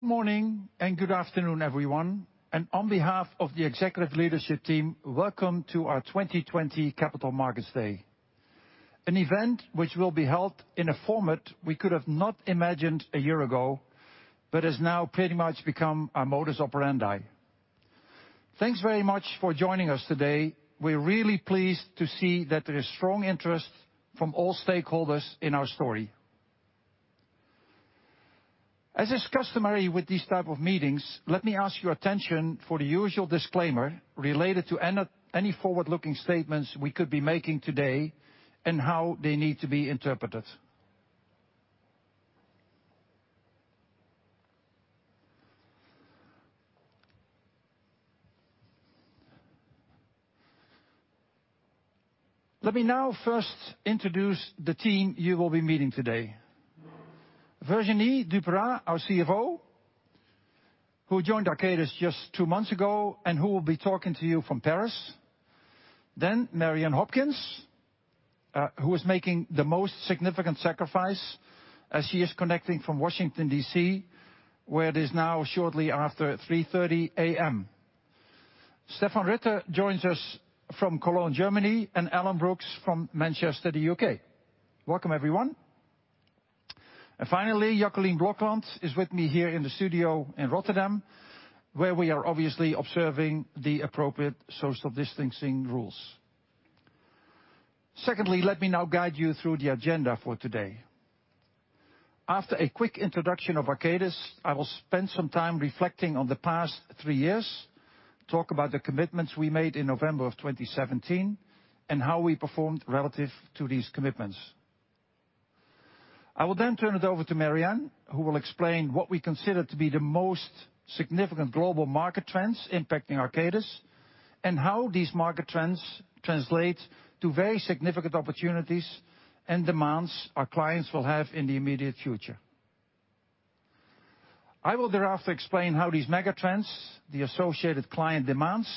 Good morning and good afternoon, everyone. On behalf of the executive leadership team, welcome to our 2020 Capital Markets Day, an event which will be held in a format we could have not imagined a year ago, but has now pretty much become our modus operandi. Thanks very much for joining us today. We're really pleased to see that there is strong interest from all stakeholders in our story. As is customary with these type of meetings, let me ask your attention for the usual disclaimer related to any forward-looking statements we could be making today and how they need to be interpreted. Let me now first introduce the team you will be meeting today. Virginie Duperat, our CFO, who joined Arcadis just two months ago, and who will be talking to you from Paris. Mary Ann Hopkins, who is making the most significant sacrifice as she is connecting from Washington, D.C., where it is now shortly after 3:30 A.M. Stephan Ritter joins us from Cologne, Germany, and Alan Brookes from Manchester, the U.K. Welcome, everyone. Finally, Jacoline Blokland is with me here in the studio in Rotterdam, where we are obviously observing the appropriate social distancing rules. Secondly, let me now guide you through the agenda for today. After a quick introduction of Arcadis, I will spend some time reflecting on the past three years, talk about the commitments we made in November of 2017, and how we performed relative to these commitments. I will then turn it over to Mary Ann, who will explain what we consider to be the most significant global market trends impacting Arcadis and how these market trends translate to very significant opportunities and demands our clients will have in the immediate future. I will thereafter explain how these megatrends, the associated client demands,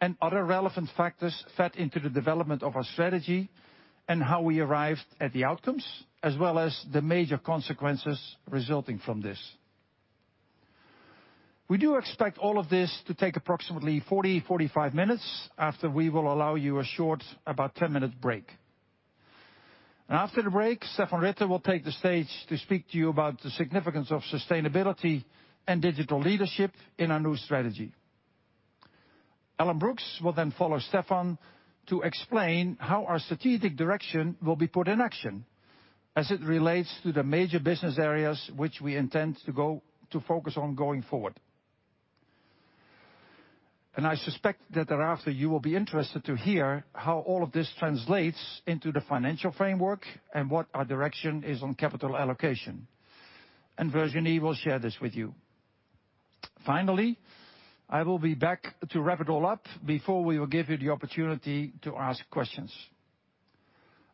and other relevant factors fed into the development of our strategy and how we arrived at the outcomes, as well as the major consequences resulting from this. We do expect all of this to take approximately 40, 45 minutes. After, we will allow you a short, about 10-minute break. After the break, Stephan Ritter will take the stage to speak to you about the significance of sustainability and digital leadership in our new strategy. Alan Brookes will then follow Stephan to explain how our strategic direction will be put in action as it relates to the major business areas which we intend to focus on going forward. I suspect that thereafter you will be interested to hear how all of this translates into the financial framework and what our direction is on capital allocation, and Virginie will share this with you. Finally, I will be back to wrap it all up before we will give you the opportunity to ask questions.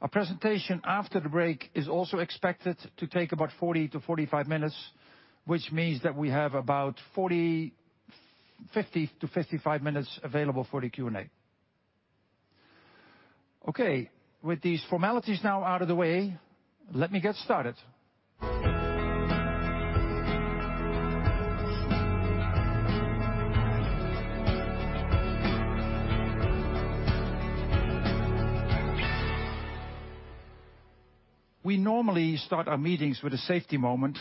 Our presentation after the break is also expected to take about 40-45 minutes, which means that we have about 50-55 minutes available for the Q&A. Okay. With these formalities now out of the way, let me get started. We normally start our meetings with a safety moment.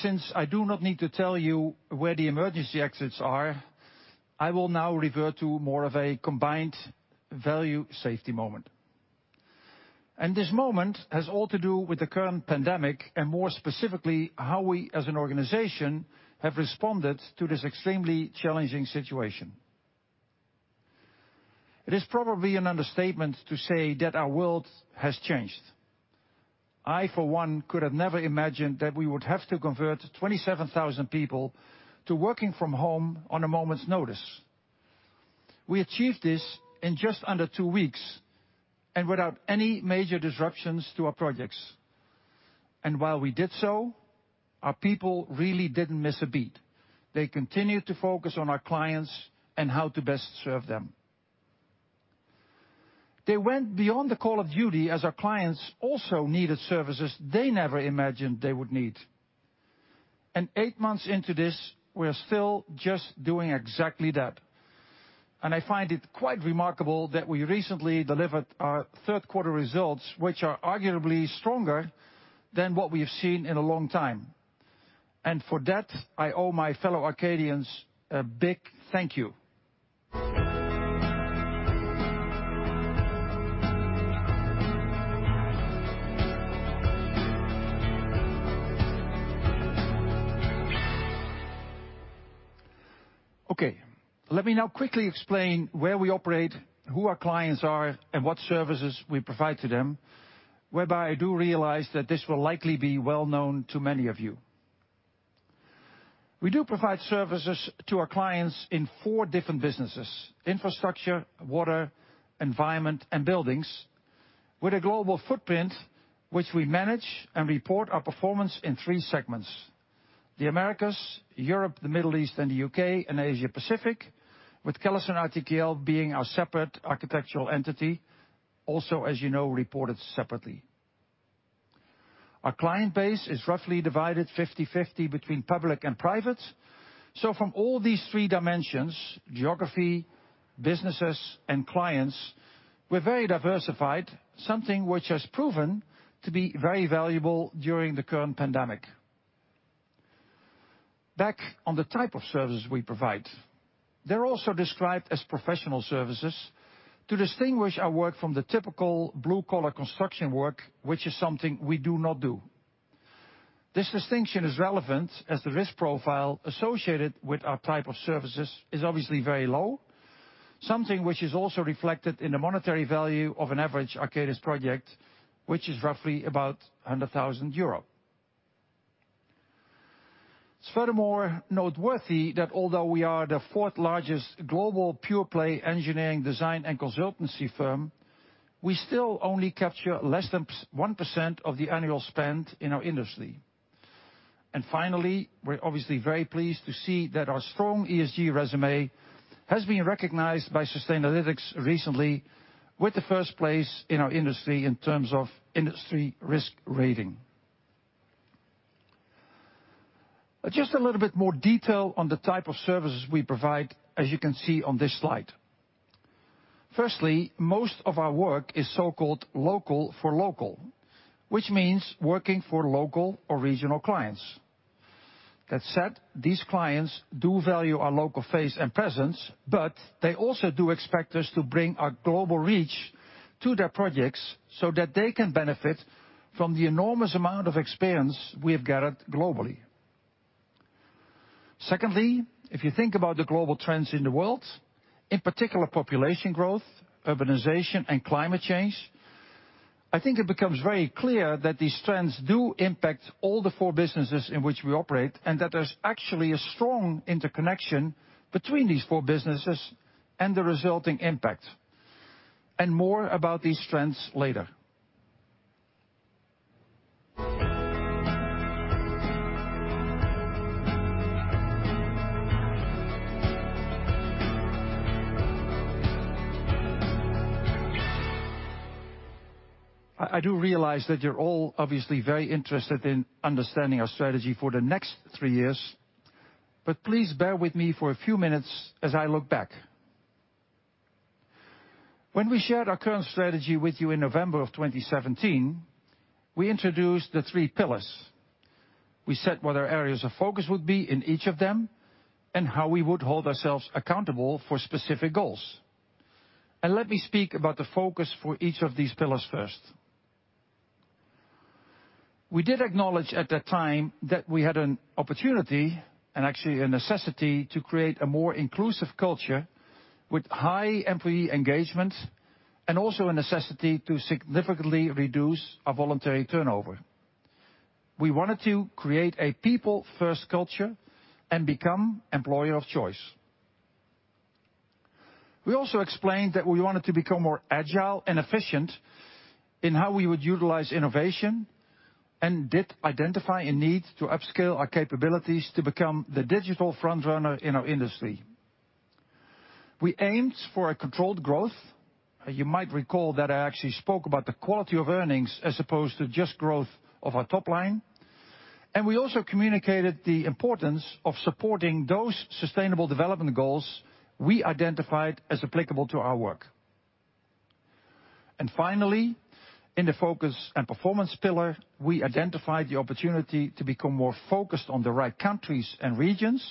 Since I do not need to tell you where the emergency exits are, I will now revert to more of a combined value safety moment. This moment has all to do with the current pandemic and, more specifically, how we as an organization have responded to this extremely challenging situation. It is probably an understatement to say that our world has changed. I, for one, could have never imagined that we would have to convert 27,000 people to working from home on a moment's notice. We achieved this in just under two weeks and without any major disruptions to our projects. While we did so, our people really didn't miss a beat. They continued to focus on our clients and how to best serve them. They went beyond the call of duty as our clients also needed services they never imagined they would need. Eight months into this, we're still just doing exactly that. I find it quite remarkable that we recently delivered our third quarter results, which are arguably stronger than what we've seen in a long time. For that, I owe my fellow Arcadians a big thank you. Let me now quickly explain where we operate, who our clients are, and what services we provide to them. Whereby I do realize that this will likely be well-known to many of you. We do provide services to our clients in four different businesses, infrastructure, water, environment, and buildings, with a global footprint which we manage and report our performance in three segments. The Americas, Europe, the Middle East, and the U.K., and Asia Pacific, with CallisonRTKL being our separate architectural entity, as you know, reported separately. Our client base is roughly divided 50/50 between public and private. From all these three dimensions, geography, businesses, and clients, we're very diversified, something which has proven to be very valuable during the current pandemic. Back on the type of services we provide. They're also described as professional services to distinguish our work from the typical blue-collar construction work, which is something we do not do. This distinction is relevant, as the risk profile associated with our type of services is obviously very low, something which is also reflected in the monetary value of an average Arcadis project, which is roughly about 100,000 euros. It's furthermore noteworthy that although we are the fourth largest global pure play engineering design and consultancy firm, we still only capture less than 1% of the annual spend in our industry. Finally, we are obviously very pleased to see that our strong ESG resume has been recognized by Sustainalytics recently with the first place in our industry in terms of industry risk rating. Just a little bit more detail on the type of services we provide, as you can see on this slide. Firstly, most of our work is so-called local for local, which means working for local or regional clients. That said, these clients do value our local face and presence, but they also do expect us to bring our global reach to their projects so that they can benefit from the enormous amount of experience we have gathered globally. Secondly, if you think about the global trends in the world, in particular population growth, urbanization, and climate change, I think it becomes very clear that these trends do impact all the four businesses in which we operate, and that there's actually a strong interconnection between these four businesses and the resulting impact. More about these trends later. I do realize that you're all obviously very interested in understanding our strategy for the next three years, but please bear with me for a few minutes as I look back. When we shared our current strategy with you in November of 2017, we introduced the three pillars. We said what our areas of focus would be in each of them, and how we would hold ourselves accountable for specific goals. Let me speak about the focus for each of these pillars first. We did acknowledge at that time that we had an opportunity, and actually a necessity, to create a more inclusive culture with high employee engagement, and also a necessity to significantly reduce our voluntary turnover. We wanted to create a people-first culture and become employer of choice. We also explained that we wanted to become more agile and efficient in how we would utilize innovation, and did identify a need to upscale our capabilities to become the digital front-runner in our industry. We aimed for a controlled growth. You might recall that I actually spoke about the quality of earnings as opposed to just growth of our top line. We also communicated the importance of supporting those Sustainable Development Goals we identified as applicable to our work. Finally, in the focus and performance pillar, we identified the opportunity to become more focused on the right countries and regions,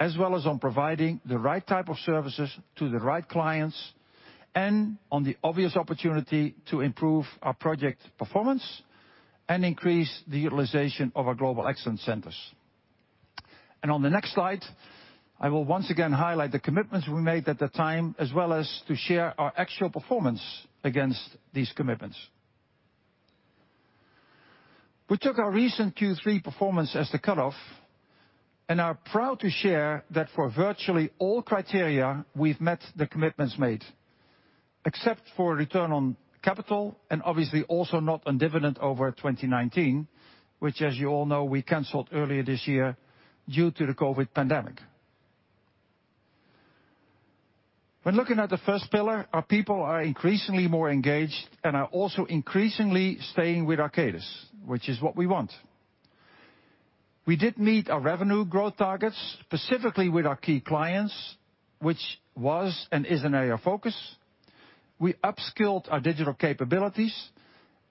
as well as on providing the right type of services to the right clients, and on the obvious opportunity to improve our project performance and increase the utilization of our Global Excellence Centers. On the next slide, I will once again highlight the commitments we made at the time, as well as to share our actual performance against these commitments. We took our recent Q3 performance as the cutoff and are proud to share that for virtually all criteria, we've met the commitments made, except for return on capital and obviously also not on dividend over 2019, which, as you all know, we canceled earlier this year due to the COVID pandemic. When looking at the first pillar, our people are increasingly more engaged and are also increasingly staying with Arcadis, which is what we want. We did meet our revenue growth targets, specifically with our key clients, which was and is an area of focus. We upskilled our digital capabilities,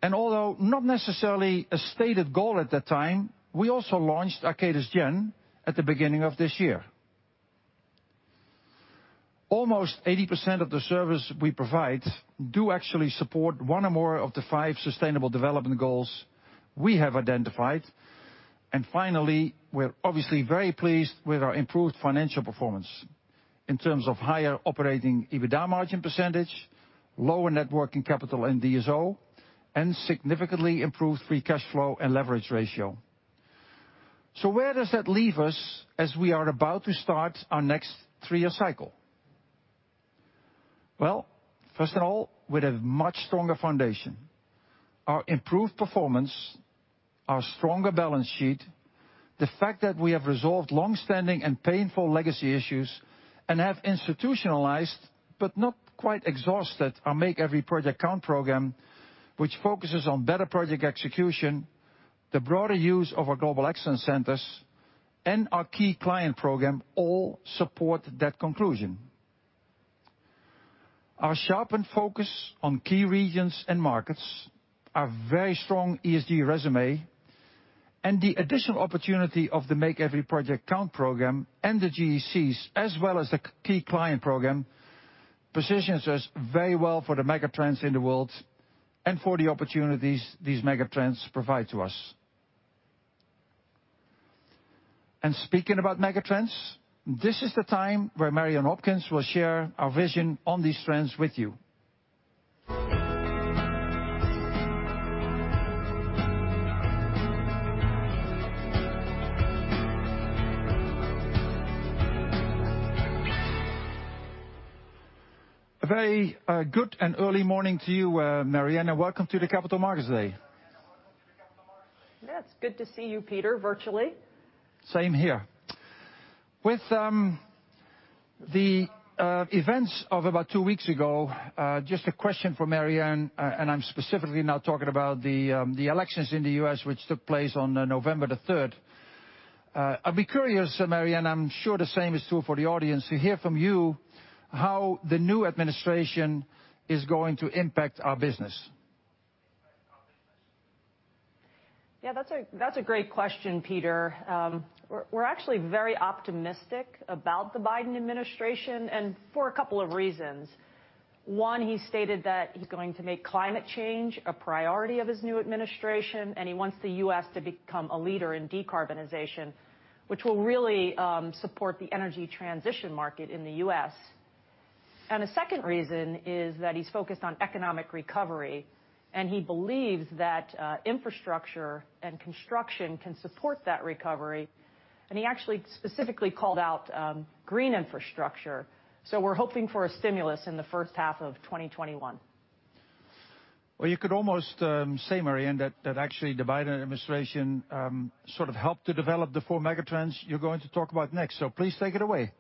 and although not necessarily a stated goal at that time, we also launched Arcadis Gen at the beginning of this year. Almost 80% of the service we provide do actually support one or more of the five Sustainable Development Goals we have identified. Finally, we're obviously very pleased with our improved financial performance in terms of higher operating EBITDA margin percentage, lower net working capital in DSO, and significantly improved free cash flow and leverage ratio. Where does that leave us as we are about to start our next three-year cycle? Well, first of all, with a much stronger foundation. Our improved performance, our stronger balance sheet, the fact that we have resolved long-standing and painful legacy issues and have institutionalized, but not quite exhausted, our Make Every Project Count program, which focuses on better project execution, the broader use of our Global Excellence Centers, and our key client program all support that conclusion. Our sharpened focus on key regions and markets, our very strong ESG resume, and the additional opportunity of the Make Every Project Count program and the GECs, as well as the key client program, positions us very well for the megatrends in the world and for the opportunities these megatrends provide to us. Speaking about megatrends, this is the time where Mary Ann Hopkins will share our vision on these trends with you. A very good and early morning to you, Mary Ann. Welcome to the Capital Markets Day. Yeah, it's good to see you, Peter, virtually. Same here. With the events of about two weeks ago, just a question for Mary Ann, and I'm specifically now talking about the elections in the U.S., which took place on November the 3rd. I'd be curious, Mary Ann, I'm sure the same is true for the audience, to hear from you how the new administration is going to impact our business. Yeah, that's a great question, Peter. We're actually very optimistic about the Biden administration, for a couple of reasons. One, he stated that he's going to make climate change a priority of his new administration, and he wants the U.S. to become a leader in decarbonization, which will really support the energy transition market in the U.S. A second reason is that he's focused on economic recovery, and he believes that infrastructure and construction can support that recovery, and he actually specifically called out green infrastructure. We're hoping for a stimulus in the first half of 2021. Well, you could almost say, Mary Ann, that actually the Biden administration sort of helped to develop the four megatrends you're going to talk about next. Please take it away.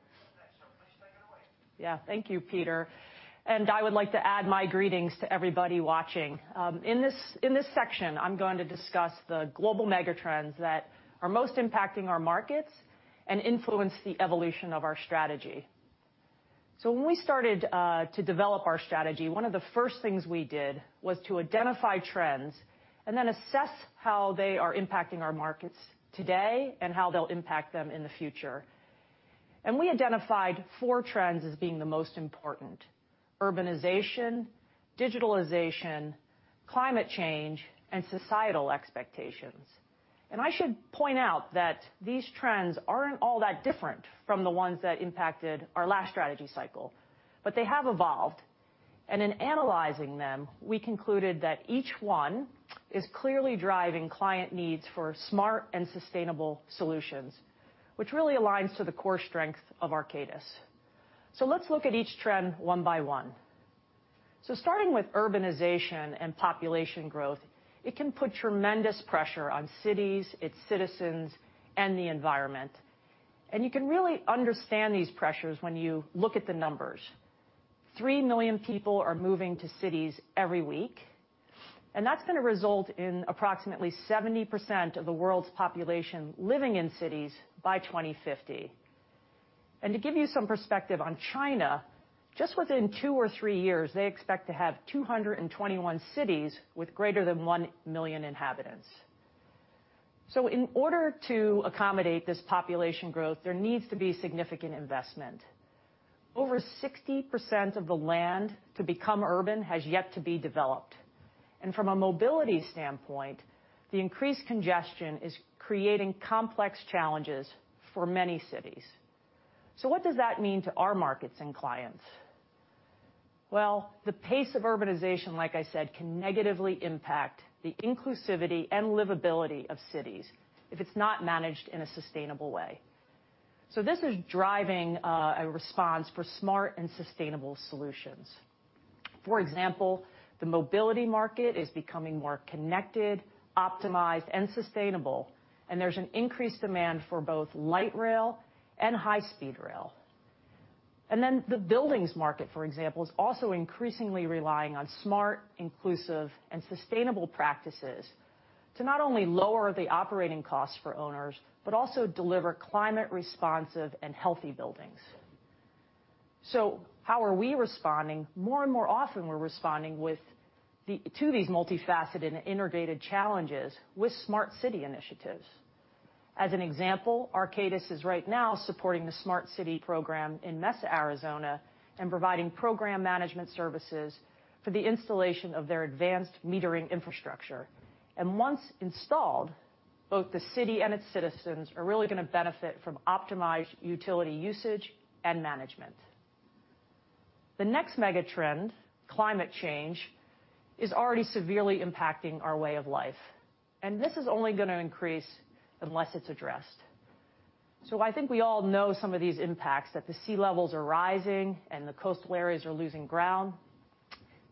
Yeah. Thank you, Peter. I would like to add my greetings to everybody watching. In this section, I'm going to discuss the global megatrends that are most impacting our markets and influence the evolution of our strategy. When we started to develop our strategy, one of the first things we did was to identify trends and then assess how they are impacting our markets today and how they'll impact them in the future. We identified four trends as being the most important: urbanization, digitalization, climate change, and societal expectations. I should point out that these trends aren't all that different from the ones that impacted our last strategy cycle, but they have evolved. In analyzing them, we concluded that each one is clearly driving client needs for smart and sustainable solutions, which really aligns to the core strength of Arcadis. Let's look at each trend one by one. Starting with urbanization and population growth, it can put tremendous pressure on cities, its citizens, and the environment. You can really understand these pressures when you look at the numbers. Three million people are moving to cities every week, and that's going to result in approximately 70% of the world's population living in cities by 2050. To give you some perspective on China, just within two or three years, they expect to have 221 cities with greater than 1 million inhabitants. In order to accommodate this population growth, there needs to be significant investment. Over 60% of the land to become urban has yet to be developed. From a mobility standpoint, the increased congestion is creating complex challenges for many cities. What does that mean to our markets and clients? The pace of urbanization, like I said, can negatively impact the inclusivity and livability of cities if it's not managed in a sustainable way. This is driving a response for smart and sustainable solutions. For example, the mobility market is becoming more connected, optimized, and sustainable, and there's an increased demand for both light rail and high-speed rail. The buildings market, for example, is also increasingly relying on smart, inclusive, and sustainable practices to not only lower the operating costs for owners, but also deliver climate responsive and healthy buildings. How are we responding? More and more often, we're responding to these multifaceted and integrated challenges with smart city initiatives. As an example, Arcadis is right now supporting the smart city program in Mesa, Arizona, and providing program management services for the installation of their advanced metering infrastructure. Once installed, both the city and its citizens are really going to benefit from optimized utility usage and management. The next megatrend, climate change, is already severely impacting our way of life, and this is only going to increase unless it's addressed. I think we all know some of these impacts, that the sea levels are rising and the coastal areas are losing ground.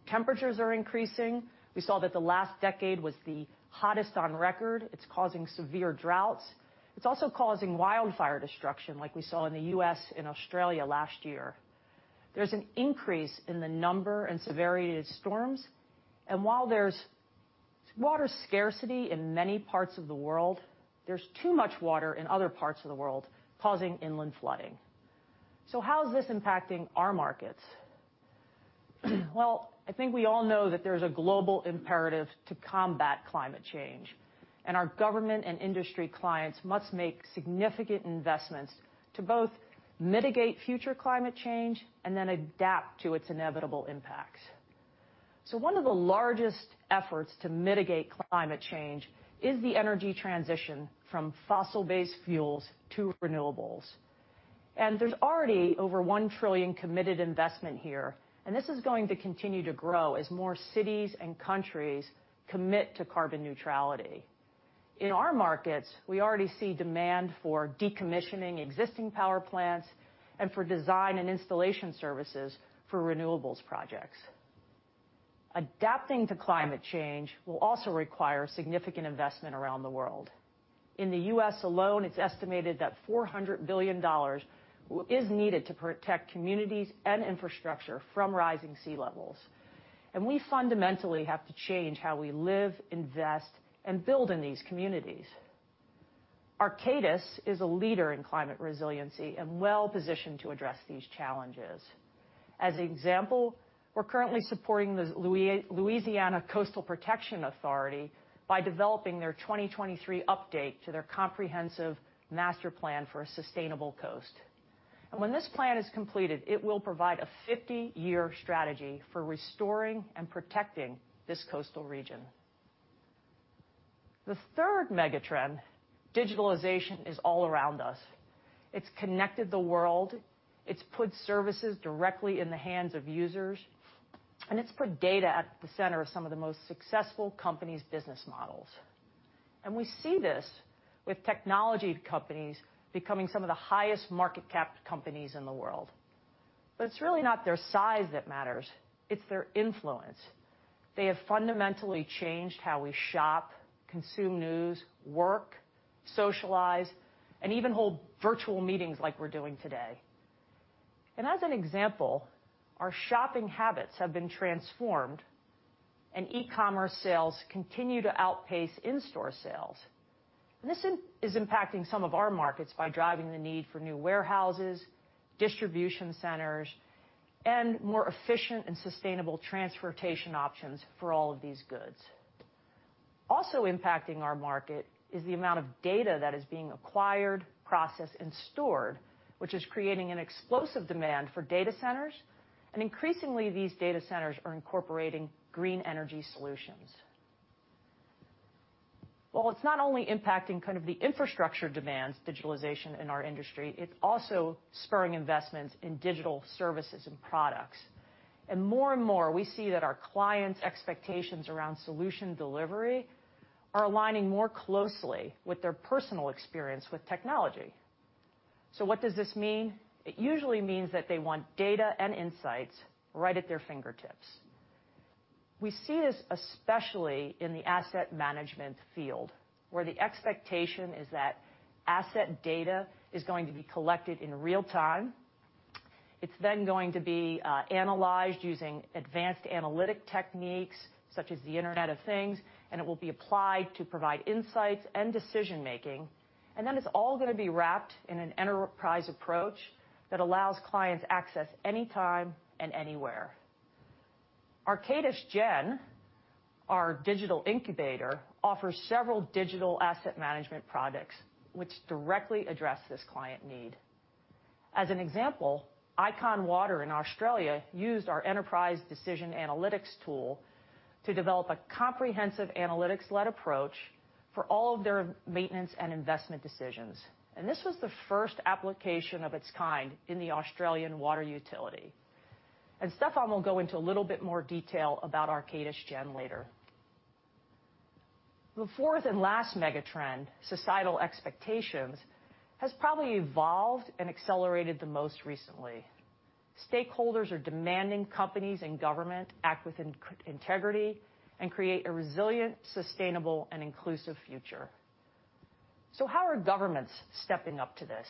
Temperatures are increasing. We saw that the last decade was the hottest on record. It's causing severe droughts. It's also causing wildfire destruction like we saw in the U.S. and Australia last year. There's an increase in the number and severity of storms, and while there's water scarcity in many parts of the world, there's too much water in other parts of the world, causing inland flooding. How is this impacting our markets? I think we all know that there's a global imperative to combat climate change. Our government and industry clients must make significant investments to both mitigate future climate change and adapt to its inevitable impacts. One of the largest efforts to mitigate climate change is the energy transition from fossil-based fuels to renewables. There's already over 1 trillion committed investment here. This is going to continue to grow as more cities and countries commit to carbon neutrality. In our markets, we already see demand for decommissioning existing power plants and for design and installation services for renewables projects. Adapting to climate change will also require significant investment around the world. In the U.S. alone, it's estimated that $400 billion is needed to protect communities and infrastructure from rising sea levels. We fundamentally have to change how we live, invest, and build in these communities. Arcadis is a leader in climate resiliency and well-positioned to address these challenges. As an example, we're currently supporting the Louisiana Coastal Protection Authority by developing their 2023 update to their comprehensive master plan for a sustainable coast. When this plan is completed, it will provide a 50-year strategy for restoring and protecting this coastal region. The third megatrend, digitalization, is all around us. It's connected the world, it's put services directly in the hands of users, and it's put data at the center of some of the most successful companies' business models. We see this with technology companies becoming some of the highest market cap companies in the world. It's really not their size that matters, it's their influence. They have fundamentally changed how we shop, consume news, work, socialize, and even hold virtual meetings like we're doing today. As an example, our shopping habits have been transformed and e-commerce sales continue to outpace in-store sales. This is impacting some of our markets by driving the need for new warehouses, distribution centers, and more efficient and sustainable transportation options for all of these goods. Also impacting our market is the amount of data that is being acquired, processed, and stored, which is creating an explosive demand for data centers, and increasingly these data centers are incorporating green energy solutions. It's not only impacting the infrastructure demands, digitalization in our industry, it's also spurring investments in digital services and products. More and more we see that our clients' expectations around solution delivery are aligning more closely with their personal experience with technology. What does this mean? It usually means that they want data and insights right at their fingertips. We see this especially in the asset management field, where the expectation is that asset data is going to be collected in real time. It's then going to be analyzed using advanced analytic techniques such as the Internet of Things. It will be applied to provide insights and decision-making. Then it's all going to be wrapped in an enterprise approach that allows clients access anytime and anywhere. Arcadis Gen, our digital incubator, offers several digital asset management products which directly address this client need. As an example, Icon Water in Australia used our Enterprise Decision Analytics tool to develop a comprehensive analytics-led approach for all of their maintenance and investment decisions. This was the first application of its kind in the Australian water utility. Stephan will go into a little bit more detail about Arcadis Gen later. The fourth and last megatrend, societal expectations, has probably evolved and accelerated the most recently. Stakeholders are demanding companies and government act with integrity and create a resilient, sustainable, and inclusive future. How are governments stepping up to this?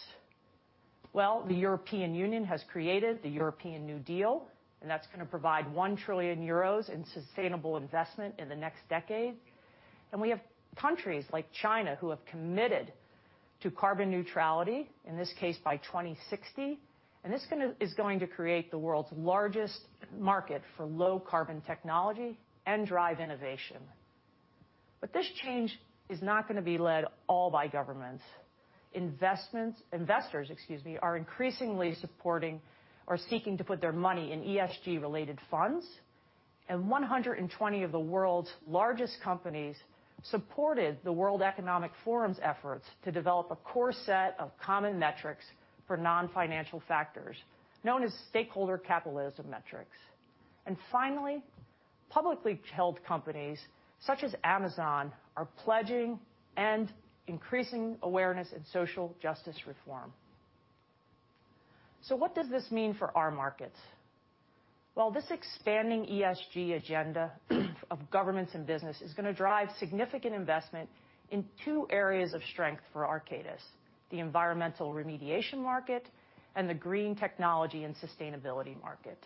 The European Union has created the European New Deal, and that's going to provide 1 trillion euros in sustainable investment in the next decade. We have countries like China who have committed to carbon neutrality, in this case, by 2060. This is going to create the world's largest market for low carbon technology and drive innovation. This change is not going to be led all by governments. Investors are increasingly supporting or seeking to put their money in ESG related funds. 120 of the world's largest companies supported the World Economic Forum's efforts to develop a core set of common metrics for non-financial factors, known as Stakeholder Capitalism Metrics. Finally, publicly held companies such as Amazon are pledging and increasing awareness in social justice reform. What does this mean for our markets? Well, this expanding ESG agenda of governments and business is going to drive significant investment in two areas of strength for Arcadis, the environmental remediation market and the green technology and sustainability market.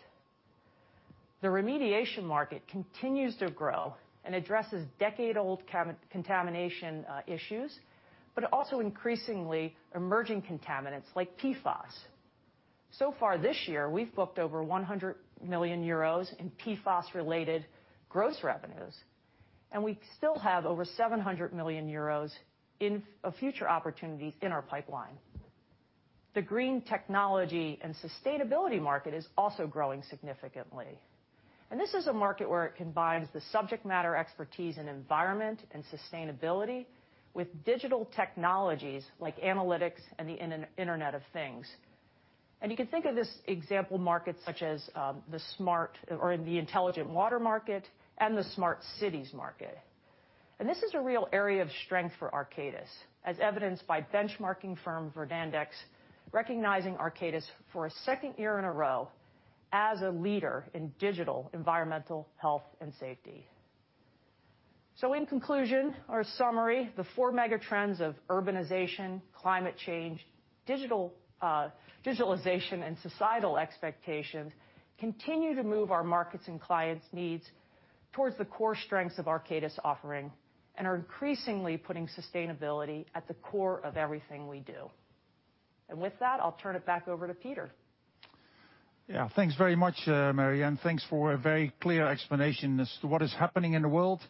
The remediation market continues to grow and addresses decade-old contamination issues, but also increasingly emerging contaminants like PFAS. Far this year, we've booked over 100 million euros in PFAS-related gross revenues, and we still have over 700 million euros in future opportunities in our pipeline. The green technology and sustainability market is also growing significantly. This is a market where it combines the subject matter expertise in environment and sustainability with digital technologies like analytics and the Internet of Things. You can think of this example markets such as the intelligent water market and the smart cities market. This is a real area of strength for Arcadis, as evidenced by benchmarking firm Verdantix recognizing Arcadis for a second year in a row as a leader in digital environmental health and safety. In conclusion, our summary, the four megatrends of urbanization, climate change, digitalization, and societal expectations continue to move our markets and clients' needs towards the core strengths of Arcadis offering and are increasingly putting sustainability at the core of everything we do. With that, I'll turn it back over to Peter. Yeah. Thanks very much, Mary Ann. Thanks for a very clear explanation as to what is happening in the world,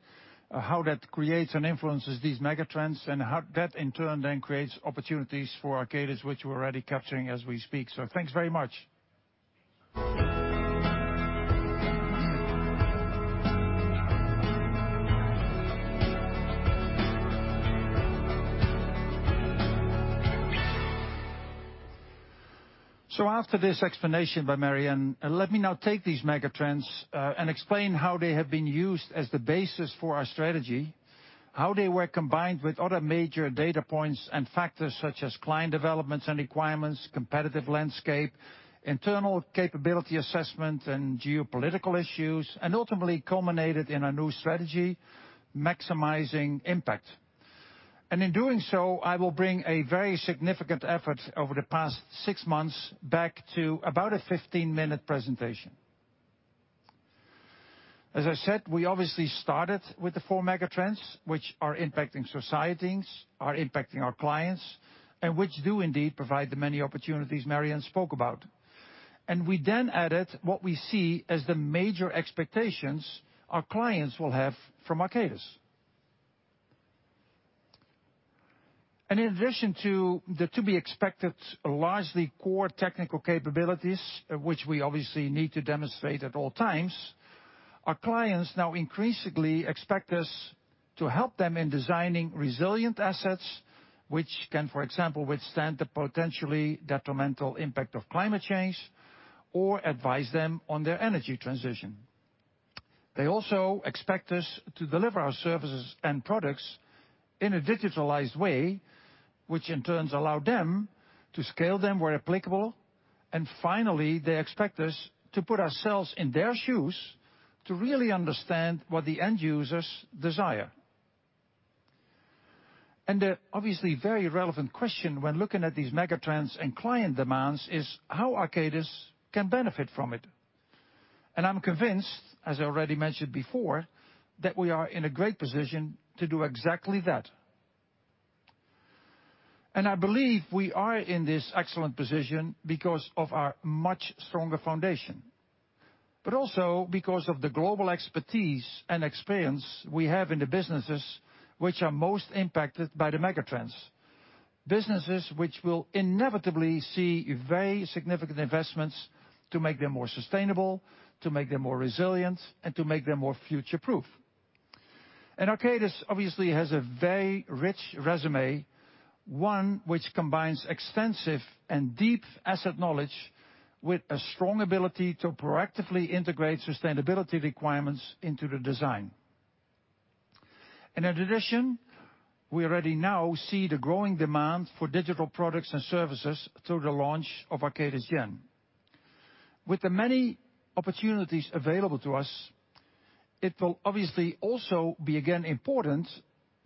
how that creates and influences these megatrends, and how that in turn then creates opportunities for Arcadis, which we're already capturing as we speak. Thanks very much. After this explanation by Mary Ann, let me now take these megatrends and explain how they have been used as the basis for our strategy, how they were combined with other major data points and factors such as client developments and requirements, competitive landscape, internal capability assessment and geopolitical issues, and ultimately culminated in a new strategy maximizing impact. In doing so, I will bring a very significant effort over the past six months back to about a 15-minute presentation. As I said, we obviously started with the four megatrends, which are impacting societies, are impacting our clients, and which do indeed provide the many opportunities Mary Ann spoke about. We then added what we see as the major expectations our clients will have from Arcadis. In addition to the to-be-expected largely core technical capabilities, which we obviously need to demonstrate at all times, our clients now increasingly expect us to help them in designing resilient assets, which can, for example, withstand the potentially detrimental impact of climate change or advise them on their energy transition. They also expect us to deliver our services and products in a digitalized way, which in turn allow them to scale them where applicable. Finally, they expect us to put ourselves in their shoes to really understand what the end users desire. The obviously very relevant question when looking at these megatrends and client demands is how Arcadis can benefit from it. I'm convinced, as I already mentioned before, that we are in a great position to do exactly that. I believe we are in this excellent position because of our much stronger foundation, but also because of the global expertise and experience we have in the businesses which are most impacted by the megatrends, businesses which will inevitably see very significant investments to make them more sustainable, to make them more resilient, and to make them more future-proof. Arcadis obviously has a very rich resume, one which combines extensive and deep asset knowledge with a strong ability to proactively integrate sustainability requirements into the design. In addition, we already now see the growing demand for digital products and services through the launch of Arcadis Gen. With the many opportunities available to us, it will obviously also be again important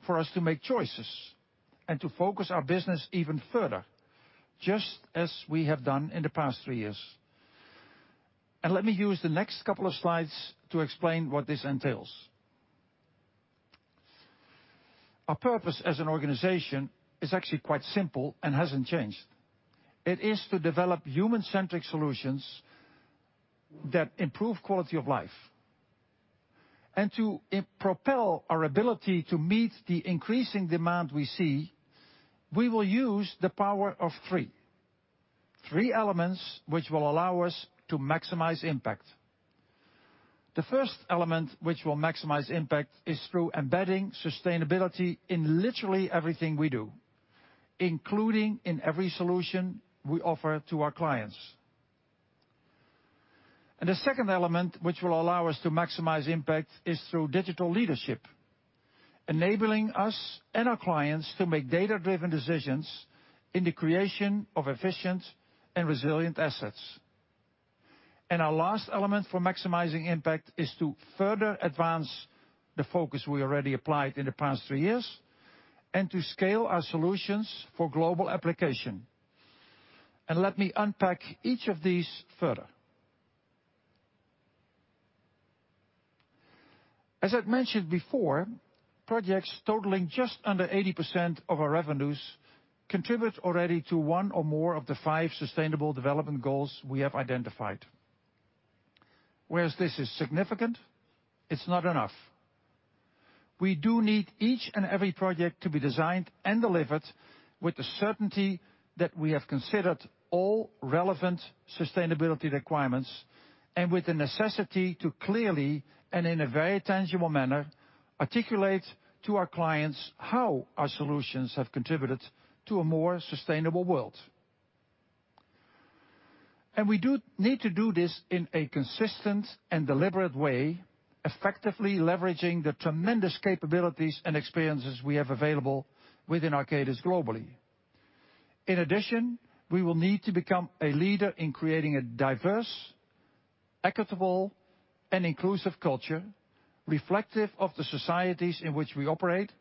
for us to make choices and to focus our business even further, just as we have done in the past three years. Let me use the next couple of slides to explain what this entails. Our purpose as an organization is actually quite simple and hasn't changed. It is to develop human-centric solutions that improve quality of life. To propel our ability to meet the increasing demand we see, we will use the power of three elements which will allow us to maximize impact. The first element which will maximize impact is through embedding sustainability in literally everything we do, including in every solution we offer to our clients. The second element which will allow us to maximize impact is through digital leadership, enabling us and our clients to make data-driven decisions in the creation of efficient and resilient assets. Our last element for maximizing impact is to further advance the focus we already applied in the past three years, and to scale our solutions for global application. Let me unpack each of these further. As I've mentioned before, projects totaling just under 80% of our revenues contribute already to one or more of the five Sustainable Development Goals we have identified. Whereas this is significant, it's not enough. We do need each and every project to be designed and delivered with the certainty that we have considered all relevant sustainability requirements, and with the necessity to clearly, and in a very tangible manner, articulate to our clients how our solutions have contributed to a more sustainable world. We need to do this in a consistent and deliberate way, effectively leveraging the tremendous capabilities and experiences we have available within Arcadis globally. In addition, we will need to become a leader in creating a diverse, equitable, and inclusive culture reflective of the societies in which we operate,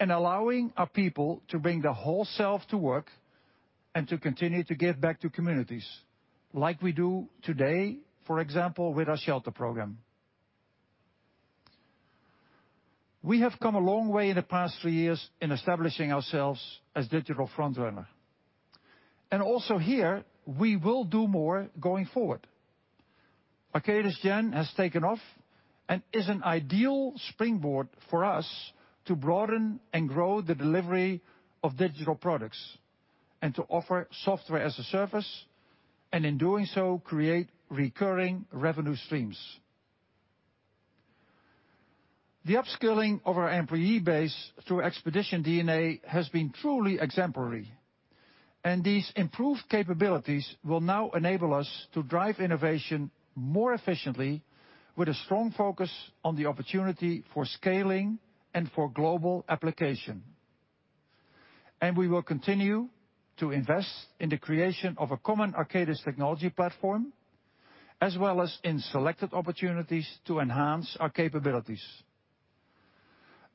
and allowing our people to bring their whole self to work, and to continue to give back to communities like we do today, for example, with our shelter program. We have come a long way in the past three years in establishing ourselves as digital front runner. Also here, we will do more going forward. Arcadis Gen has taken off and is an ideal springboard for us to broaden and grow the delivery of digital products, and to offer software as a service, and in doing so, create recurring revenue streams. The upskilling of our employee base through Expedition DNA has been truly exemplary. These improved capabilities will now enable us to drive innovation more efficiently with a strong focus on the opportunity for scaling and for global application. We will continue to invest in the creation of a common Arcadis technology platform, as well as in selected opportunities to enhance our capabilities.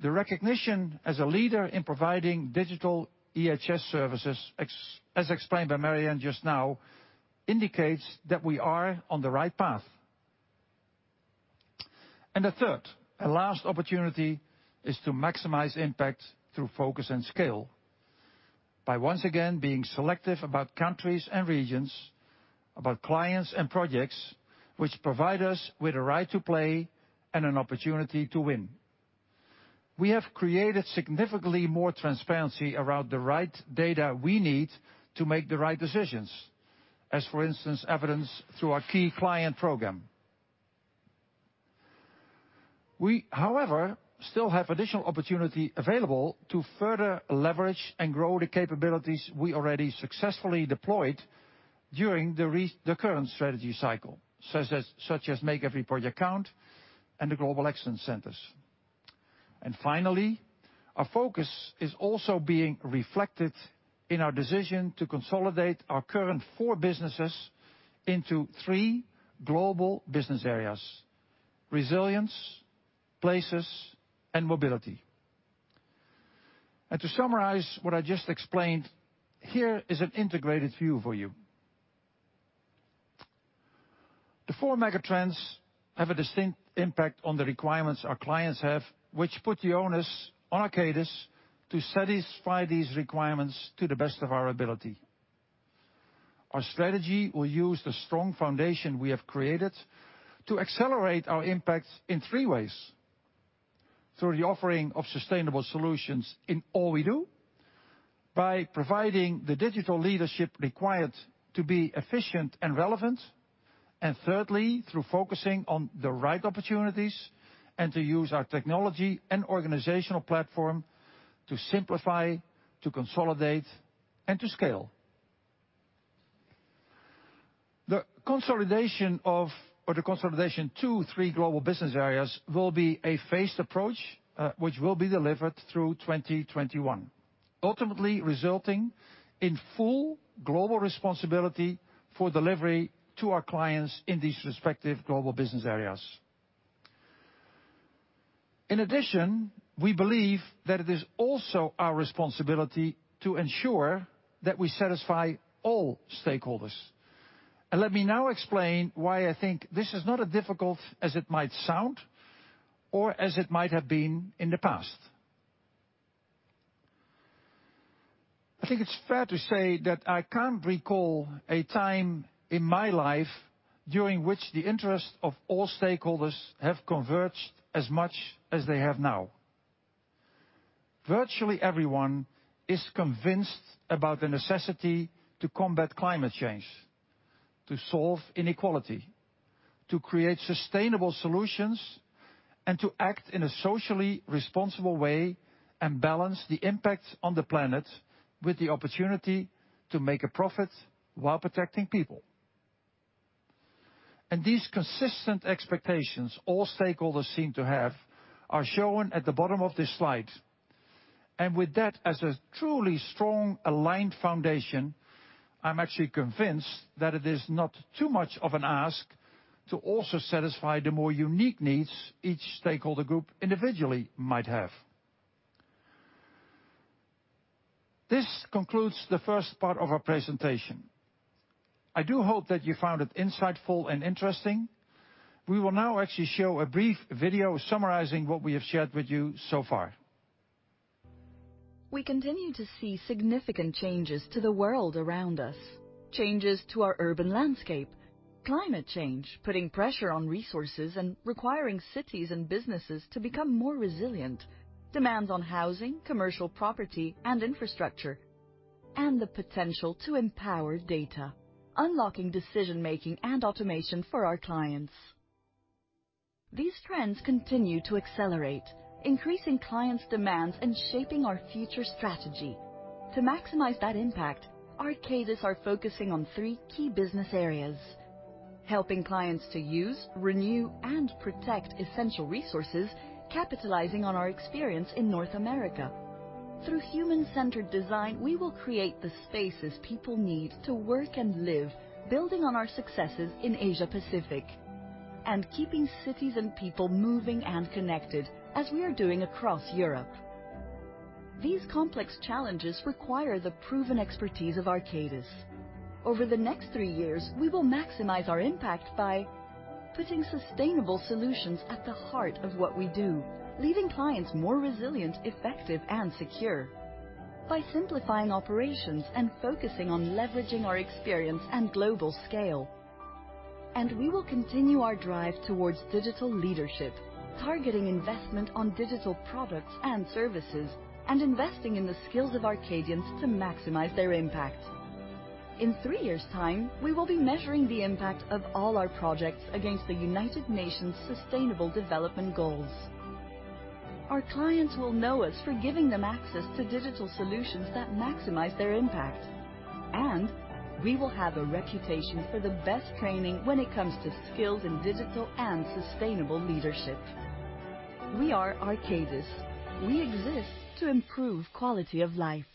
The recognition as a leader in providing digital EHS services, as explained by Mary Ann just now, indicates that we are on the right path. The third and last opportunity is to maximize impact through focus and scale. By once again being selective about countries and regions, about clients and projects which provide us with a right to play and an opportunity to win. We have created significantly more transparency around the right data we need to make the right decisions. As for instance, evidenced through our key client program. We, however, still have additional opportunity available to further leverage and grow the capabilities we already successfully deployed during the current strategy cycle. Such as Make Every Project Count and the Global Excellence Centers. Finally, our focus is also being reflected in our decision to consolidate our current four businesses into three global business areas. Resilience, Places, and Mobility. To summarize what I just explained, here is an integrated view for you. The four megatrends have a distinct impact on the requirements our clients have, which put the onus on Arcadis to satisfy these requirements to the best of our ability. Our strategy will use the strong foundation we have created to accelerate our impact in three ways. Through the offering of sustainable solutions in all we do, by providing the digital leadership required to be efficient and relevant, and thirdly, through focusing on the right opportunities and to use our technology and organizational platform to simplify, to consolidate, and to scale. The consolidation to three global business areas will be a phased approach, which will be delivered through 2021. Ultimately resulting in full global responsibility for delivery to our clients in these respective global business areas. In addition, we believe that it is also our responsibility to ensure that we satisfy all stakeholders. Let me now explain why I think this is not as difficult as it might sound, or as it might have been in the past. I think it's fair to say that I can't recall a time in my life during which the interest of all stakeholders have converged as much as they have now. Virtually everyone is convinced about the necessity to combat climate change, to solve inequality, to create sustainable solutions, and to act in a socially responsible way and balance the impact on the planet with the opportunity to make a profit while protecting people. These consistent expectations all stakeholders seem to have are shown at the bottom of this slide. With that as a truly strong, aligned foundation, I'm actually convinced that it is not too much of an ask to also satisfy the more unique needs each stakeholder group individually might have. This concludes the first part of our presentation. I do hope that you found it insightful and interesting. We will now actually show a brief video summarizing what we have shared with you so far. We continue to see significant changes to the world around us. Changes to our urban landscape, climate change, putting pressure on resources and requiring cities and businesses to become more resilient. Demands on housing, commercial property, and infrastructure, and the potential to empower data, unlocking decision-making and automation for our clients. These trends continue to accelerate, increasing clients' demands and shaping our future strategy. To maximize that impact, Arcadis are focusing on three key business areas: helping clients to use, renew, and protect essential resources, capitalizing on our experience in North America. Through human-centered design, we will create the spaces people need to work and live, building on our successes in Asia Pacific, and keeping cities and people moving and connected, as we are doing across Europe. These complex challenges require the proven expertise of Arcadis. Over the next three years, we will maximize our impact by putting sustainable solutions at the heart of what we do, leaving clients more resilient, effective, and secure. By simplifying operations and focusing on leveraging our experience and global scale. We will continue our drive towards digital leadership, targeting investment on digital products and services, and investing in the skills of Arcadians to maximize their impact. In three years' time, we will be measuring the impact of all our projects against the United Nations Sustainable Development Goals. Our clients will know us for giving them access to digital solutions that maximize their impact, and we will have a reputation for the best training when it comes to skills in digital and sustainable leadership. We are Arcadis. We exist to improve quality of life.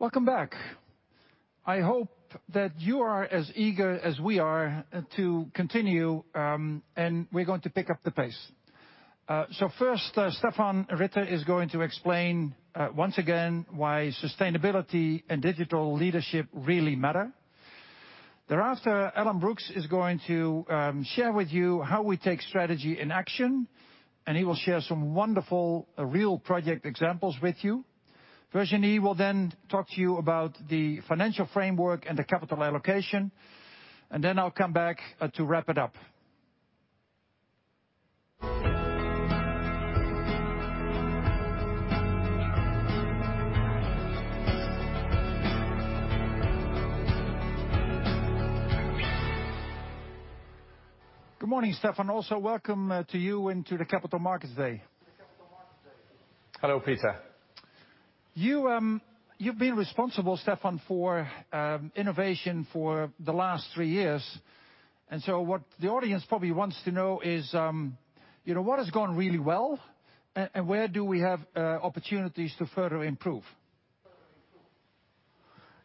Welcome back. I hope that you are as eager as we are to continue, and we're going to pick up the pace. First, Stephan Ritter is going to explain once again why sustainability and digital leadership really matter. Thereafter, Alan Brookes is going to share with you how we take strategy in action, and he will share some wonderful real project examples with you. Virginie will talk to you about the financial framework and the capital allocation. I'll come back to wrap it up. Good morning, Stephan. Also welcome to you into the Capital Markets Day. Hello, Peter. You've been responsible, Stephan, for innovation for the last three years. What the audience probably wants to know is what has gone really well, and where do we have opportunities to further improve?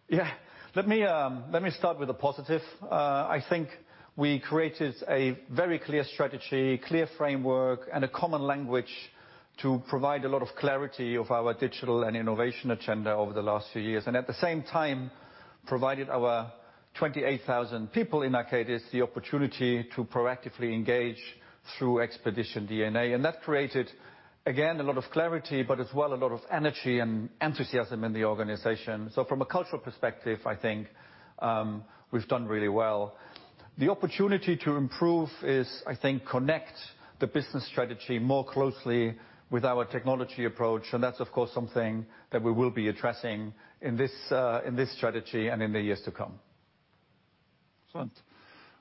Yeah. Let me start with the positive. I think we created a very clear strategy, clear framework, and a common language to provide a lot of clarity of our digital and innovation agenda over the last few years. At the same time, provided our 28,000 people in Arcadis the opportunity to proactively engage through Expedition DNA. That created, again, a lot of clarity, but as well, a lot of energy and enthusiasm in the organization. From a cultural perspective, I think we've done really well. The opportunity to improve is, I think, connect the business strategy more closely with our technology approach. That's, of course, something that we will be addressing in this strategy and in the years to come. Excellent.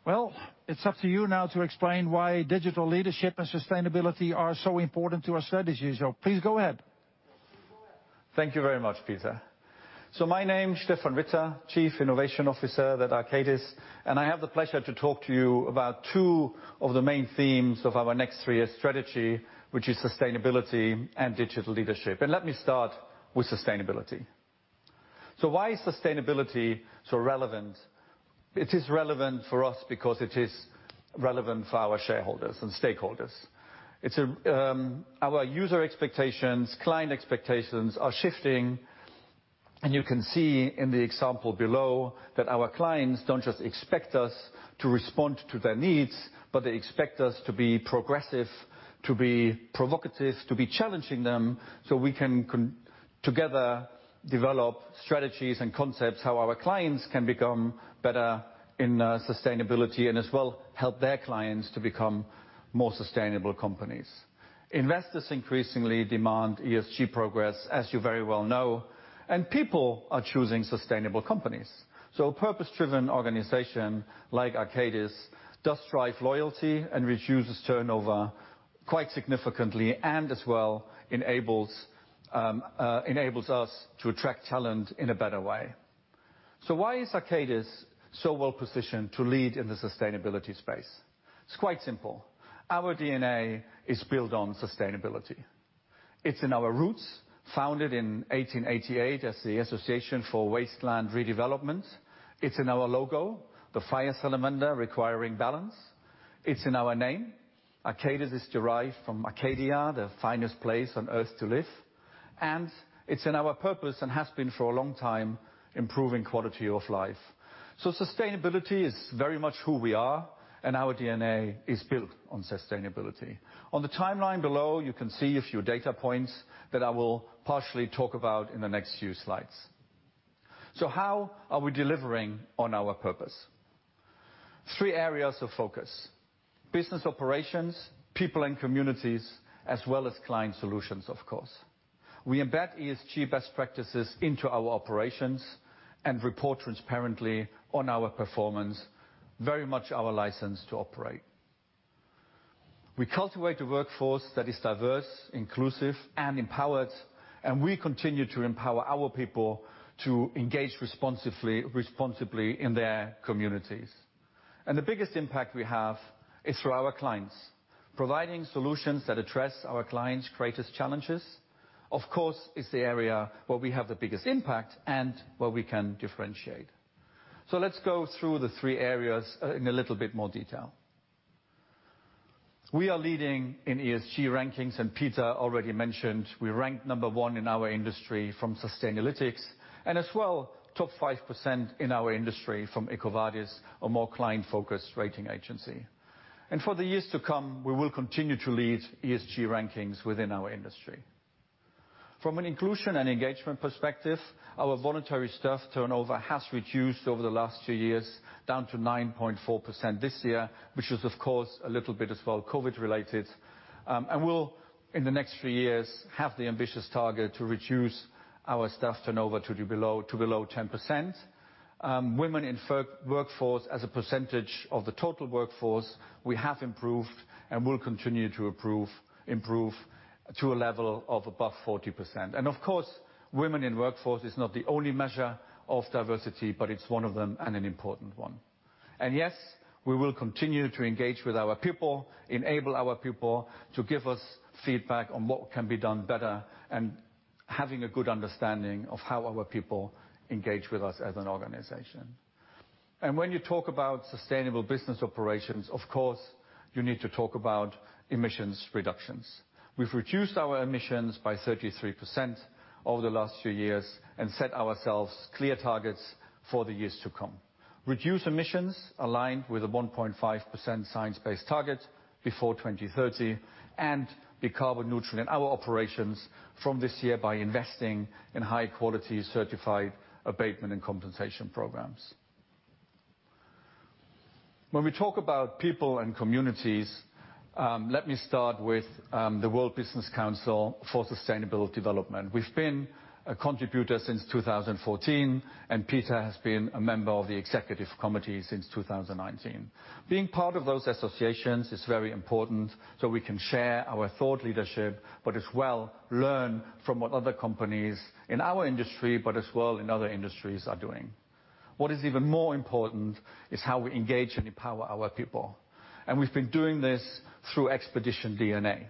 Well, it's up to you now to explain why digital leadership and sustainability are so important to our strategies. Please go ahead. Thank you very much, Peter. My name, Stephan Ritter, Chief Innovation Officer at Arcadis, and I have the pleasure to talk to you about two of the main themes of our next three-year strategy, which is sustainability and digital leadership. Let me start with sustainability. Why is sustainability so relevant? It is relevant for us because it is relevant for our shareholders and stakeholders. Our user expectations, client expectations are shifting, and you can see in the example below that our clients don't just expect us to respond to their needs, but they expect us to be progressive, to be provocative, to be challenging them so we can together develop strategies and concepts how our clients can become better in sustainability and as well, help their clients to become more sustainable companies. Investors increasingly demand ESG progress, as you very well know, and people are choosing sustainable companies. Purpose-driven organization like Arcadis does drive loyalty and reduces turnover quite significantly, and as well, enables us to attract talent in a better way. Why is Arcadis so well-positioned to lead in the sustainability space? It's quite simple. Our DNA is built on sustainability. It's in our roots, founded in 1888 as the Association for Wasteland Redevelopment. It's in our logo, the fire salamander requiring balance. It's in our name. Arcadis is derived from Arcadia, the finest place on Earth to live. It's in our purpose and has been for a long time, improving quality of life. Sustainability is very much who we are, and our DNA is built on sustainability. On the timeline below, you can see a few data points that I will partially talk about in the next few slides. How are we delivering on our purpose? Three areas of focus. Business operations, people and communities, as well as client solutions, of course. We embed ESG best practices into our operations and report transparently on our performance, very much our license to operate. We cultivate a workforce that is diverse, inclusive, and empowered, and we continue to empower our people to engage responsibly in their communities. The biggest impact we have is through our clients, providing solutions that address our clients' greatest challenges, of course, is the area where we have the biggest impact and where we can differentiate. Let's go through the three areas in a little bit more detail. We are leading in ESG rankings, and Peter already mentioned we ranked number one in our industry from Sustainalytics and as well, top 5% in our industry from EcoVadis, a more client-focused rating agency. For the years to come, we will continue to lead ESG rankings within our industry. From an inclusion and engagement perspective, our voluntary staff turnover has reduced over the last two years, down to 9.4% this year, which was of course, a little bit as well, COVID-related. We'll, in the next three years, have the ambitious target to reduce our staff turnover to below 10%. Women in workforce as a percentage of the total workforce, we have improved and will continue to improve to a level of above 40%. Of course, women in workforce is not the only measure of diversity, but it's one of them, and an important one. Yes, we will continue to engage with our people, enable our people to give us feedback on what can be done better, and having a good understanding of how our people engage with us as an organization. When you talk about sustainable business operations, of course, you need to talk about emissions reductions. We've reduced our emissions by 33% over the last few years and set ourselves clear targets for the years to come. Reduce emissions aligned with a 1.5% science-based target before 2030, and be carbon neutral in our operations from this year by investing in high quality certified abatement and compensation programs. When we talk about people and communities, let me start with the World Business Council for Sustainable Development. We've been a contributor since 2014, and Peter has been a member of the executive committee since 2019. Being part of those associations is very important so we can share our thought leadership, but as well, learn from what other companies in our industry, but as well in other industries are doing. What is even more important is how we engage and empower our people. We've been doing this through Expedition DNA,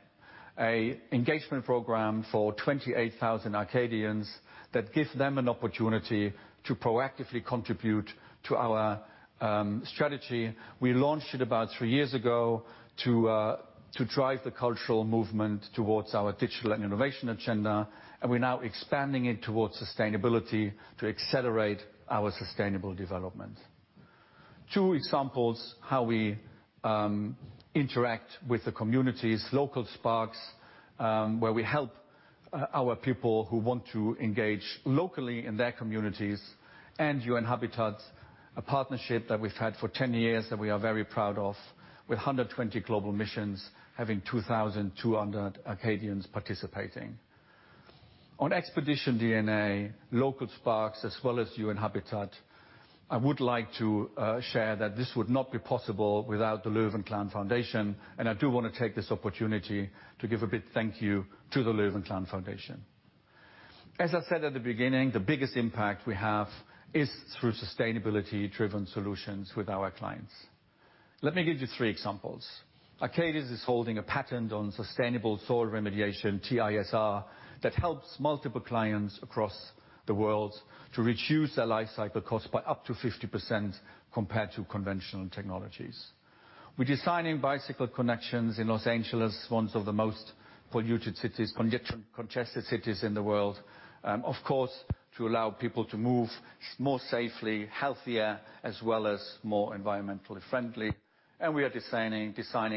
a engagement program for 28,000 Arcadians that gives them an opportunity to proactively contribute to our strategy. We launched it about three years ago to drive the cultural movement towards our digital and innovation agenda, and we're now expanding it towards sustainability to accelerate our sustainable development. Two examples how we interact with the communities, Local Sparks, where we help our people who want to engage locally in their communities, and UN-Habitat, a partnership that we've had for 10 years that we are very proud of with 120 global missions, having 2,200 Arcadians participating. On Expedition DNA, Local Sparks, as well as UN-Habitat, I would like to share that this would not be possible without the Lovinklaan Foundation, I do want to take this opportunity to give a big thank you to the Lovinklaan Foundation. As I said at the beginning, the biggest impact we have is through sustainability driven solutions with our clients. Let me give you three examples. Arcadis is holding a patent on sustainable soil remediation, TISR, that helps multiple clients across the world to reduce their life cycle cost by up to 50% compared to conventional technologies. We're designing bicycle connections in Los Angeles, ones of the most polluted cities, congested cities in the world. Of course, to allow people to move more safely, healthier, as well as more environmentally friendly. We are designing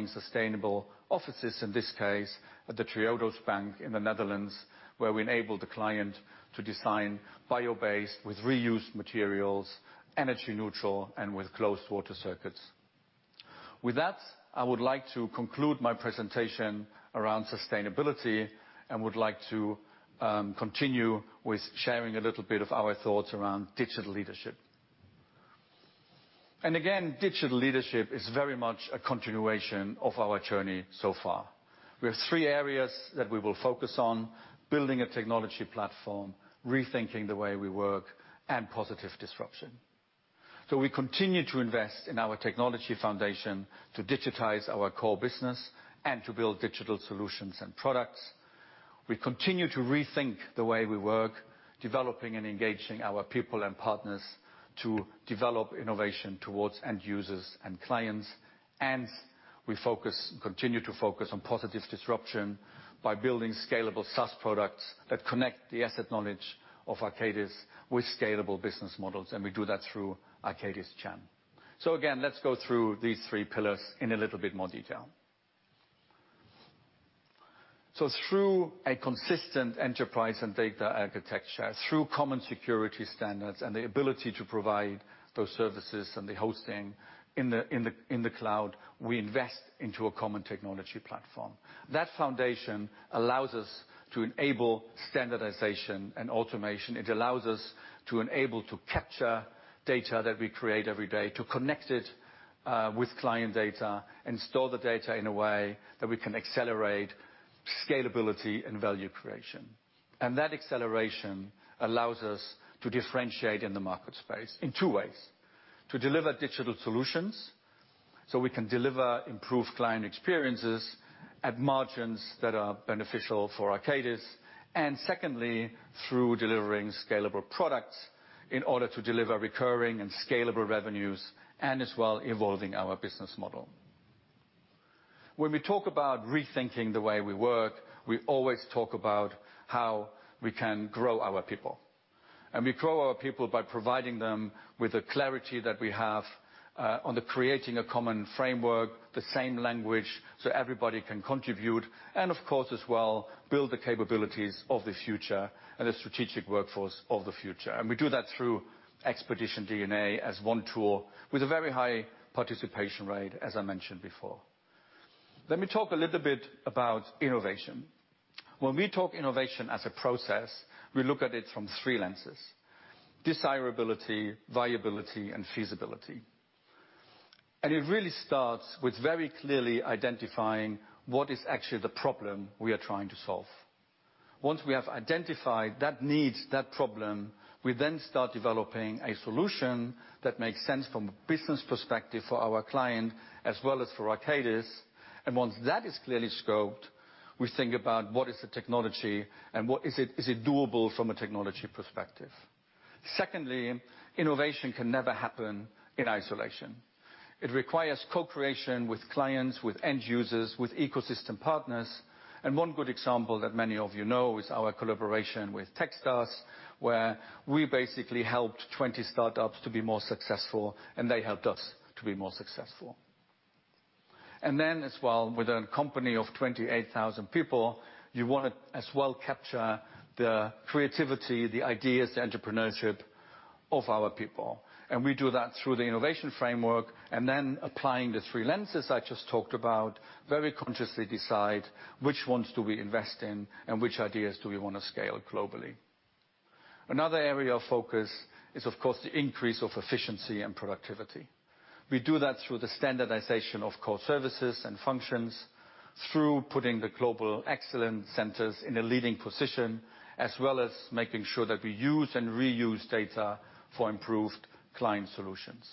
sustainable offices, in this case, at the Triodos Bank in the Netherlands, where we enable the client to design bio-based with reused materials, energy neutral, and with closed water circuits. With that, I would like to conclude my presentation around sustainability and would like to continue with sharing a little bit of our thoughts around digital leadership. Again, digital leadership is very much a continuation of our journey so far. We have three areas that we will focus on, building a technology platform, rethinking the way we work, and positive disruption. We continue to invest in our technology foundation to digitize our core business and to build digital solutions and products. We continue to rethink the way we work, developing and engaging our people and partners to develop innovation towards end users and clients. We continue to focus on positive disruption by building scalable SaaS products that connect the asset knowledge of Arcadis with scalable business models, and we do that through Arcadis Gen. Again, let's go through these three pillars in a little bit more detail. Through a consistent enterprise and data architecture, through common security standards and the ability to provide those services and the hosting in the cloud, we invest into a common technology platform. That foundation allows us to enable standardization and automation. It allows us to enable to capture data that we create every day, to connect it with client data and store the data in a way that we can accelerate scalability and value creation. That acceleration allows us to differentiate in the market space in two ways. To deliver digital solutions, so we can deliver improved client experiences at margins that are beneficial for Arcadis, secondly, through delivering scalable products in order to deliver recurring and scalable revenues, as well evolving our business model. When we talk about rethinking the way we work, we always talk about how we can grow our people. We grow our people by providing them with the clarity that we have on the creating a common framework, the same language, so everybody can contribute, of course, as well, build the capabilities of the future and a strategic workforce of the future. We do that through Expedition DNA as one tool with a very high participation rate, as I mentioned before. Let me talk a little bit about innovation. When we talk innovation as a process, we look at it from three lenses: desirability, viability, and feasibility. It really starts with very clearly identifying what is actually the problem we are trying to solve. Once we have identified that need, that problem, we then start developing a solution that makes sense from a business perspective for our client as well as for Arcadis. Once that is clearly scoped, we think about what is the technology and is it doable from a technology perspective? Secondly, innovation can never happen in isolation. It requires co-creation with clients, with end users, with ecosystem partners. One good example that many of you know is our collaboration with Techstars, where we basically helped 20 startups to be more successful, and they helped us to be more successful. As well, with a company of 28,000 people, you want to as well capture the creativity, the ideas, the entrepreneurship of our people. We do that through the innovation framework and then applying the three lenses I just talked about, very consciously decide which ones do we invest in and which ideas do we want to scale globally. Another area of focus is, of course, the increase of efficiency and productivity. We do that through the standardization of core services and functions, through putting the Global Excellence Centers in a leading position, as well as making sure that we use and reuse data for improved client solutions.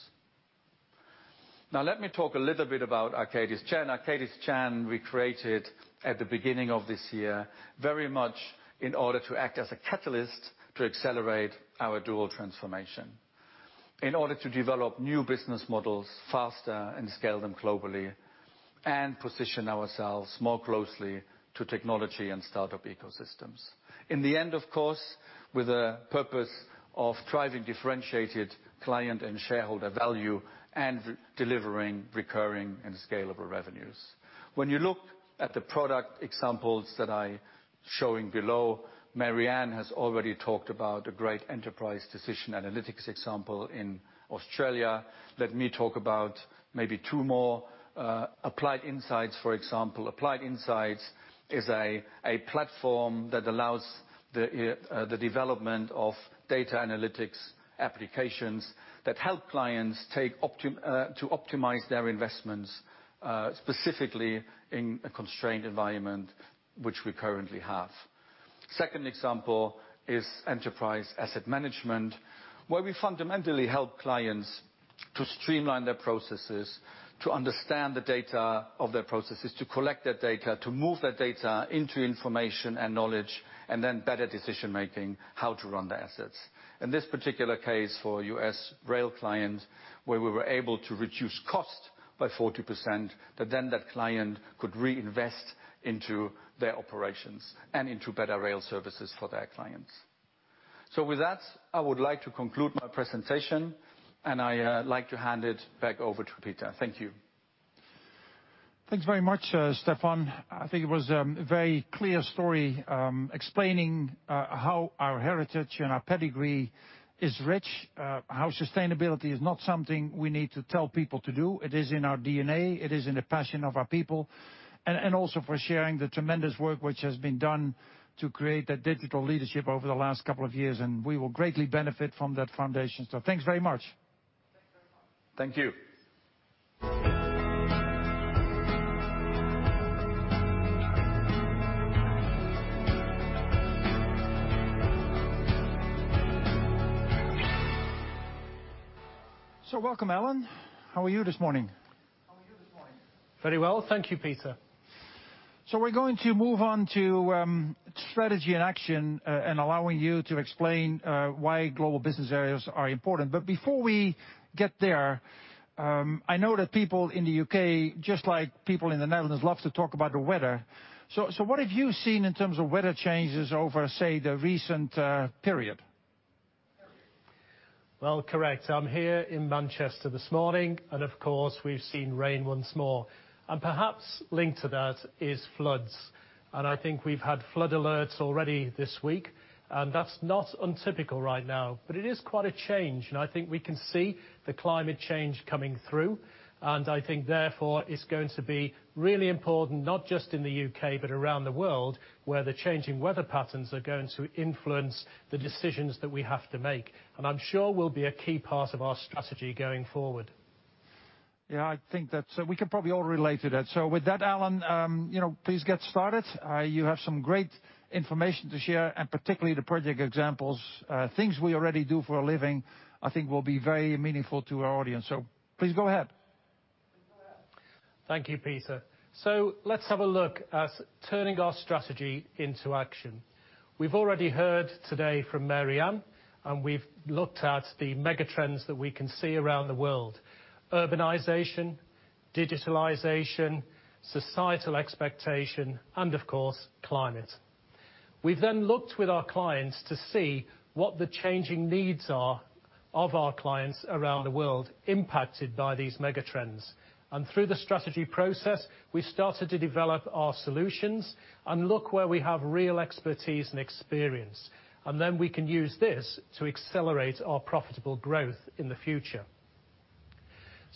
Let me talk a little bit about Arcadis Gen. Arcadis Gen we created at the beginning of this year, very much in order to act as a catalyst to accelerate our dual transformation, in order to develop new business models faster and scale them globally and position ourselves more closely to technology and startup ecosystems. In the end, of course, with a purpose of driving differentiated client and shareholder value and delivering recurring and scalable revenues. When you look at the product examples that I showing below, Mary Ann has already talked about a great Enterprise Decision Analytics example in Australia. Let me talk about maybe two more. Applied Insights, for example. Applied Insights is a platform that allows the development of data analytics applications that help clients to optimize their investments, specifically in a constrained environment, which we currently have. Second example is Enterprise Asset Management, where we fundamentally help clients to streamline their processes, to understand the data of their processes, to collect that data, to move that data into information and knowledge, and then better decision-making, how to run the assets. In this particular case, for a U.S. rail client, where we were able to reduce cost by 40%, that then that client could reinvest into their operations and into better rail services for their clients. With that, I would like to conclude my presentation, and I like to hand it back over to Peter. Thank you. Thanks very much, Stephan. I think it was a very clear story, explaining how our heritage and our pedigree is rich, how sustainability is not something we need to tell people to do. It is in our DNA. It is in the passion of our people. Also for sharing the tremendous work which has been done to create that digital leadership over the last couple of years, and we will greatly benefit from that foundation. Thanks very much. Thank you. Welcome, Alan. How are you this morning? Very well. Thank you, Peter. We're going to move on to strategy and action and allowing you to explain why global business areas are important. Before we get there, I know that people in the U.K., just like people in the Netherlands, love to talk about the weather. What have you seen in terms of weather changes over, say, the recent period? Well, correct. I'm here in Manchester this morning, of course, we've seen rain once more. Perhaps linked to that is floods. I think we've had flood alerts already this week. That's not untypical right now, but it is quite a change, I think we can see the climate change coming through. I think therefore, it's going to be really important, not just in the U.K., but around the world, where the changing weather patterns are going to influence the decisions that we have to make. I'm sure will be a key part of our strategy going forward. Yeah, I think that we can probably all relate to that. With that, Alan, please get started. You have some great information to share, and particularly the project examples. Things we already do for a living, I think will be very meaningful to our audience. Please go ahead. Thank you, Peter. Let's have a look at turning our strategy into action. We've already heard today from Mary Ann, and we've looked at the megatrends that we can see around the world: urbanization, digitalization, societal expectation, and of course, climate. We looked with our clients to see what the changing needs are of our clients around the world impacted by these megatrends. Through the strategy process, we started to develop our solutions and look where we have real expertise and experience. We can use this to accelerate our profitable growth in the future.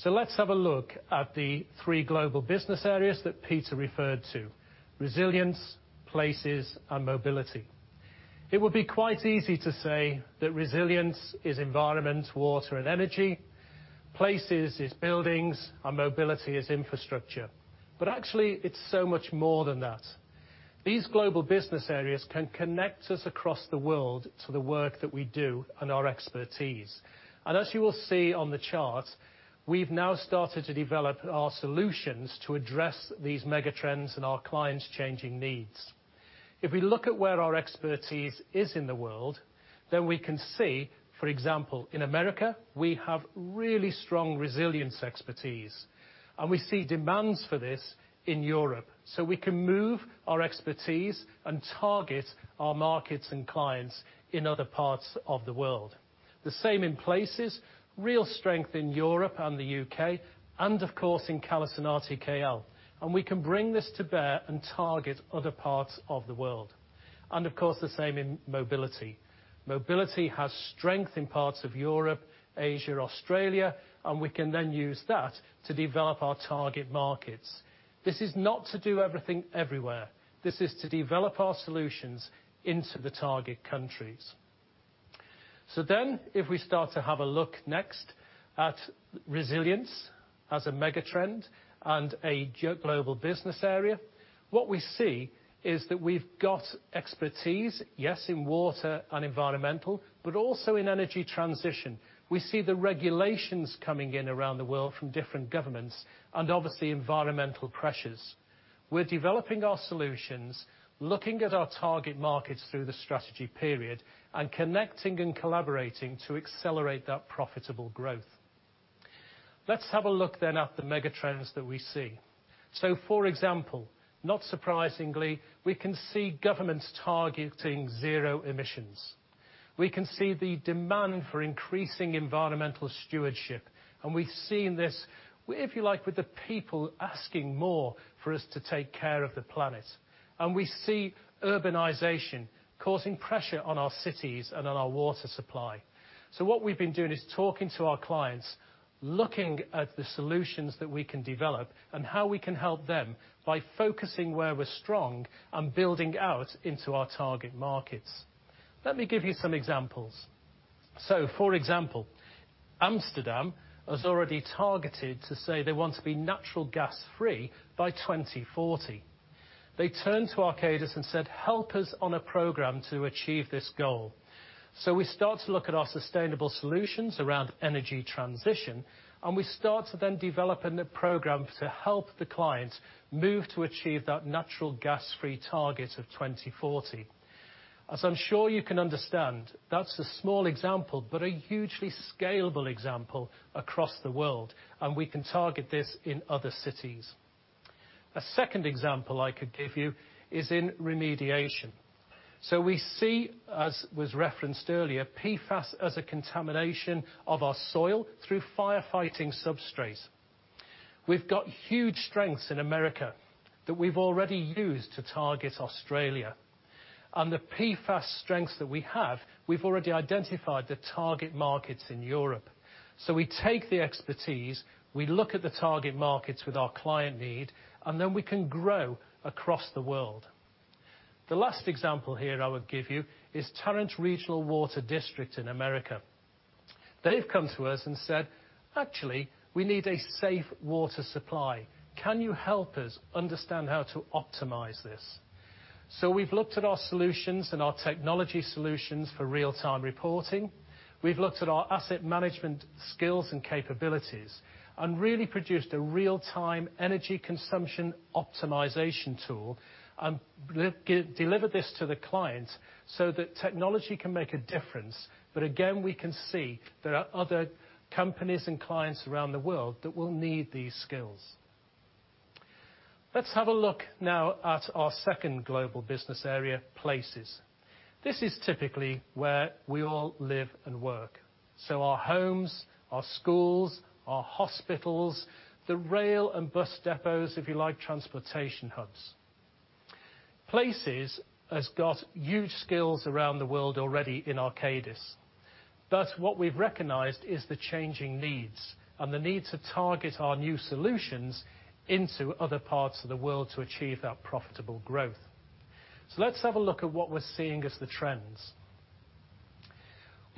Let's have a look at the three global business areas that Peter referred to: Resilience, Places, and Mobility. It would be quite easy to say that Resilience is environment, water, and energy, Places is buildings, and Mobility is infrastructure. Actually, it's so much more than that. These global business areas can connect us across the world to the work that we do and our expertise. As you will see on the chart, we've now started to develop our solutions to address these megatrends and our clients' changing needs. If we look at where our expertise is in the world, we can see, for example, in America, we have really strong resilience expertise, and we see demands for this in Europe. We can move our expertise and target our markets and clients in other parts of the world. The same in places, real strength in Europe and the U.K., of course, in CallisonRTKL. We can bring this to bear and target other parts of the world. Of course, the same in mobility. Mobility has strength in parts of Europe, Asia, Australia, and we can then use that to develop our target markets. This is not to do everything everywhere. This is to develop our solutions into the target countries. If we start to have a look next at resilience as a megatrend and a global business area, what we see is that we've got expertise, yes, in water and environmental, but also in energy transition. We see the regulations coming in around the world from different governments and obviously environmental pressures. We're developing our solutions, looking at our target markets through the strategy period, and connecting and collaborating to accelerate that profitable growth. Let's have a look at the megatrends that we see. For example, not surprisingly, we can see governments targeting zero emissions. We can see the demand for increasing environmental stewardship. We've seen this, if you like, with the people asking more for us to take care of the planet. We see urbanization causing pressure on our cities and on our water supply. What we've been doing is talking to our clients, looking at the solutions that we can develop, and how we can help them by focusing where we're strong and building out into our target markets. Let me give you some examples. For example, Amsterdam has already targeted to say they want to be natural gas-free by 2040. They turned to Arcadis and said, "Help us on a program to achieve this goal." We start to look at our sustainable solutions around energy transition, and we start to then develop a new program to help the clients move to achieve that natural gas-free target of 2040. As I'm sure you can understand, that's a small example, but a hugely scalable example across the world, and we can target this in other cities. A second example I could give you is in remediation. We see, as was referenced earlier, PFAS as a contamination of our soil through firefighting substrates. We've got huge strengths in America that we've already used to target Australia. The PFAS strengths that we have, we've already identified the target markets in Europe. We take the expertise, we look at the target markets with our client need, and then we can grow across the world. The last example here I would give you is Tarrant Regional Water District in America. They've come to us and said, "Actually, we need a safe water supply. Can you help us understand how to optimize this?" We've looked at our solutions and our technology solutions for real-time reporting. We've looked at our asset management skills and capabilities and really produced a real-time energy consumption optimization tool and delivered this to the client so that technology can make a difference. Again, we can see there are other companies and clients around the world that will need these skills. Let's have a look now at our second global business area, places. This is typically where we all live and work. Our homes, our schools, our hospitals, the rail and bus depots, if you like, transportation hubs. Places has got huge skills around the world already in Arcadis. What we've recognized is the changing needs and the need to target our new solutions into other parts of the world to achieve that profitable growth. Let's have a look at what we're seeing as the trends.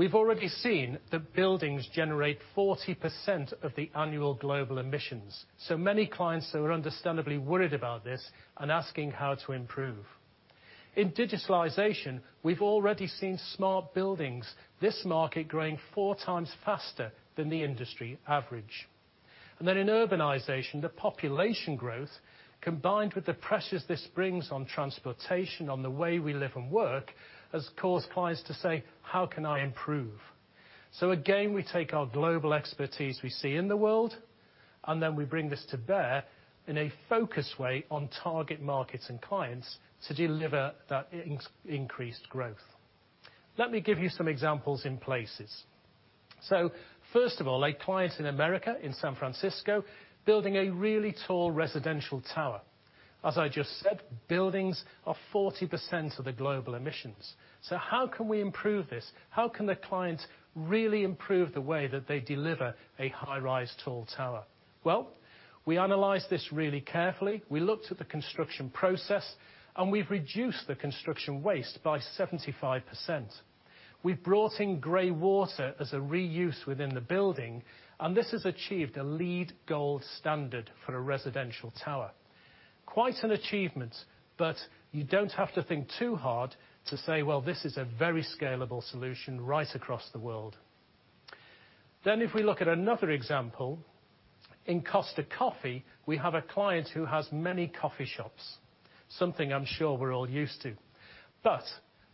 We've already seen that buildings generate 40% of the annual global emissions. Many clients are understandably worried about this and asking how to improve. In digitalization, we've already seen smart buildings, this market growing four times faster than the industry average. In urbanization, the population growth, combined with the pressures this brings on transportation, on the way we live and work, has caused clients to say, "How can I improve?" Again, we take our global expertise we see in the world, and then we bring this to bear in a focused way on target markets and clients to deliver that increased growth. Let me give you some examples in places. First of all, a client in the U.S., in San Francisco, building a really tall residential tower. As I just said, buildings are 40% of the global emissions. How can we improve this? How can the client really improve the way that they deliver a high-rise tall tower? Well, we analyzed this really carefully. We looked at the construction process, and we've reduced the construction waste by 75%. We've brought in grey water as a reuse within the building, and this has achieved a LEED Gold standard for a residential tower. Quite an achievement, but you don't have to think too hard to say, well, this is a very scalable solution right across the world. If we look at another example, in Costa Coffee, we have a client who has many coffee shops, something I'm sure we're all used to.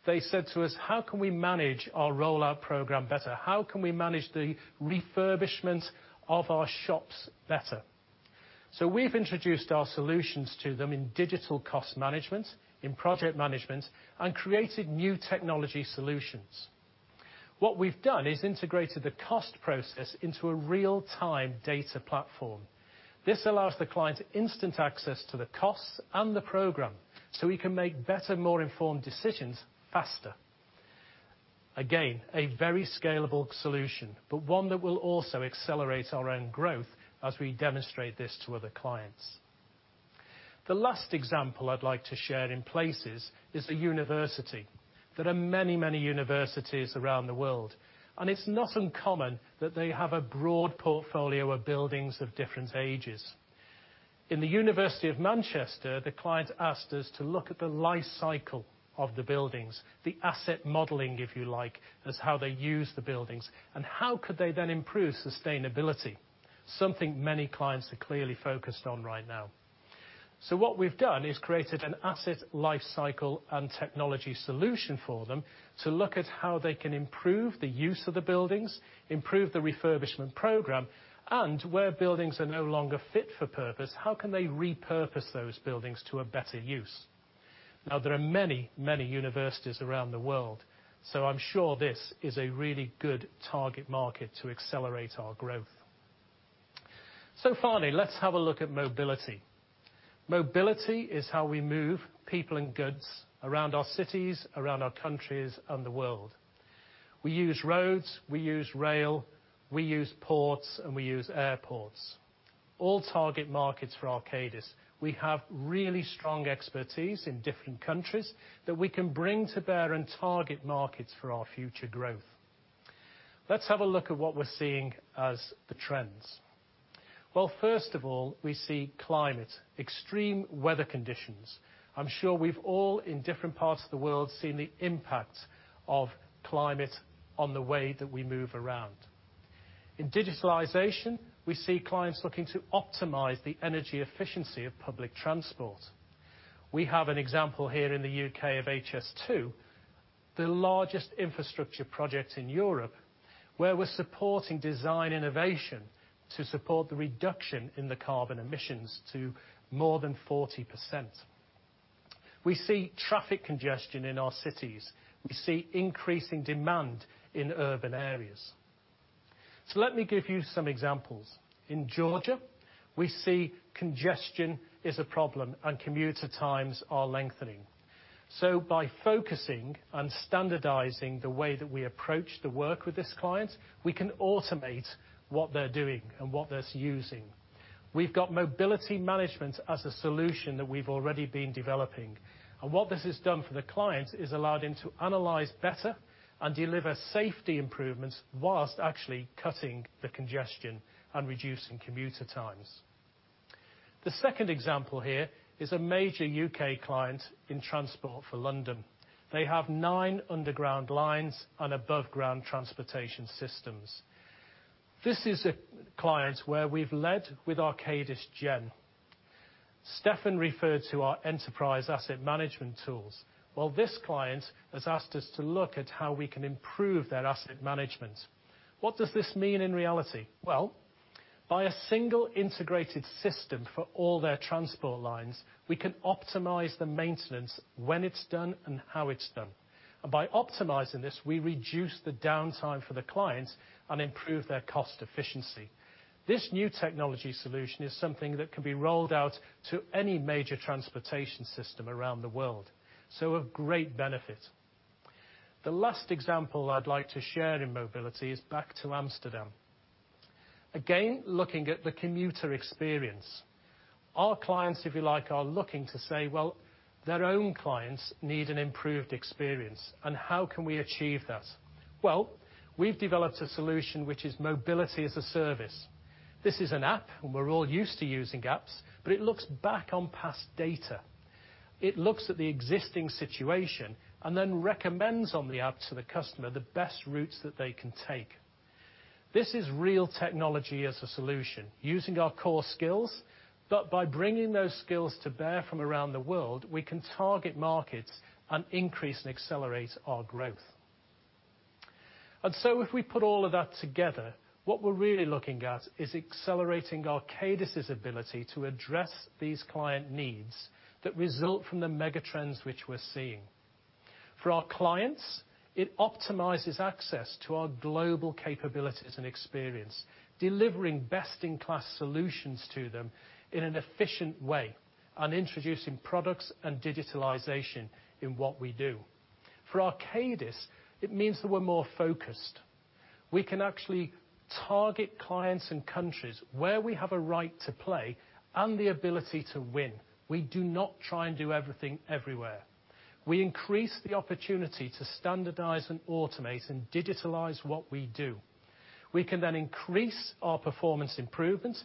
They said to us, "How can we manage our rollout program better? How can we manage the refurbishment of our shops better?" We've introduced our solutions to them in digital cost management, in project management, and created new technology solutions. We've done is integrated the cost process into a real-time data platform. This allows the client instant access to the costs and the program, so he can make better, more informed decisions faster. Again, a very scalable solution, but one that will also accelerate our own growth as we demonstrate this to other clients. The last example I'd like to share in places is a university. There are many, many universities around the world, and it's not uncommon that they have a broad portfolio of buildings of different ages. In the University of Manchester, the client asked us to look at the life cycle of the buildings, the asset modeling, if you like, as how they use the buildings, and how could they then improve sustainability? Something many clients are clearly focused on right now. What we've done is created an asset life cycle and technology solution for them to look at how they can improve the use of the buildings, improve the refurbishment program, and where buildings are no longer fit for purpose, how can they repurpose those buildings to a better use? There are many, many universities around the world, so I'm sure this is a really good target market to accelerate our growth. Finally, let's have a look at mobility. Mobility is how we move people and goods around our cities, around our countries and the world. We use roads, we use rail, we use ports, and we use airports. All target markets for Arcadis. We have really strong expertise in different countries that we can bring to bear on target markets for our future growth. Let's have a look at what we're seeing as the trends. Well, first of all, we see climate, extreme weather conditions. I'm sure we've all, in different parts of the world, seen the impact of climate on the way that we move around. In digitalization, we see clients looking to optimize the energy efficiency of public transport. We have an example here in the U.K. of HS2, the largest infrastructure project in Europe, where we're supporting design innovation to support the reduction in the carbon emissions to more than 40%. We see traffic congestion in our cities. We see increasing demand in urban areas. Let me give you some examples. In Georgia, we see congestion is a problem and commuter times are lengthening. By focusing on standardizing the way that we approach the work with this client, we can automate what they're doing and what it's using. We've got mobility management as a solution that we've already been developing. What this has done for the client is allowed him to analyze better and deliver safety improvements whilst actually cutting the congestion and reducing commuter times. The second example here is a major U.K. client in Transport for London. They have nine underground lines and above-ground transportation systems. This is a client where we've led with Arcadis Gen. Stephan referred to our Enterprise Asset Management tools. Well, this client has asked us to look at how we can improve their asset management. What does this mean in reality? Well, by a single integrated system for all their transport lines, we can optimize the maintenance, when it's done and how it's done. By optimizing this, we reduce the downtime for the clients and improve their cost efficiency. This new technology solution is something that can be rolled out to any major transportation system around the world. A great benefit. The last example I'd like to share in mobility is back to Amsterdam. Again, looking at the commuter experience. Our clients, if you like, are looking to say, well, their own clients need an improved experience, and how can we achieve that? Well, we've developed a solution, which is mobility as a service. This is an app, and we're all used to using apps, but it looks back on past data. It looks at the existing situation and then recommends on the app to the customer the best routes that they can take. This is real technology as a solution using our core skills, but by bringing those skills to bear from around the world, we can target markets and increase and accelerate our growth. If we put all of that together, what we're really looking at is accelerating Arcadis' ability to address these client needs that result from the megatrends which we're seeing. For our clients, it optimizes access to our global capabilities and experience, delivering best-in-class solutions to them in an efficient way, and introducing products and digitalization in what we do. For Arcadis, it means that we're more focused. We can actually target clients and countries where we have a right to play and the ability to win. We do not try and do everything everywhere. We increase the opportunity to standardize and automate and digitalize what we do. We can then increase our performance improvements,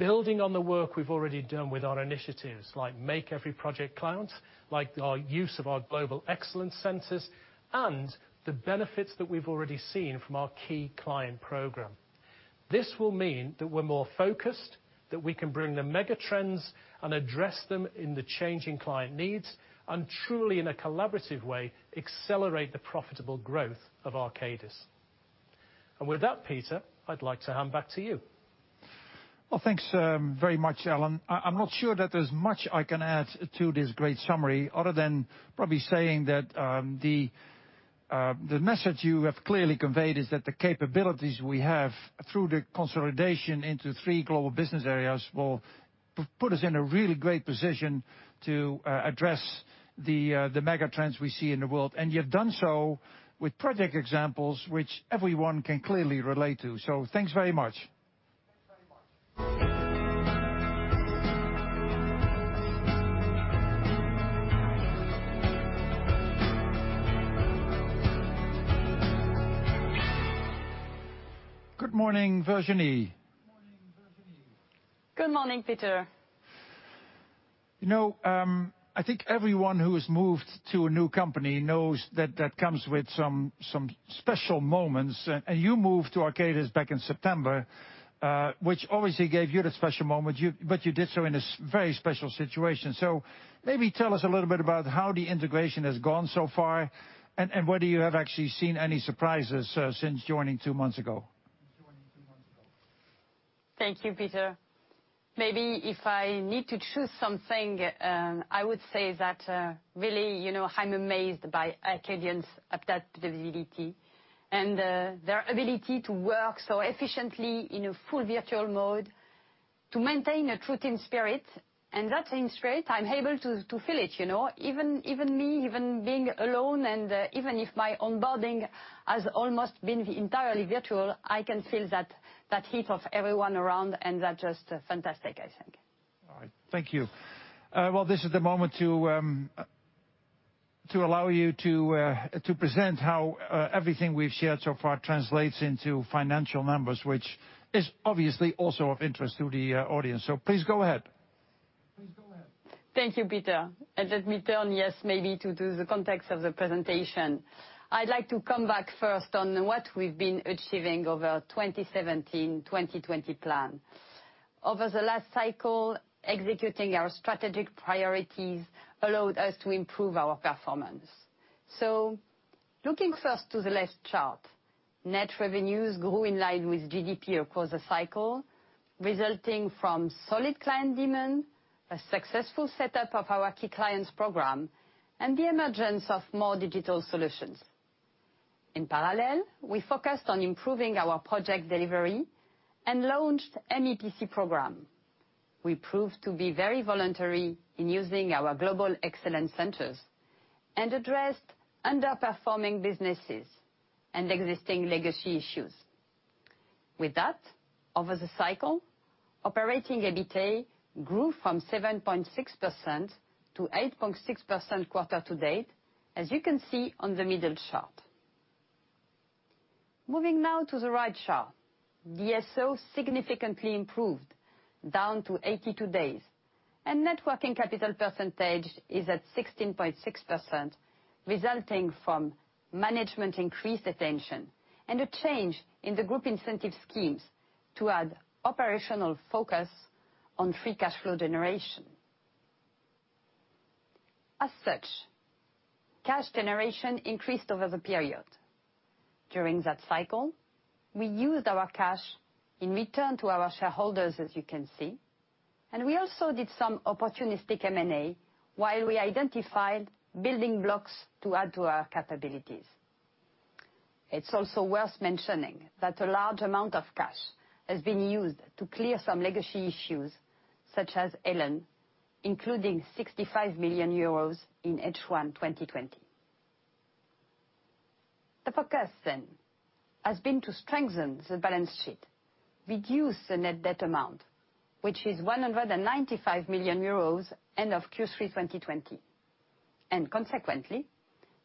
building on the work we've already done with our initiatives, like Make Every Project Count, like our use of our Global Excellence Centers, and the benefits that we've already seen from our key client program. This will mean that we're more focused, that we can bring the megatrends and address them in the changing client needs, and truly in a collaborative way, accelerate the profitable growth of Arcadis. with that, Peter, I'd like to hand back to you. Well, thanks very much, Alan. I'm not sure that there's much I can add to this great summary other than probably saying that the message you have clearly conveyed is that the capabilities we have through the consolidation into three global business areas will put us in a really great position to address the megatrends we see in the world, and you've done so with project examples which everyone can clearly relate to. Thanks very much. Good morning, Virginie. Good morning, Peter. I think everyone who has moved to a new company knows that that comes with some special moments. You moved to Arcadis back in September, which obviously gave you the special moment, but you did so in a very special situation. Maybe tell us a little bit about how the integration has gone so far, and whether you have actually seen any surprises since joining two months ago. Thank you, Peter. Maybe if I need to choose something, I would say that really, I am amazed by Arcadis' adaptability and their ability to work so efficiently in a full virtual mode to maintain a true team spirit. That's straight. I am able to feel it. Even me, even being alone, and even if my onboarding has almost been entirely virtual, I can feel that heat of everyone around, and that's just fantastic, I think. All right. Thank you. Well, this is the moment to allow you to present how everything we've shared so far translates into financial numbers, which is obviously also of interest to the audience. Please go ahead. Thank you, Peter. Let me turn, yes, maybe to the context of the presentation. I'd like to come back first on what we've been achieving over 2017-2020 plan. Over the last cycle, executing our strategic priorities allowed us to improve our performance. Looking first to the left chart, net revenues grew in line with GDP across the cycle, resulting from solid client demand, a successful setup of our key clients program, and the emergence of more digital solutions. In parallel, we focused on improving our project delivery and launched an MEPC program. We proved to be very voluntary in using our Global Excellence Centers and addressed underperforming businesses and existing legacy issues. With that, over the cycle, operating EBITA grew from 7.6% to 8.6% quarter to date, as you can see on the middle chart. Moving now to the right chart, DSO significantly improved, down to 82 days, and net working capital percentage is at 16.6%, resulting from management increased attention and a change in the group incentive schemes to add operational focus on free cash flow generation. As such, cash generation increased over the period. During that cycle, we used our cash in return to our shareholders, as you can see, and we also did some opportunistic M&A while we identified building blocks to add to our capabilities. It's also worth mentioning that a large amount of cash has been used to clear some legacy issues, such as ALEN, including 65 million euros in H1 2020. The focus has been to strengthen the balance sheet, reduce the net debt amount, which is 195 million euros end of Q3 2020, and consequently,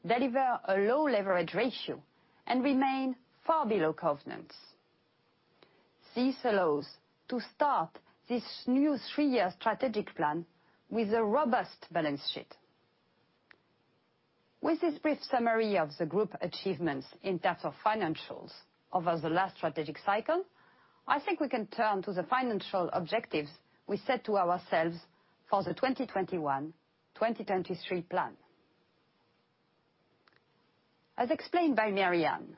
deliver a low leverage ratio and remain far below covenants. This allows to start this new three-year strategic plan with a robust balance sheet. With this brief summary of the group achievements in terms of financials over the last strategic cycle, I think we can turn to the financial objectives we set to ourselves for the 2021-2023 plan. As explained by Mary Ann,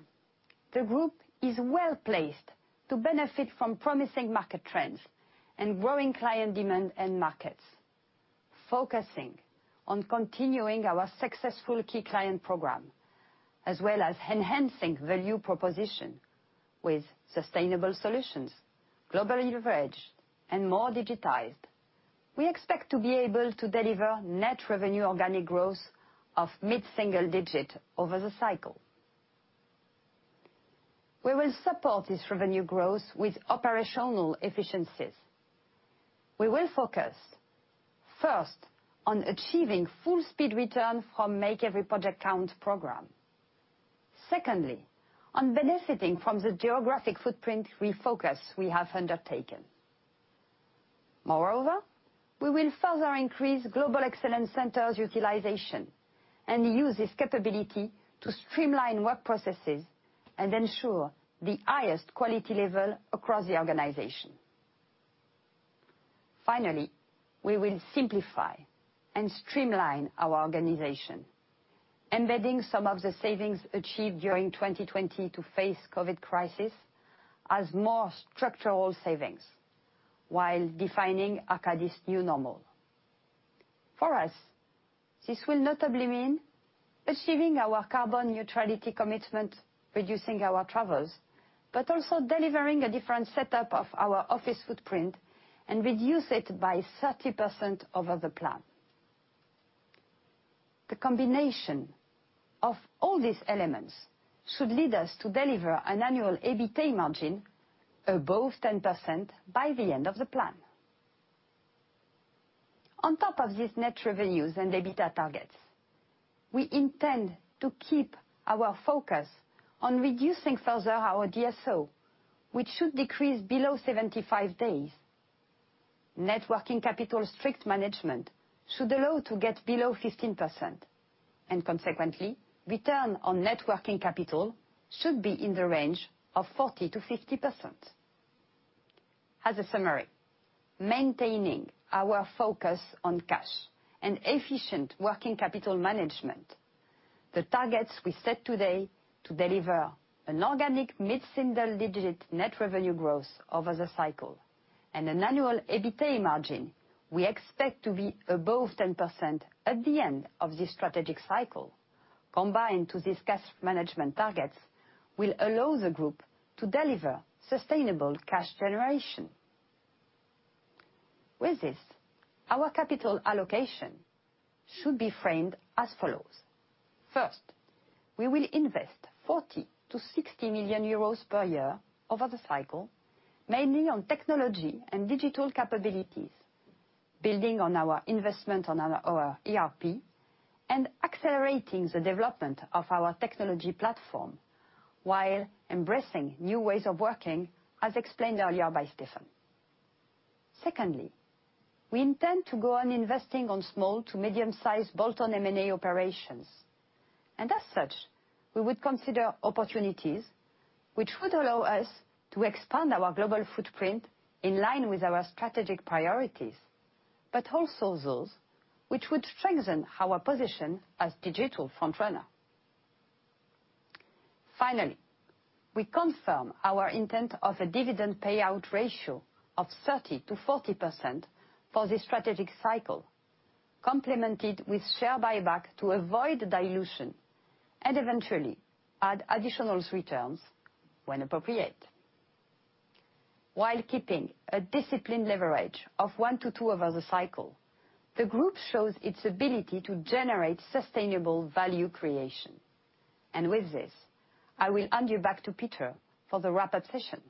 the group is well-placed to benefit from promising market trends and growing client demand and markets, focusing on continuing our successful key client program, as well as enhancing value proposition with sustainable solutions, global leverage, and more digitized. We expect to be able to deliver net revenue organic growth of mid-single digit over the cycle. We will support this revenue growth with operational efficiencies. We will focus, first, on achieving full speed return from Make Every Project Count program. Secondly, on benefiting from the geographic footprint refocus we have undertaken. Moreover, we will further increase Global Excellence Centers utilization and use this capability to streamline work processes and ensure the highest quality level across the organization. Finally, we will simplify and streamline our organization, embedding some of the savings achieved during 2020 to face COVID crisis as more structural savings while defining Arcadis' new normal. For us, this will notably mean achieving our carbon neutrality commitment, reducing our travels, but also delivering a different setup of our office footprint and reduce it by 30% over the plan. The combination of all these elements should lead us to deliver an annual EBITA margin above 10% by the end of the plan. On top of these net revenues and EBITA targets, we intend to keep our focus on reducing further our DSO, which should decrease below 75 days. Net working capital strict management should allow to get below 15%, and consequently, return on net working capital should be in the range of 40%-50%. As a summary, maintaining our focus on cash and efficient working capital management, the targets we set today to deliver an organic mid-single digit net revenue growth over the cycle and an annual EBITA margin we expect to be above 10% at the end of this strategic cycle, combined to these cash management targets, will allow the group to deliver sustainable cash generation. With this, our capital allocation should be framed as follows. First, we will invest 40 million-60 million euros per year over the cycle, mainly on technology and digital capabilities, building on our investment on our ERP and accelerating the development of our technology platform while embracing new ways of working, as explained earlier by Stephan. Secondly, we intend to go on investing on small to medium size both on M&A operations. As such, we would consider opportunities which would allow us to expand our global footprint in line with our strategic priorities, but also those which would strengthen our position as digital front-runner. Finally, we confirm our intent of a dividend payout ratio of 30%-40% for this strategic cycle, complemented with share buyback to avoid dilution, and eventually add additional returns when appropriate. While keeping a disciplined leverage of one to two over the cycle, the group shows its ability to generate sustainable value creation. With this, I will hand you back to Peter for the wrap-up session.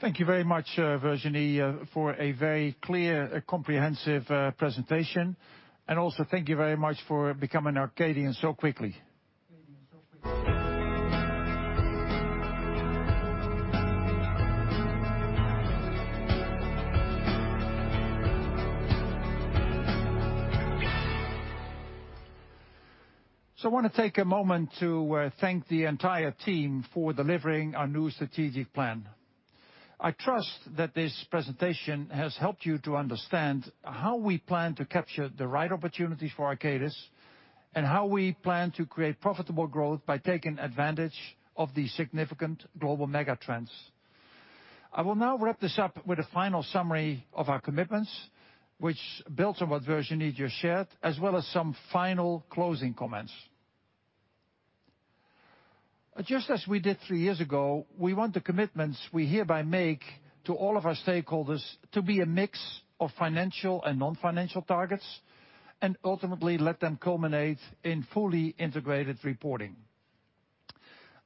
Thank you very much, Virginie, for a very clear, comprehensive presentation. Also thank you very much for becoming Arcadian so quickly. I want to take a moment to thank the entire team for delivering our new strategic plan. I trust that this presentation has helped you to understand how we plan to capture the right opportunities for Arcadis and how we plan to create profitable growth by taking advantage of the significant global megatrends. I will now wrap this up with a final summary of our commitments, which builds on what Virginie just shared, as well as some final closing comments. Just as we did three years ago, we want the commitments we hereby make to all of our stakeholders to be a mix of financial and non-financial targets and ultimately let them culminate in fully integrated reporting.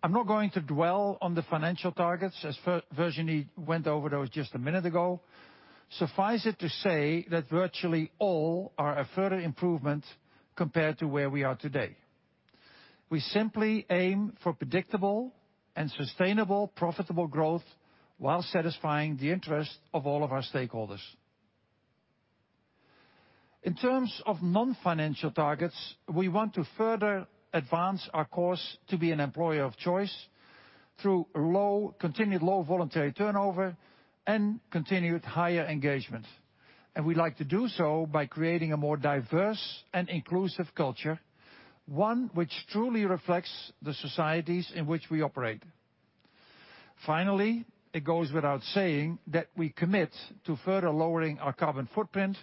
I'm not going to dwell on the financial targets, as Virginie went over those just a minute ago. Suffice it to say that virtually all are a further improvement compared to where we are today. We simply aim for predictable and sustainable profitable growth while satisfying the interest of all of our stakeholders. In terms of non-financial targets, we want to further advance our course to be an employer of choice through continued low voluntary turnover and continued higher engagement. We'd like to do so by creating a more diverse and inclusive culture, one which truly reflects the societies in which we operate. Finally, it goes without saying that we commit to further lowering our carbon footprint,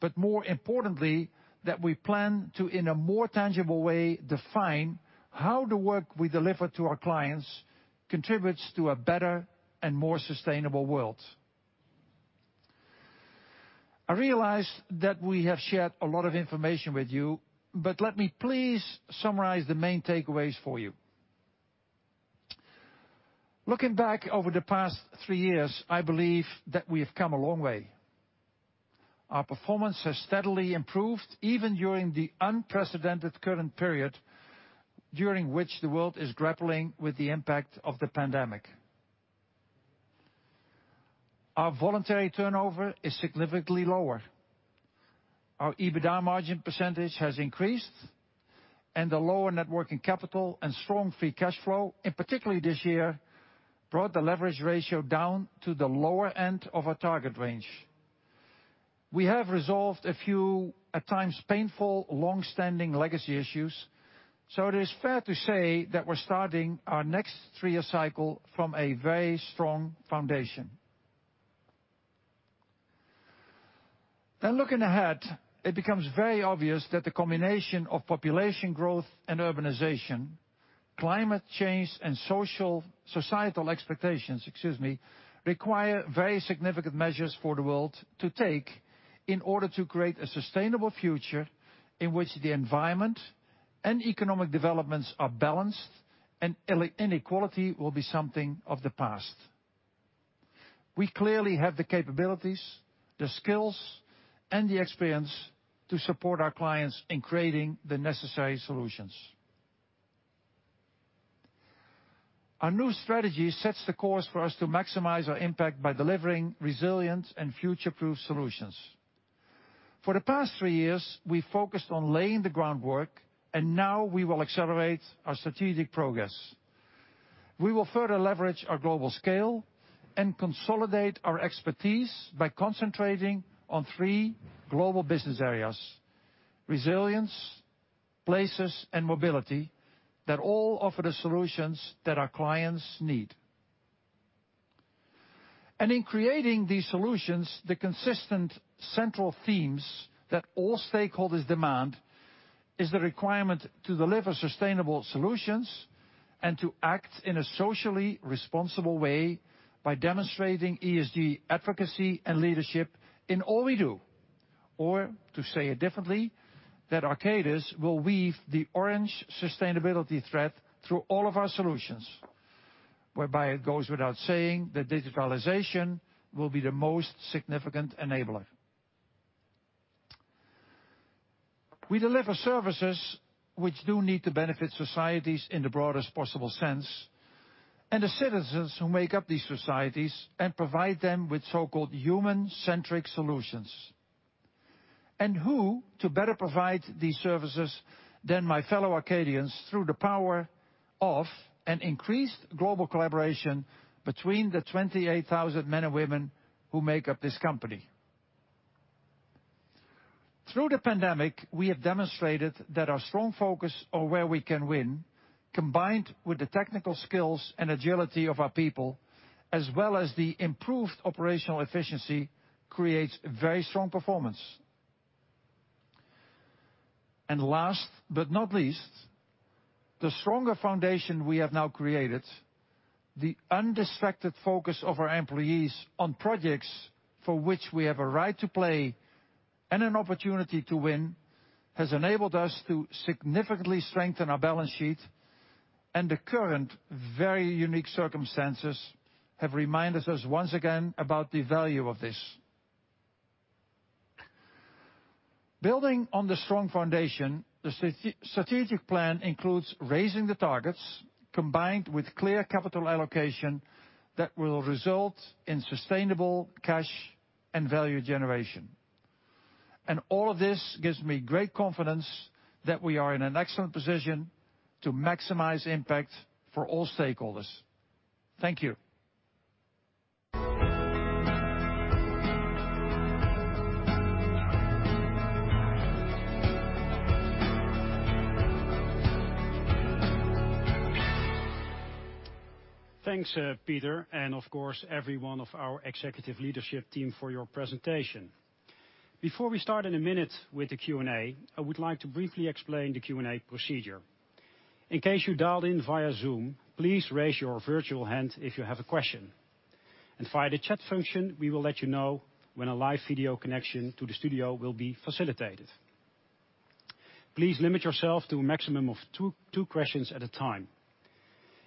but more importantly, that we plan to, in a more tangible way, define how the work we deliver to our clients contributes to a better and more sustainable world. I realize that we have shared a lot of information with you, but let me please summarize the main takeaways for you. Looking back over the past three years, I believe that we have come a long way. Our performance has steadily improved even during the unprecedented current period, during which the world is grappling with the impact of the pandemic. Our voluntary turnover is significantly lower. Our EBITDA margin percentage has increased, and the lower net working capital and strong free cash flow, in particularly this year, brought the leverage ratio down to the lower end of our target range. We have resolved a few, at times, painful, long-standing legacy issues. It is fair to say that we're starting our next three-year cycle from a very strong foundation. Looking ahead, it becomes very obvious that the combination of population growth and urbanization, climate change and social, societal expectations, excuse me, require very significant measures for the world to take in order to create a sustainable future in which the environment and economic developments are balanced and inequality will be something of the past. We clearly have the capabilities, the skills, and the experience to support our clients in creating the necessary solutions. Our new strategy sets the course for us to maximize our impact by delivering resilient and future-proof solutions. For the past three years, we focused on laying the groundwork, and now we will accelerate our strategic progress. We will further leverage our global scale and consolidate our expertise by concentrating on three global business areas: resilience, places, and mobility that all offer the solutions that our clients need. In creating these solutions, the consistent central themes that all stakeholders demand is the requirement to deliver sustainable solutions and to act in a socially responsible way by demonstrating ESG advocacy and leadership in all we do, or to say it differently, that Arcadis will weave the orange sustainability thread through all of our solutions, whereby it goes without saying that digitalization will be the most significant enabler. We deliver services which do need to benefit societies in the broadest possible sense, and the citizens who make up these societies and provide them with so-called human-centric solutions. Who to better provide these services than my fellow Arcadians through the power of an increased global collaboration between the 28,000 men and women who make up this company. Through the pandemic, we have demonstrated that our strong focus on where we can win, combined with the technical skills and agility of our people, as well as the improved operational efficiency, creates very strong performance. And last but not least, the stronger foundation we have now created, the undistracted focus of our employees on projects for which we have a right to play and an opportunity to win has enabled us to significantly strengthen our balance sheet, and the current, very unique circumstances have reminded us once again about the value of this. Building on the strong foundation, the strategic plan includes raising the targets combined with clear capital allocation that will result in sustainable cash and value generation. all of this gives me great confidence that we are in an excellent position to maximize impact for all stakeholders. Thank you. Thanks, Peter, and of course, every one of our executive leadership team for your presentation. Before we start in a minute with the Q&A, I would like to briefly explain the Q&A procedure. In case you dialed in via Zoom, please raise your virtual hand if you have a question. Via the chat function, we will let you know when a live video connection to the studio will be facilitated. Please limit yourself to a maximum of two questions at a time.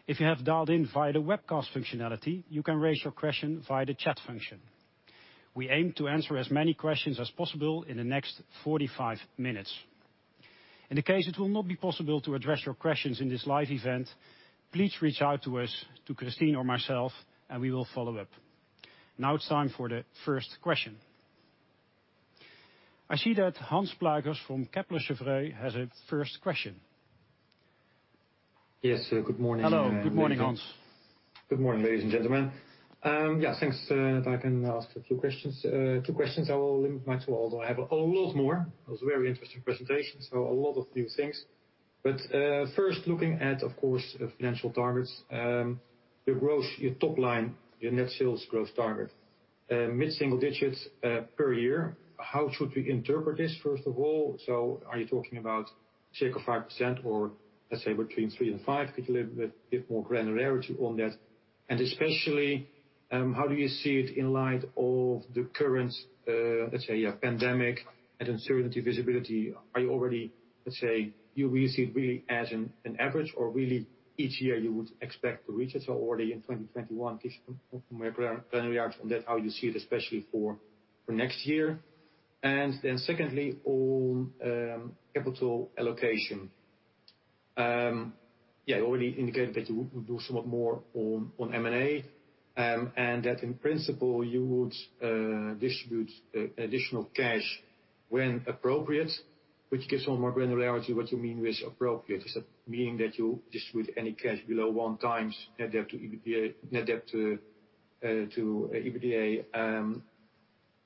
If you have dialed in via the webcast functionality, you can raise your question via the chat function. We aim to answer as many questions as possible in the next 45 minutes. In the case it will not be possible to address your questions in this live event, please reach out to us, to Christine or myself, and we will follow up. Now it's time for the first question. I see that Hans Pluijgers from Kepler Cheuvreux has our first question. Yes. Good morning. Hello. Good morning, Hans. Good morning, ladies and gentlemen. Thanks. If I can ask two questions, I will limit my two, although I have a lot more. It was a very interesting presentation, so a lot of new things. First, looking at, of course, financial targets. Your top line, your net sales growth target, mid-single digits per year. How should we interpret this, first of all? Are you talking about 5% or, let's say, between 3% and 5%? Could you give a bit more granularity on that? Especially, how do you see it in light of the current pandemic and uncertainty visibility? Are you already, let's say, you will see it really as an average or really each year you would expect to reach it already in 2021? Could you give more granularity on that, how you see it, especially for next year? Then secondly, on capital allocation. You already indicated that you would do somewhat more on M&A and that in principle you would distribute additional cash when appropriate, which gives more granularity what you mean with appropriate. Is that meaning that you distribute any cash below one times net debt to EBITDA?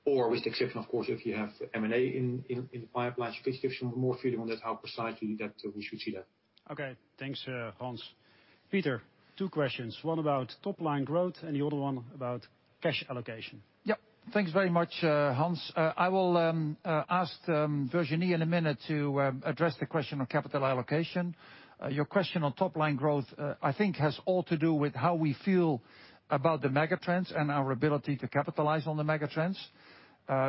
Or with the exception of course, if you have M&A in the pipeline, could you give some more freedom on that, how precisely that we should see that? Okay. Thanks, Hans. Peter, two questions. One about top-line growth and the other one about cash allocation. Yeah. Thanks very much, Hans. I will ask Virginie in a minute to address the question on capital allocation. Your question on top-line growth, I think has all to do with how we feel about the megatrends and our ability to capitalize on the megatrends.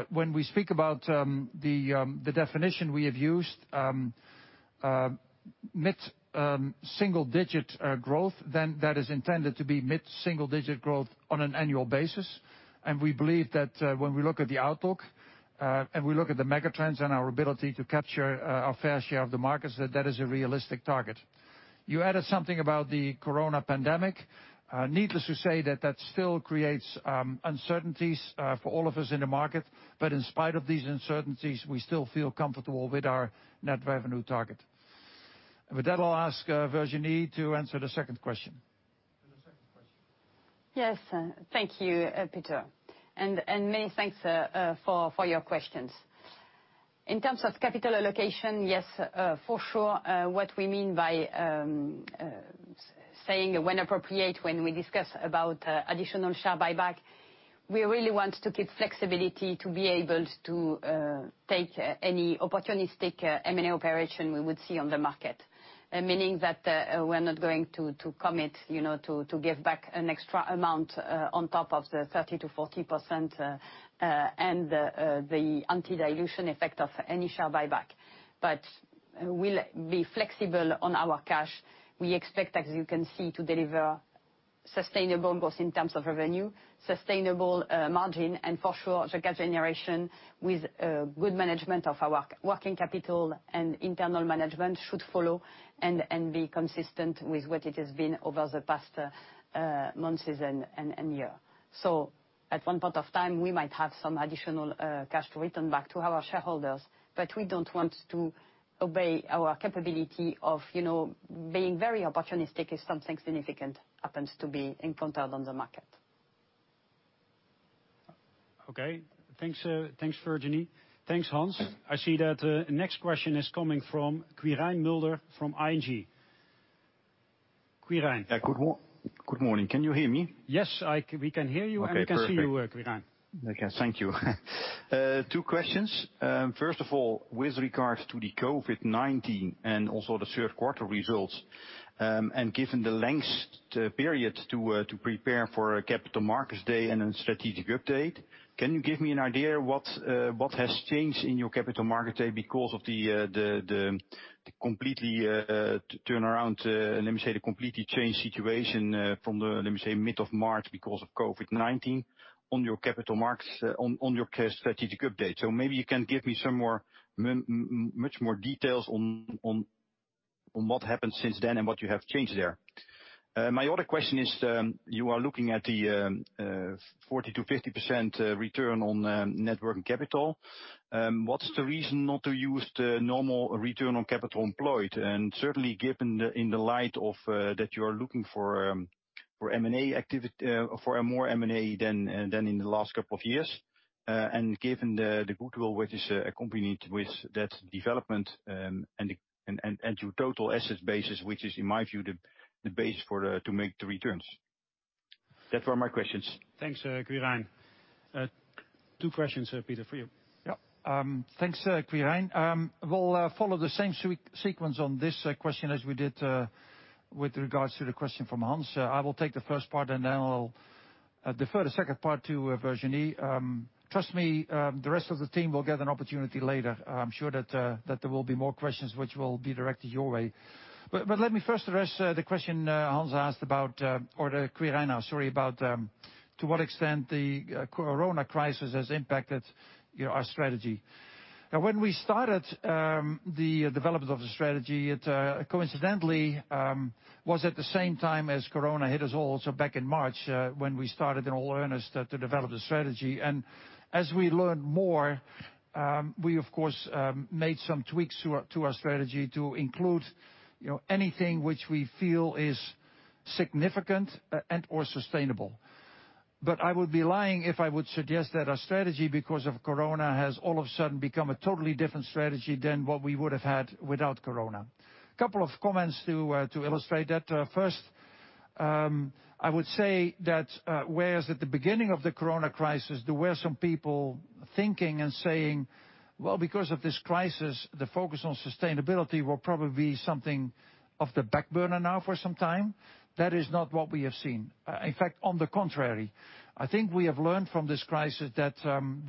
When we speak about the definition we have used, mid-single digit growth, then that is intended to be mid-single digit growth on an annual basis. We believe that when we look at the outlook, and we look at the megatrends and our ability to capture our fair share of the markets, that is a realistic target. You added something about the Corona pandemic. Needless to say that that still creates uncertainties for all of us in the market, but in spite of these uncertainties, we still feel comfortable with our net revenue target. With that, I'll ask Virginie to answer the second question. Yes. Thank you, Peter. Many thanks for your questions. In terms of capital allocation, yes, for sure, what we mean by saying when appropriate, when we discuss about additional share buyback, we really want to keep flexibility to be able to take any opportunistic M&A operation we would see on the market. Meaning that we're not going to commit to give back an extra amount on top of the 30%-40% and the anti-dilution effect of any share buyback. We'll be flexible on our cash. We expect, as you can see, to deliver sustainable, both in terms of revenue, sustainable margin, and for sure, the cash generation with good management of our working capital and internal management should follow and be consistent with what it has been over the past months and year. At one point of time, we might have some additional cash to return back to our shareholders, but we don't want to obey our capability of being very opportunistic if something significant happens to be encountered on the market. Okay. Thanks, Virginie. Thanks, Hans. I see that next question is coming from Quirijn Mulder from ING. Quirijn? Good morning. Can you hear me? Yes, we can hear you, and we can see you, Quirijn. Okay. Thank you. Two questions. First of all, with regards to the COVID-19 and also the third quarter results, and given the lengthy period to prepare for a Capital Markets Day and a strategic update, can you give me an idea what has changed in your Capital Markets Day because of the completely changed situation from the mid of March because of COVID-19 on your cash strategic update? Maybe you can give me much more details on what happened since then and what you have changed there. My other question is, you are looking at the 40%-50% return on net working capital. What's the reason not to use the normal return on capital employed? Certainly given in the light of that you are looking for more M&A than in the last couple of years. Given the goodwill which is accompanied with that development and your total assets basis, which is, in my view, the basis to make the returns. That were my questions. Thanks, Quirijn. Two questions, Peter, for you. Yeah. Thanks, Quirijn. We'll follow the same sequence on this question as we did with regards to the question from Hans. I will take the first part, and then I will defer the second part to Virginie. Trust me, the rest of the team will get an opportunity later. I'm sure that there will be more questions which will be directed your way. Let me first address the question Hans asked about, or Quirijn, sorry, about to what extent the Corona crisis has impacted our strategy. Now, when we started the development of the strategy, it coincidentally was at the same time as Corona hit us all. Back in March, when we started in all earnest to develop the strategy. As we learned more, we of course made some tweaks to our strategy to include anything which we feel is significant and/or sustainable. I would be lying if I would suggest that our strategy, because of Corona, has all of sudden become a totally different strategy than what we would have had without Corona. Couple of comments to illustrate that. First, I would say that whereas at the beginning of the Corona crisis, there were some people thinking and saying, "Well, because of this crisis, the focus on sustainability will probably something of the back burner now for some time." That is not what we have seen. In fact, on the contrary, I think we have learned from this crisis that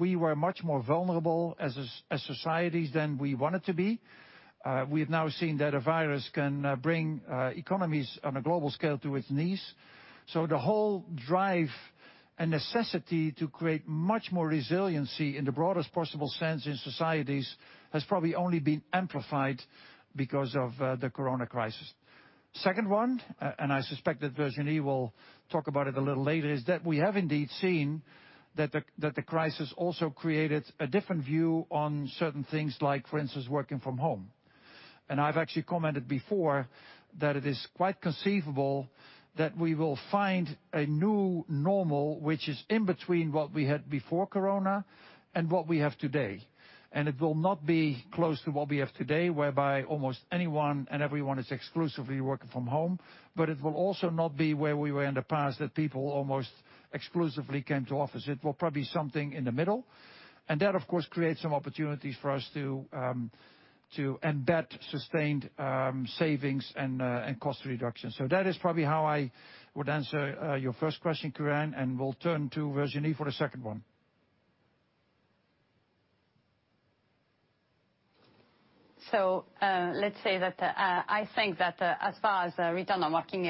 we were much more vulnerable as societies than we wanted to be. We have now seen that a virus can bring economies on a global scale to its knees. The whole drive and necessity to create much more resiliency in the broadest possible sense in societies has probably only been amplified because of the Corona crisis. Second one, and I suspect that Virginie will talk about it a little later, is that we have indeed seen that the crisis also created a different view on certain things like, for instance, working from home. I've actually commented before that it is quite conceivable that we will find a new normal, which is in between what we had before Corona and what we have today. It will not be close to what we have today, whereby almost anyone and everyone is exclusively working from home, but it will also not be where we were in the past, that people almost exclusively came to office. It will probably something in the middle, and that of course, creates some opportunities for us to embed sustained savings and cost reduction. That is probably how I would answer your first question, Quirijn, and we'll turn to Virginie for the second one. Let's say that I think that as far as return on working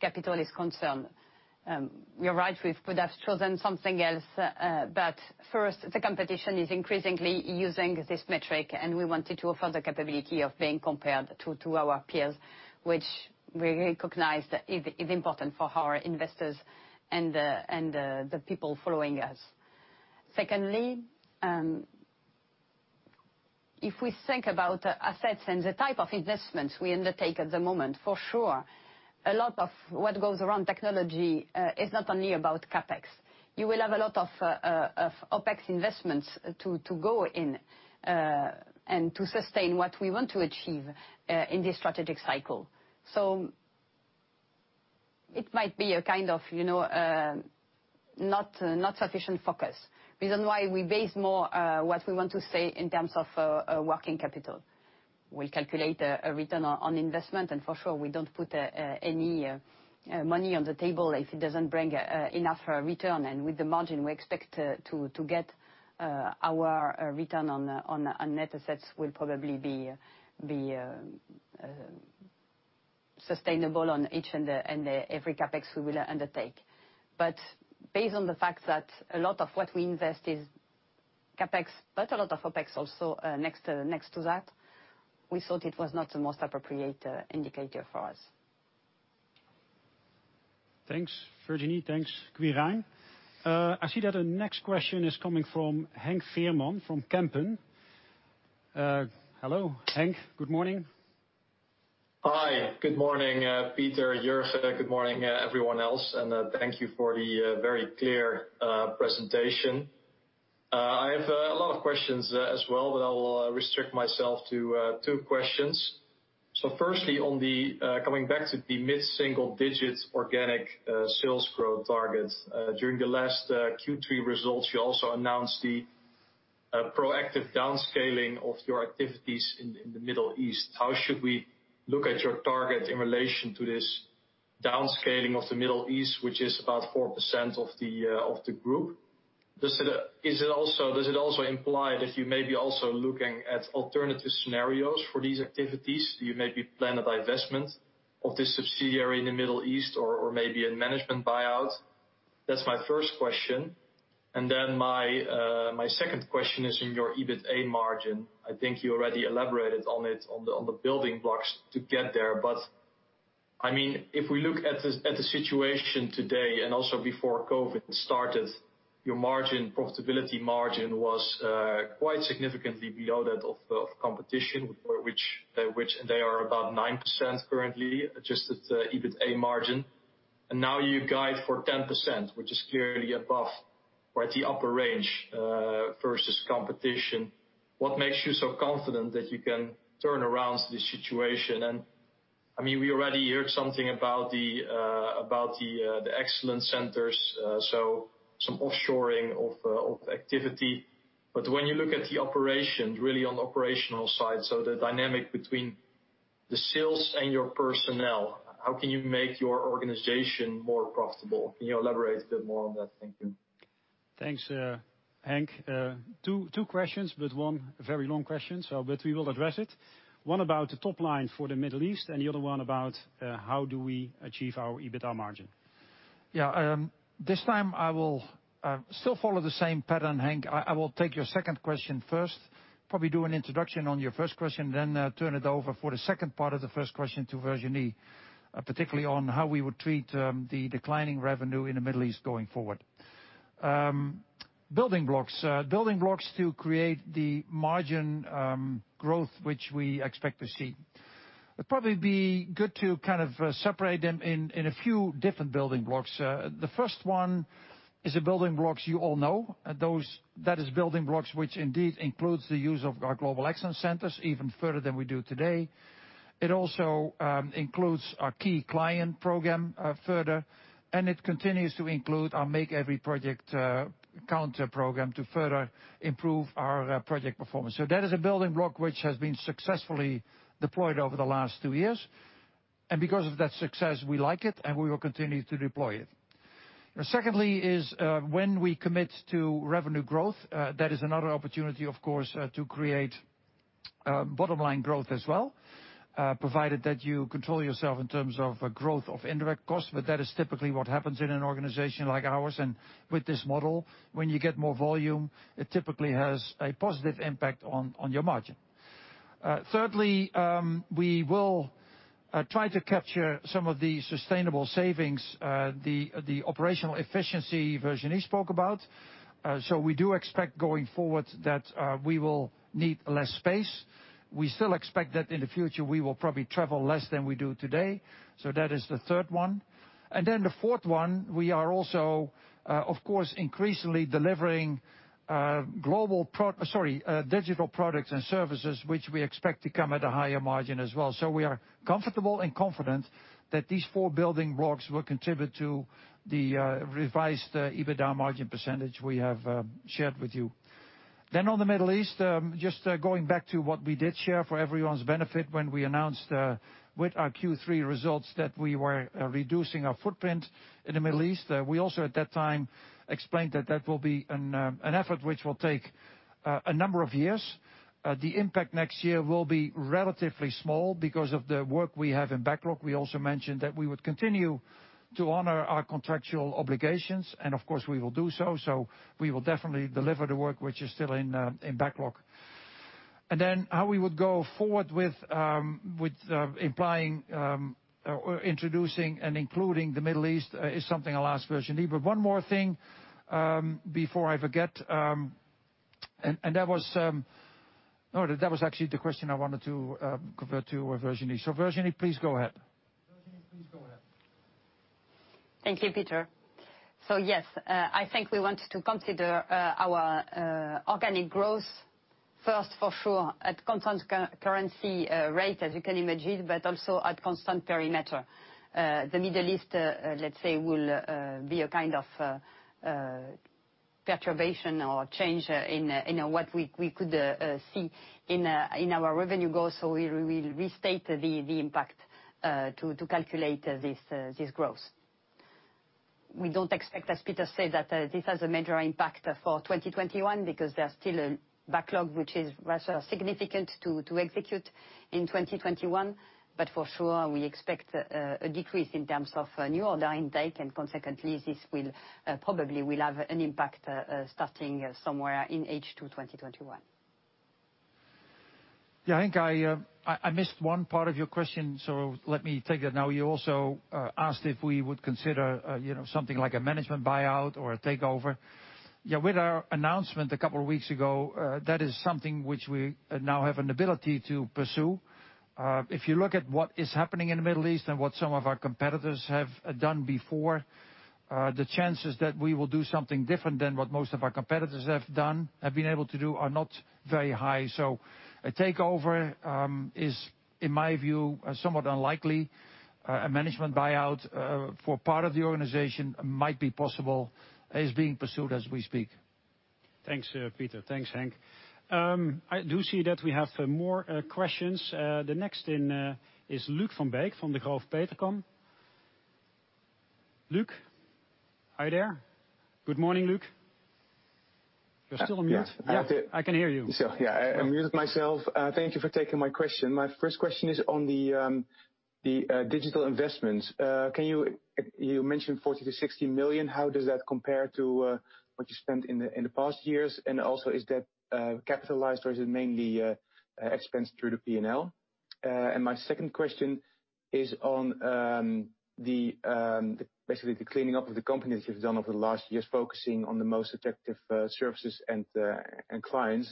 capital is concerned, you're right, we could have chosen something else. first, the competition is increasingly using this metric, and we wanted to offer the capability of being compared to our peers, which we recognize is important for our investors and the people following us. Secondly, if we think about assets and the type of investments we undertake at the moment, for sure, a lot of what goes around technology is not only about CapEx. You will have a lot of OpEx investments to go in, and to sustain what we want to achieve in this strategic cycle. it might be a kind of not sufficient focus. Reason why we base more what we want to say in terms of working capital. We calculate a return on investment, and for sure, we don't put any money on the table if it doesn't bring enough return. With the margin we expect to get, our return on net assets will probably be sustainable on each and every CapEx we will undertake. Based on the fact that a lot of what we invest is CapEx, but a lot of OpEx also next to that, we thought it was not the most appropriate indicator for us. Thanks, Virginie. Thanks, Quirijn. I see that the next question is coming from Henk Veerman from Kempen. Hello, Henk. Good morning. Hi, good morning, Peter, Jurgen. Good morning, everyone else, and thank you for the very clear presentation. I have a lot of questions as well, but I will restrict myself to two questions. Firstly, coming back to the mid-single digits organic sales growth targets. During the last Q3 results, you also announced the proactive downscaling of your activities in the Middle East. How should we look at your target in relation to this downscaling of the Middle East, which is about 4% of the Group? Does it also imply that you may be also looking at alternative scenarios for these activities? Do you maybe plan a divestment of this subsidiary in the Middle East or maybe a management buyout? That's my first question. My second question is in your EBITA margin. I think you already elaborated on it, on the building blocks to get there. If we look at the situation today and also before COVID started, your profitability margin was quite significantly below that of competition, which they are about 9% currently, adjusted EBITA margin. Now you guide for 10%, which is clearly above or at the upper range, versus competition. What makes you so confident that you can turn around this situation? We already heard something about the excellence centers. Some offshoring of activity. When you look at the operations, really on the operational side, so the dynamic between the sales and your personnel, how can you make your organization more profitable? Can you elaborate a bit more on that? Thank you. Thanks, Henk. Two questions, but one very long question, but we will address it. One about the top line for the Middle East, and the other one about how do we achieve our EBITDA margin. Yeah. This time, I will still follow the same pattern, Henk. I will take your second question first, probably do an introduction on your first question, then turn it over for the second part of the first question to Virginie, particularly on how we would treat the declining revenue in the Middle East going forward. Building blocks to create the margin growth which we expect to see. It'd probably be good to separate them in a few different building blocks. The first one is the building blocks you all know. That is building blocks which indeed includes the use of our Global Excellence Centers, even further than we do today. It also includes our key client program further, and it continues to include our Make Every Project Count program to further improve our project performance. That is a building block which has been successfully deployed over the last two years. Because of that success, we like it, and we will continue to deploy it. Secondly, is when we commit to revenue growth, that is another opportunity, of course, to create bottom line growth as well, provided that you control yourself in terms of growth of indirect costs. That is typically what happens in an organization like ours, and with this model, when you get more volume, it typically has a positive impact on your margin. Thirdly, we will try to capture some of the sustainable savings, the operational efficiency Virginie spoke about. We do expect going forward that we will need less space. We still expect that in the future we will probably travel less than we do today. That is the third one. The fourth one, we are also, of course, increasingly delivering digital products and services which we expect to come at a higher margin as well. We are comfortable and confident that these four building blocks will contribute to the revised EBITDA margin percentage we have shared with you. On the Middle East, just going back to what we did share for everyone's benefit when we announced with our Q3 results that we were reducing our footprint in the Middle East. We also, at that time, explained that that will be an effort which will take a number of years. The impact next year will be relatively small because of the work we have in backlog. We also mentioned that we would continue to honor our contractual obligations, and of course, we will do so. We will definitely deliver the work which is still in backlog. how we would go forward with implying or introducing and including the Middle East is something I'll ask Virginie. one more thing before I forget, and that was actually the question I wanted to convert to with Virginie. Virginie, please go ahead. Thank you, Peter. yes, I think we want to consider our organic growth first for sure at constant currency rate, as you can imagine, but also at constant perimeter. The Middle East, let's say, will be a kind of perturbation or change in what we could see in our revenue goals. we will restate the impact to calculate this growth. We don't expect, as Peter said, that this has a major impact for 2021 because there's still a backlog which is rather significant to execute in 2021. for sure, we expect a decrease in terms of new order intake, and consequently, this probably will have an impact starting somewhere in H2 2021. Yeah, Henk, I missed one part of your question, so let me take that now. You also asked if we would consider something like a management buyout or a takeover. With our announcement a couple of weeks ago, that is something which we now have an ability to pursue. If you look at what is happening in the Middle East and what some of our competitors have done before, the chances that we will do something different than what most of our competitors have been able to do are not very high. A takeover is, in my view, somewhat unlikely. A management buyout for part of the organization might be possible. It is being pursued as we speak. Thanks, Peter. Thanks, Henk. I do see that we have more questions. The next in is Luuk van Beek from Degroof Petercam. Luuk, are you there? Good morning, Luuk. You're still on mute. I can hear you. Yeah. I unmuted myself. Thank you for taking my question. My first question is on the digital investments. You mentioned 40 million-60 million. How does that compare to what you spent in the past years? Also, is that capitalized or is it mainly expense through the P&L? My second question is on basically the cleaning up of the companies you've done over the last years, focusing on the most effective services and clients.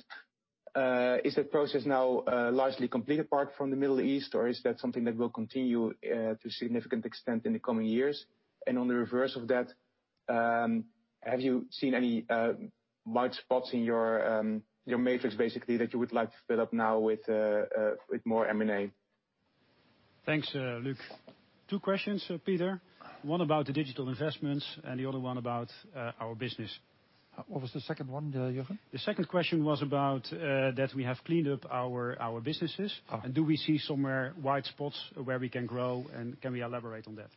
Is that process now largely complete apart from the Middle East, or is that something that will continue to a significant extent in the coming years? On the reverse of that, have you seen any blind spots in your matrix, basically, that you would like to fill up now with more M&A? Thanks, Luuk. Two questions, Peter. One about the digital investments and the other one about our business. What was the second one? The second question was about that we have cleaned up our businesses. Do we see some wide spots where we can grow, and can we elaborate on that?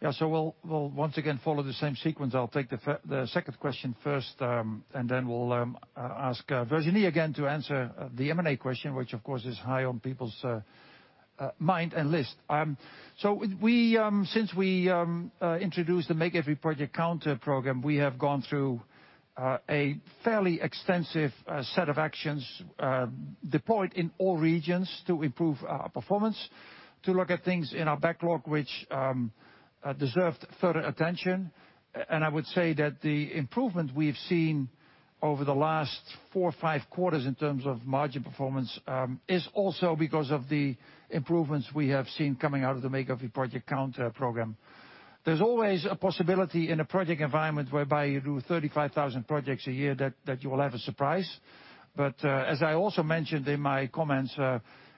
Yeah. We'll once again follow the same sequence. I'll take the second question first, and then we'll ask Virginie again to answer the M&A question, which, of course, is high on people's mind and list. Since we introduced the Make Every Project Count program, we have gone through a fairly extensive set of actions deployed in all regions to improve our performance, to look at things in our backlog which deserved further attention. I would say that the improvement we've seen over the last four or five quarters in terms of margin performance, is also because of the improvements we have seen coming out of the Make Every Project Count program. There's always a possibility in a project environment whereby you do 35,000 projects a year that you will have a surprise. As I also mentioned in my comments,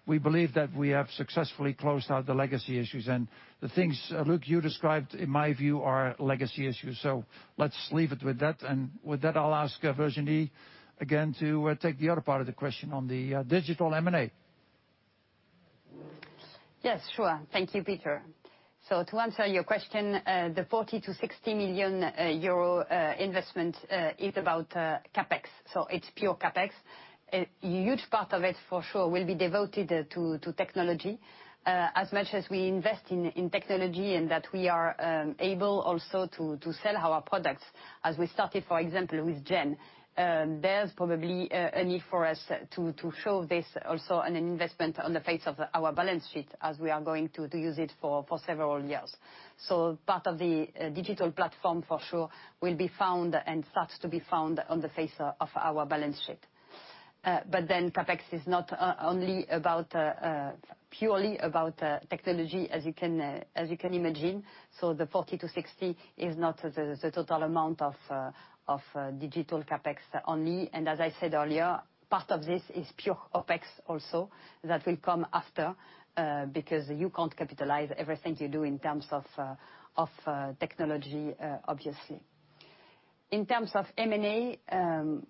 we believe that we have successfully closed out the legacy issues. the things, Luuk, you described, in my view, are legacy issues. let's leave it with that. with that, I'll ask Virginie again to take the other part of the question on the digital M&A. Yes, sure. Thank you, Peter. To answer your question, the 40 million-60 million euro investment is about CapEx. It's pure CapEx. A huge part of it, for sure, will be devoted to technology. As much as we invest in technology and that we are able also to sell our products as we started, for example, with Gen. There's probably a need for us to show this also in an investment on the face of our balance sheet as we are going to use it for several years. Part of the digital platform for sure will be found and starts to be found on the face of our balance sheet. CapEx is not only purely about technology, as you can imagine. The 40 million-60 million is not the total amount of digital CapEx only. As I said earlier, part of this is pure OpEx also that will come after, because you can't capitalize everything you do in terms of technology, obviously. In terms of M&A,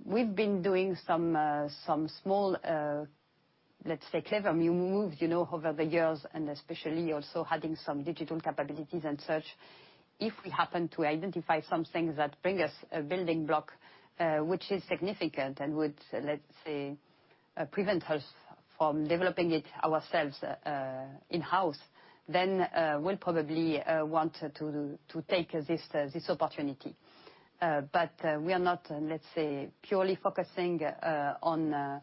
we've been doing some small, let's say, clever moves over the years, and especially also adding some digital capabilities and such. If we happen to identify some things that bring us a building block which is significant and would, let's say, prevent us from developing it ourselves in-house, then we'll probably want to take this opportunity. We are not, let's say, purely focusing on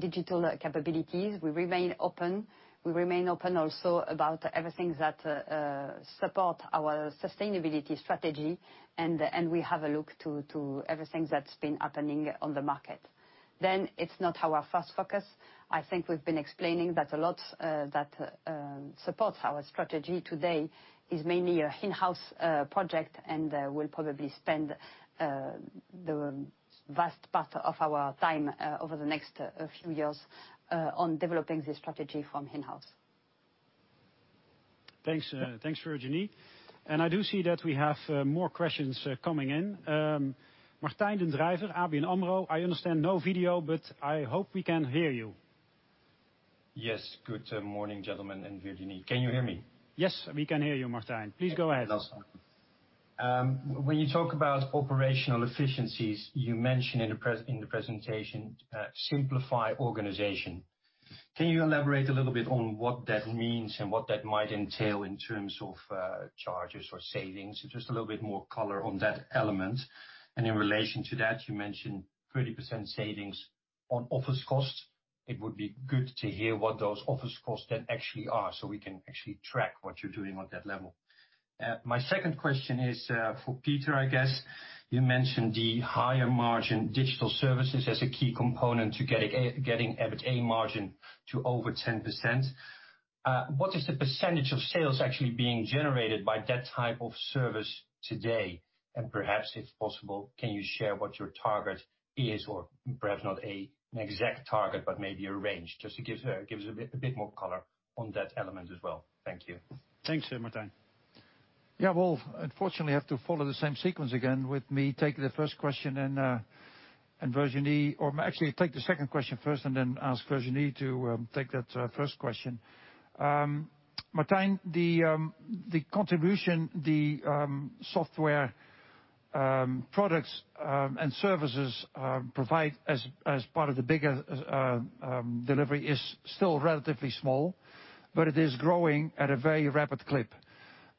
digital capabilities. We remain open also about everything that support our sustainability strategy, and we have a look to everything that's been happening on the market. It's not our first focus. I think we've been explaining that a lot that supports our strategy today is mainly an in-house project and will probably spend the vast part of our time over the next few years on developing this strategy from in-house. Thanks, Virginie. I do see that we have more questions coming in. Martijn den Drijver, ABN AMRO. I understand no video, but I hope we can hear you. Yes. Good morning, gentlemen and Virginie. Can you hear me? Yes, we can hear you, Martijn. Please go ahead. Awesome. When you talk about operational efficiencies, you mention in the presentation simplify organization. Can you elaborate a little bit on what that means and what that might entail in terms of charges or savings? Just a little bit more color on that element. In relation to that, you mentioned 30% savings on office costs. It would be good to hear what those office costs then actually are, so we can actually track what you're doing on that level. My second question is for Peter, I guess. You mentioned the higher margin digital services as a key component to getting EBITA margin to over 10%. What is the percentage of sales actually being generated by that type of service today? Perhaps, if possible, can you share what your target is? Perhaps not an exact target, but maybe a range. Just to give us a bit more color on that element as well. Thank you. Thanks, Martijn. Yeah. Well, unfortunately, I have to follow the same sequence again with me taking the first question and Virginie, or actually take the second question first and then ask Virginie to take that first question. Martijn, the contribution the software products and services provide as part of the bigger delivery is still relatively small, but it is growing at a very rapid clip.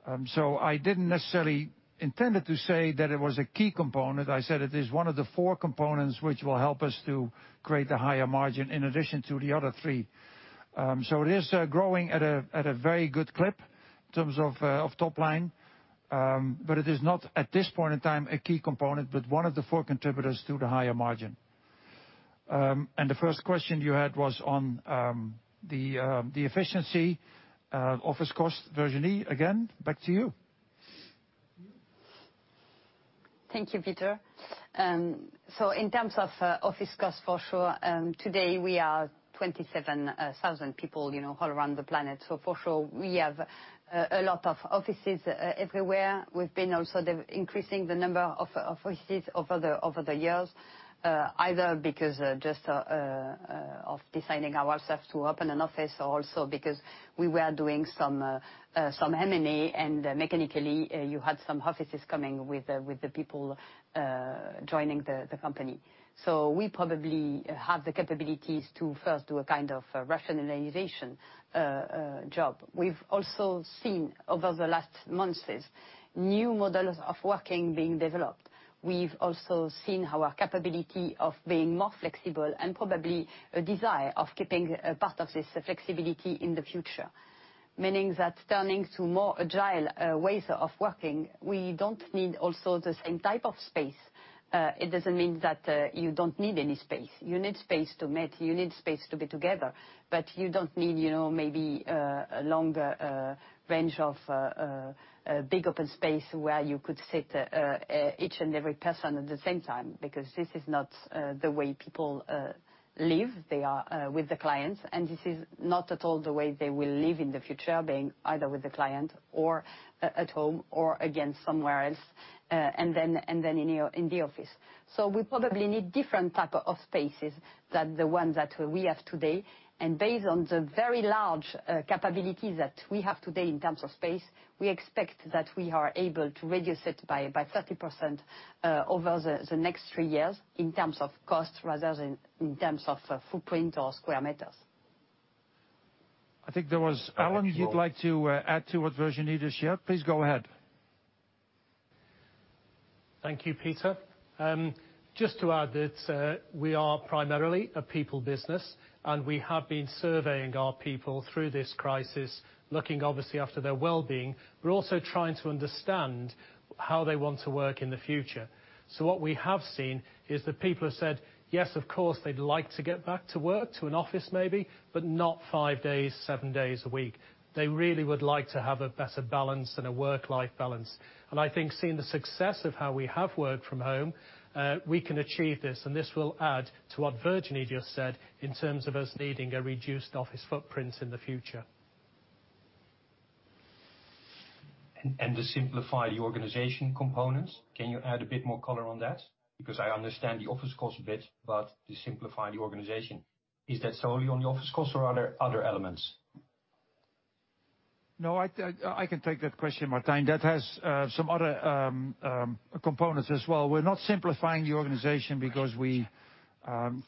I didn't necessarily intended to say that it was a key component. I said it is one of the four components which will help us to create a higher margin in addition to the other three. It is growing at a very good clip in terms of top line. It is not, at this point in time, a key component, but one of the four contributors to the higher margin. The first question you had was on the efficiency office cost. Virginie, again, back to you. Thank you, Peter. In terms of office costs, for sure, today we are 27,000 people all around the planet. For sure, we have a lot of offices everywhere. We've been also increasing the number of offices over the years, either because just of deciding ourselves to open an office, or also because we were doing some M&A, and mechanically, you had some offices coming with the people joining the company. We probably have the capabilities to first do a kind of rationalization job. We've also seen, over the last months, new models of working being developed. We've also seen our capability of being more flexible and probably a desire of keeping a part of this flexibility in the future. Meaning that turning to more agile ways of working, we don't need also the same type of space. It doesn't mean that you don't need any space. You need space to meet, you need space to be together. You don't need maybe a longer range of big open space where you could sit each and every person at the same time, because this is not the way people live. They are with the clients, and this is not at all the way they will live in the future, being either with the client or at home or again, somewhere else, and then in the office. We probably need different type of spaces than the ones that we have today. Based on the very large capabilities that we have today in terms of space, we expect that we are able to reduce it by 30% over the next three years in terms of cost rather than in terms of footprint or square meters. I think there was Alan, you'd like to add to what Virginie just shared. Please go ahead. Thank you, Peter. Just to add that we are primarily a people business, and we have been surveying our people through this crisis, looking obviously after their well-being, but also trying to understand how they want to work in the future. What we have seen is that people have said, yes, of course, they'd like to get back to work to an office maybe, but not five days, seven days a week. They really would like to have a better balance and a work-life balance. I think seeing the success of how we have worked from home, we can achieve this, and this will add to what Virginie just said in terms of us needing a reduced office footprint in the future. To simplify the organization components, can you add a bit more color on that? I understand the office cost bit, but to simplify the organization, is that solely on the office costs or are there other elements? No, I can take that question, Martijn. That has some other components as well. We're not simplifying the organization because we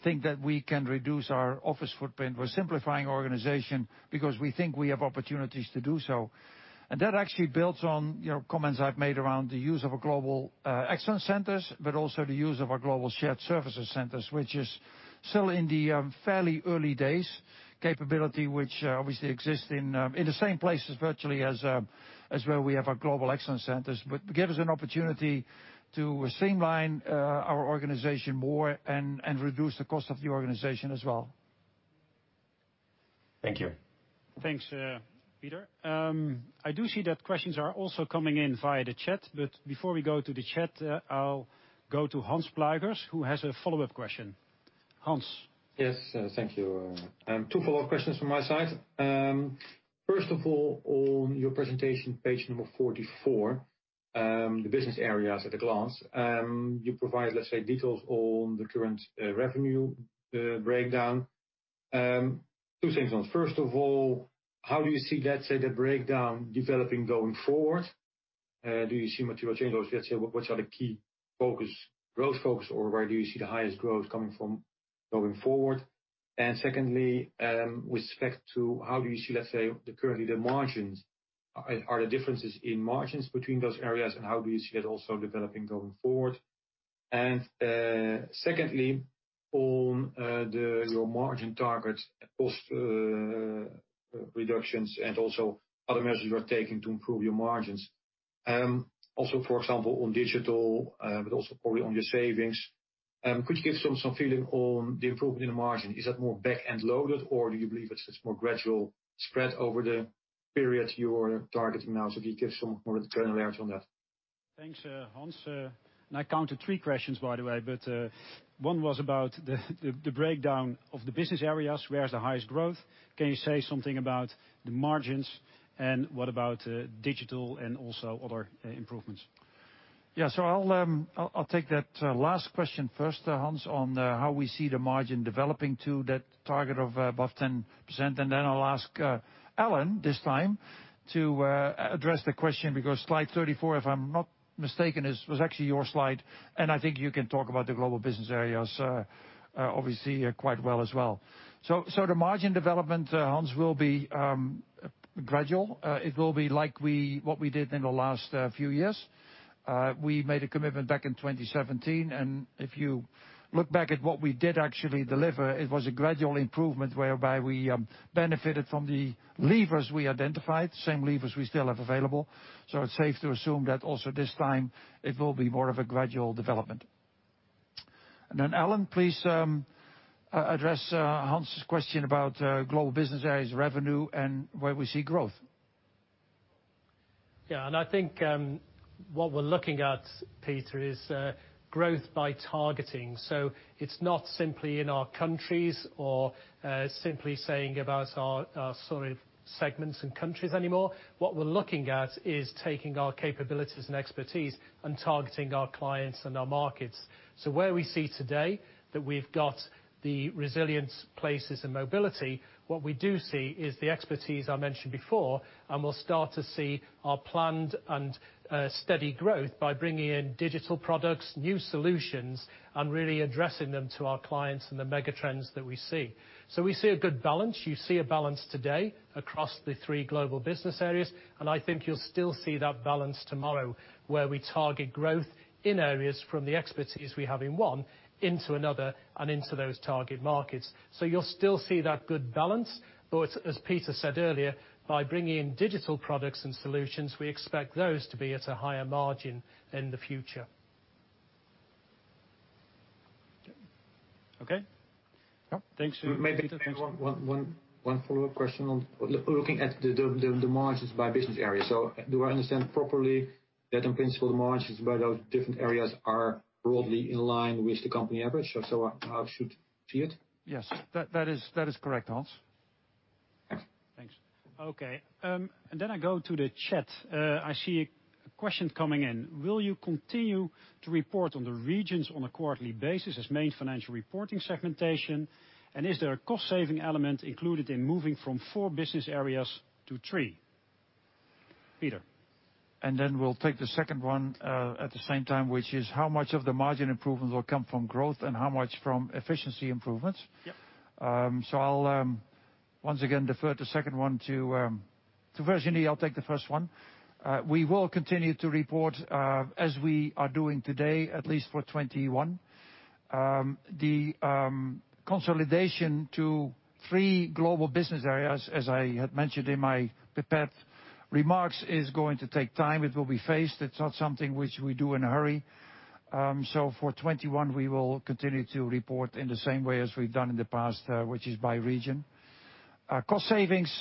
think that we can reduce our office footprint. We're simplifying organization because we think we have opportunities to do so. That actually builds on comments I've made around the use of our Global Excellence Centers, but also the use of our global shared services centers, which is still in the fairly early days capability, which obviously exist in the same places virtually as where we have our Global Excellence Centers, but give us an opportunity to streamline our organization more and reduce the cost of the organization as well. Thank you. Thanks, Peter. I do see that questions are also coming in via the chat, but before we go to the chat, I'll go to Hans Pluijgers, who has a follow-up question. Hans? Yes, thank you. Two follow-up questions from my side. First of all, on your presentation, page number 44, the business areas at a glance. You provide, let's say, details on the current revenue breakdown. Two things on it. First of all, how do you see, let's say, the breakdown developing going forward? Do you see material change, or let's say, what are the key growth focus, or where do you see the highest growth coming from going forward? Secondly, with respect to how do you see, let's say, currently the margins? Are there differences in margins between those areas, and how do you see that also developing going forward? Secondly, on your margin targets, cost reductions, and also other measures you are taking to improve your margins. Also, for example, on digital, but also probably on your savings. Could you give some feeling on the improvement in the margin? Is that more back-end loaded, or do you believe it's more gradual spread over the period you're targeting now? If you could give some more granularity on that. Thanks, Hans. I counted three questions, by the way, but one was about the breakdown of the business areas, where is the highest growth? Can you say something about the margins, and what about digital and also other improvements? Yeah. I'll take that last question first, Hans, on how we see the margin developing to that target of above 10%. I'll ask Alan this time to address the question because slide 44, if I'm not mistaken, was actually your slide, and I think you can talk about the global business areas obviously quite well as well. The margin development, Hans, will be gradual. It will be like what we did in the last few years. We made a commitment back in 2017, and if you look back at what we did actually deliver, it was a gradual improvement whereby we benefited from the levers we identified, same levers we still have available. It's safe to assume that also this time it will be more of a gradual development. Alan, please address Hans' question about global business areas revenue and where we see growth. Yeah, I think what we're looking at, Peter, is growth by targeting. It's not simply in our countries or simply saying about our sort of segments and countries anymore. What we're looking at is taking our capabilities and expertise and targeting our clients and our markets. Where we see today that we've got the resilience places and mobility, what we do see is the expertise I mentioned before, and we'll start to see our planned and steady growth by bringing in digital products, new solutions, and really addressing them to our clients and the megatrends that we see. We see a good balance. You see a balance today across the three global business areas, and I think you'll still see that balance tomorrow, where we target growth in areas from the expertise we have in one into another and into those target markets. You'll still see that good balance, but as Peter said earlier, by bringing in digital products and solutions, we expect those to be at a higher margin in the future. Okay. Yeah. Thanks. Maybe one follow-up question on looking at the margins by business area. Do I understand properly that in principle, the margins by those different areas are broadly in line with the company average? I should see it? Yes. That is correct, Hans. Thanks. Okay. I go to the chat. I see a question coming in. Will you continue to report on the regions on a quarterly basis as main financial reporting segmentation? Is there a cost-saving element included in moving from four business areas to three? Peter. We'll take the second one at the same time, which is how much of the margin improvements will come from growth and how much from efficiency improvements? I'll once again defer the second one to Virginie. I'll take the first one. We will continue to report, as we are doing today, at least for 2021. The consolidation to three global business areas, as I had mentioned in my prepared remarks, is going to take time. It will be phased. It's not something which we do in a hurry. For 2021, we will continue to report in the same way as we've done in the past, which is by region. Cost savings.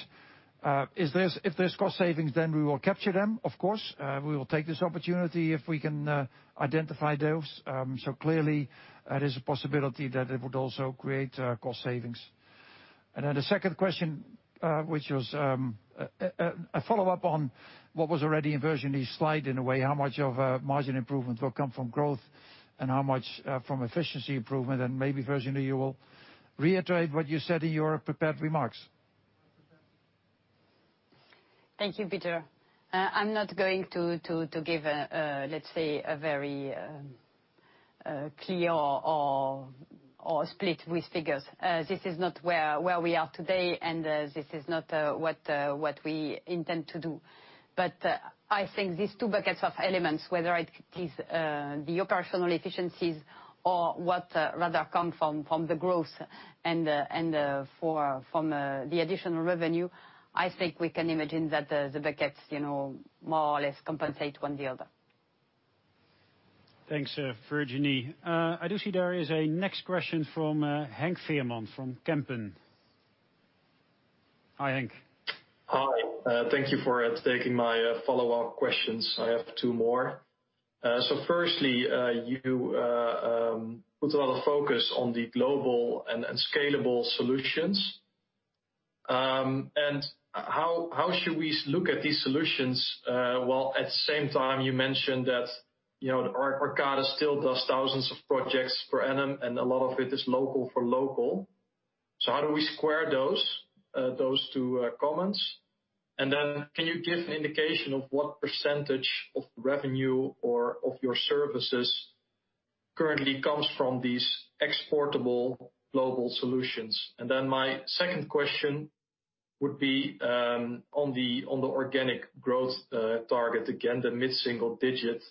If there's cost savings, then we will capture them, of course. We will take this opportunity if we can identify those. Clearly, that is a possibility that it would also create cost savings. The second question, which was a follow-up on what was already in Virginie's slide in a way, how much of a margin improvement will come from growth and how much from efficiency improvement? maybe, Virginie, you will reiterate what you said in your prepared remarks. Thank you, Peter. I'm not going to give, let's say, a very clear or split with figures. This is not where we are today, and this is not what we intend to do. I think these two buckets of elements, whether it is the operational efficiencies or what rather come from the growth and from the additional revenue, I think we can imagine that the buckets more or less compensate one the other. Thanks, Virginie. I do see there is a next question from Henk Veerman from Kempen. Hi, Henk. Hi. Thank you for taking my follow-up questions. I have two more. Firstly, you put a lot of focus on the global and scalable solutions. How should we look at these solutions? While at the same time you mentioned that Arcadis still does thousands of projects per annum, and a lot of it is local for local. How do we square those two comments? Can you give an indication of what percentage of revenue or of your services currently comes from these exportable global solutions? My second question would be on the organic growth target, again, the mid-single digits.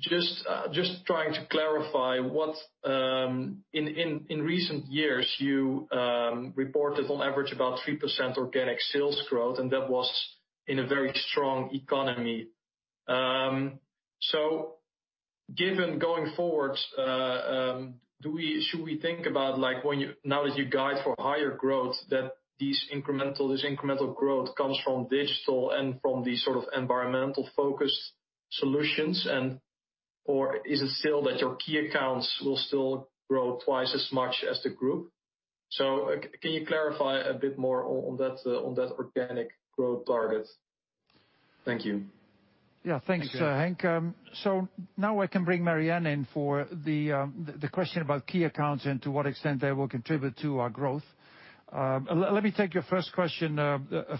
Just trying to clarify what, in recent years, you reported on average about 3% organic sales growth, and that was in a very strong economy. Given going forward, should we think about now that you guide for higher growth, that this incremental growth comes from digital and from these sort of environmental-focused solutions? Is it still that your key accounts will still grow twice as much as the group? Can you clarify a bit more on that organic growth target? Thank you. Yeah, thanks, Henk. Now I can bring Mary Ann in for the question about key accounts and to what extent they will contribute to our growth. Let me take your first question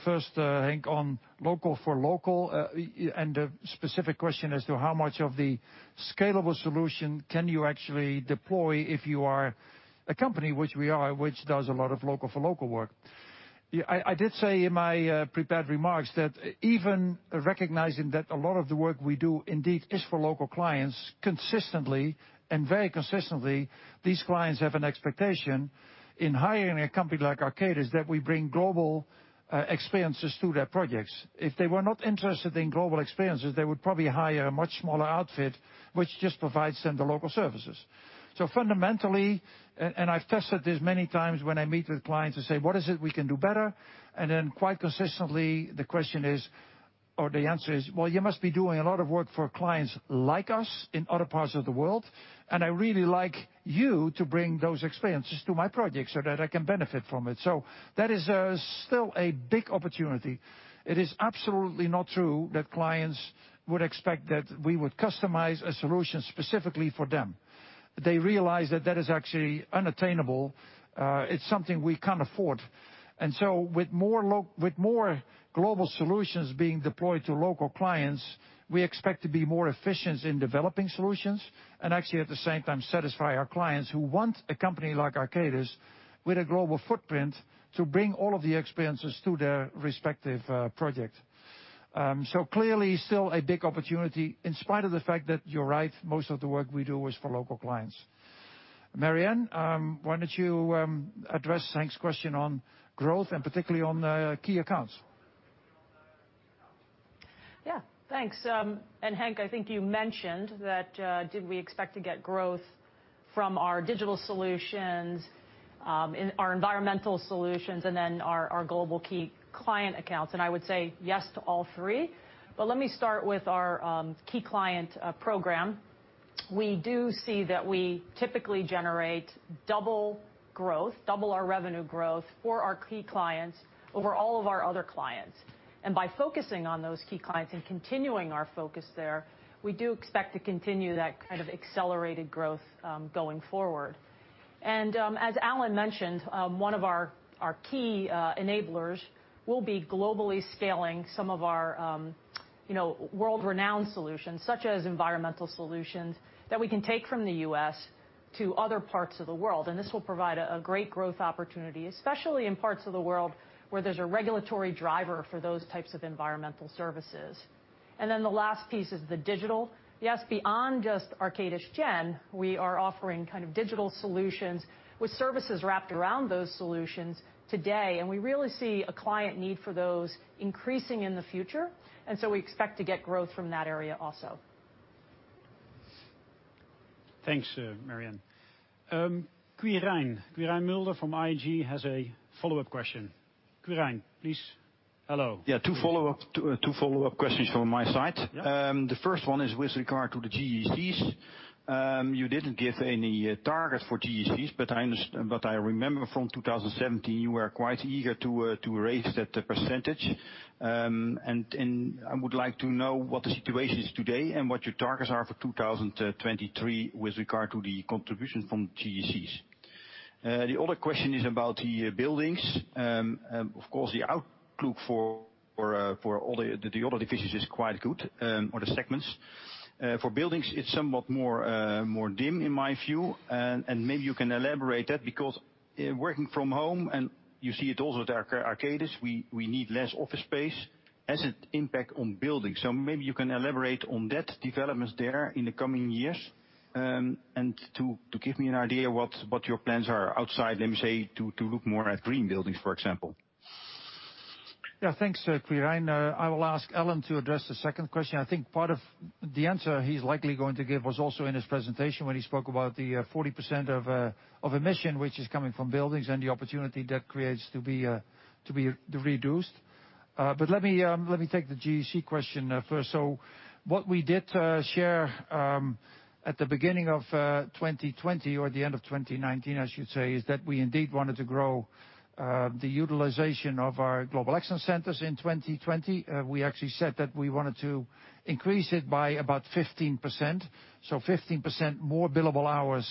first, Henk, on local for local, and a specific question as to how much of the scalable solution can you actually deploy if you are a company, which we are, which does a lot of local for local work. I did say in my prepared remarks that even recognizing that a lot of the work we do indeed is for local clients, consistently and very consistently. These clients have an expectation in hiring a company like Arcadis that we bring global experiences to their projects. If they were not interested in global experiences, they would probably hire a much smaller outfit, which just provides them the local services. Fundamentally, and I've tested this many times when I meet with clients who say, "What is it we can do better?" then quite consistently, the question is, or the answer is, "Well, you must be doing a lot of work for clients like us in other parts of the world, and I really like you to bring those experiences to my project so that I can benefit from it." that is still a big opportunity. It is absolutely not true that clients would expect that we would customize a solution specifically for them. They realize that that is actually unattainable. It's something we can't afford. With more global solutions being deployed to local clients, we expect to be more efficient in developing solutions and actually at the same time satisfy our clients who want a company like Arcadis with a global footprint to bring all of the experiences to their respective project. Clearly, still a big opportunity in spite of the fact that you're right, most of the work we do is for local clients. Mary Ann, why don't you address Henk's question on growth and particularly on the key accounts? Yeah, thanks, Henk, I think you mentioned that did we expect to get growth from our digital solutions, our environmental solutions, and then our global key client accounts. I would say yes to all three, but let me start with our key client program. We do see that we typically generate double growth, double our revenue growth for our key clients over all of our other clients. By focusing on those key clients and continuing our focus there, we do expect to continue that kind of accelerated growth, going forward. As Alan mentioned, one of our key enablers will be globally scaling some of our world-renowned solutions, such as environmental solutions that we can take from the U.S. to other parts of the world. This will provide a great growth opportunity, especially in parts of the world where there's a regulatory driver for those types of environmental services. The last piece is the digital. Yes, beyond just Arcadis Gen, we are offering kind of digital solutions with services wrapped around those solutions today, and we really see a client need for those increasing in the future. We expect to get growth from that area also. Thanks, Mary Ann. Quirijn. Quirijn Mulder from ING has a follow-up question. Quirijn, please. Hello. Yeah, two follow-up questions from my side. Yeah. The first one is with regard to the GECs. You didn't give any target for GECs, but I remember from 2017 you were quite eager to raise that percentage. I would like to know what the situation is today and what your targets are for 2023 with regard to the contribution from GECs. The other question is about the buildings. Of course, the outlook for all the other divisions is quite good, or the segments. For buildings, it's somewhat more dim in my view, and maybe you can elaborate that because working from home, and you see it also at Arcadis, we need less office space. Has it impact on buildings? Maybe you can elaborate on that development there in the coming years, and to give me an idea what your plans are outside, let me say, to look more at green buildings, for example. Yeah, thanks Quirijn. I will ask Alan to address the second question. I think part of the answer he's likely going to give was also in his presentation when he spoke about the 40% of emission, which is coming from buildings and the opportunity that creates to be reduced. Let me take the GEC question first. What we did share at the beginning of 2020 or the end of 2019 I should say, is that we indeed wanted to grow the utilization of our global excellence centers in 2020. We actually said that we wanted to increase it by about 15%. 15% more billable hours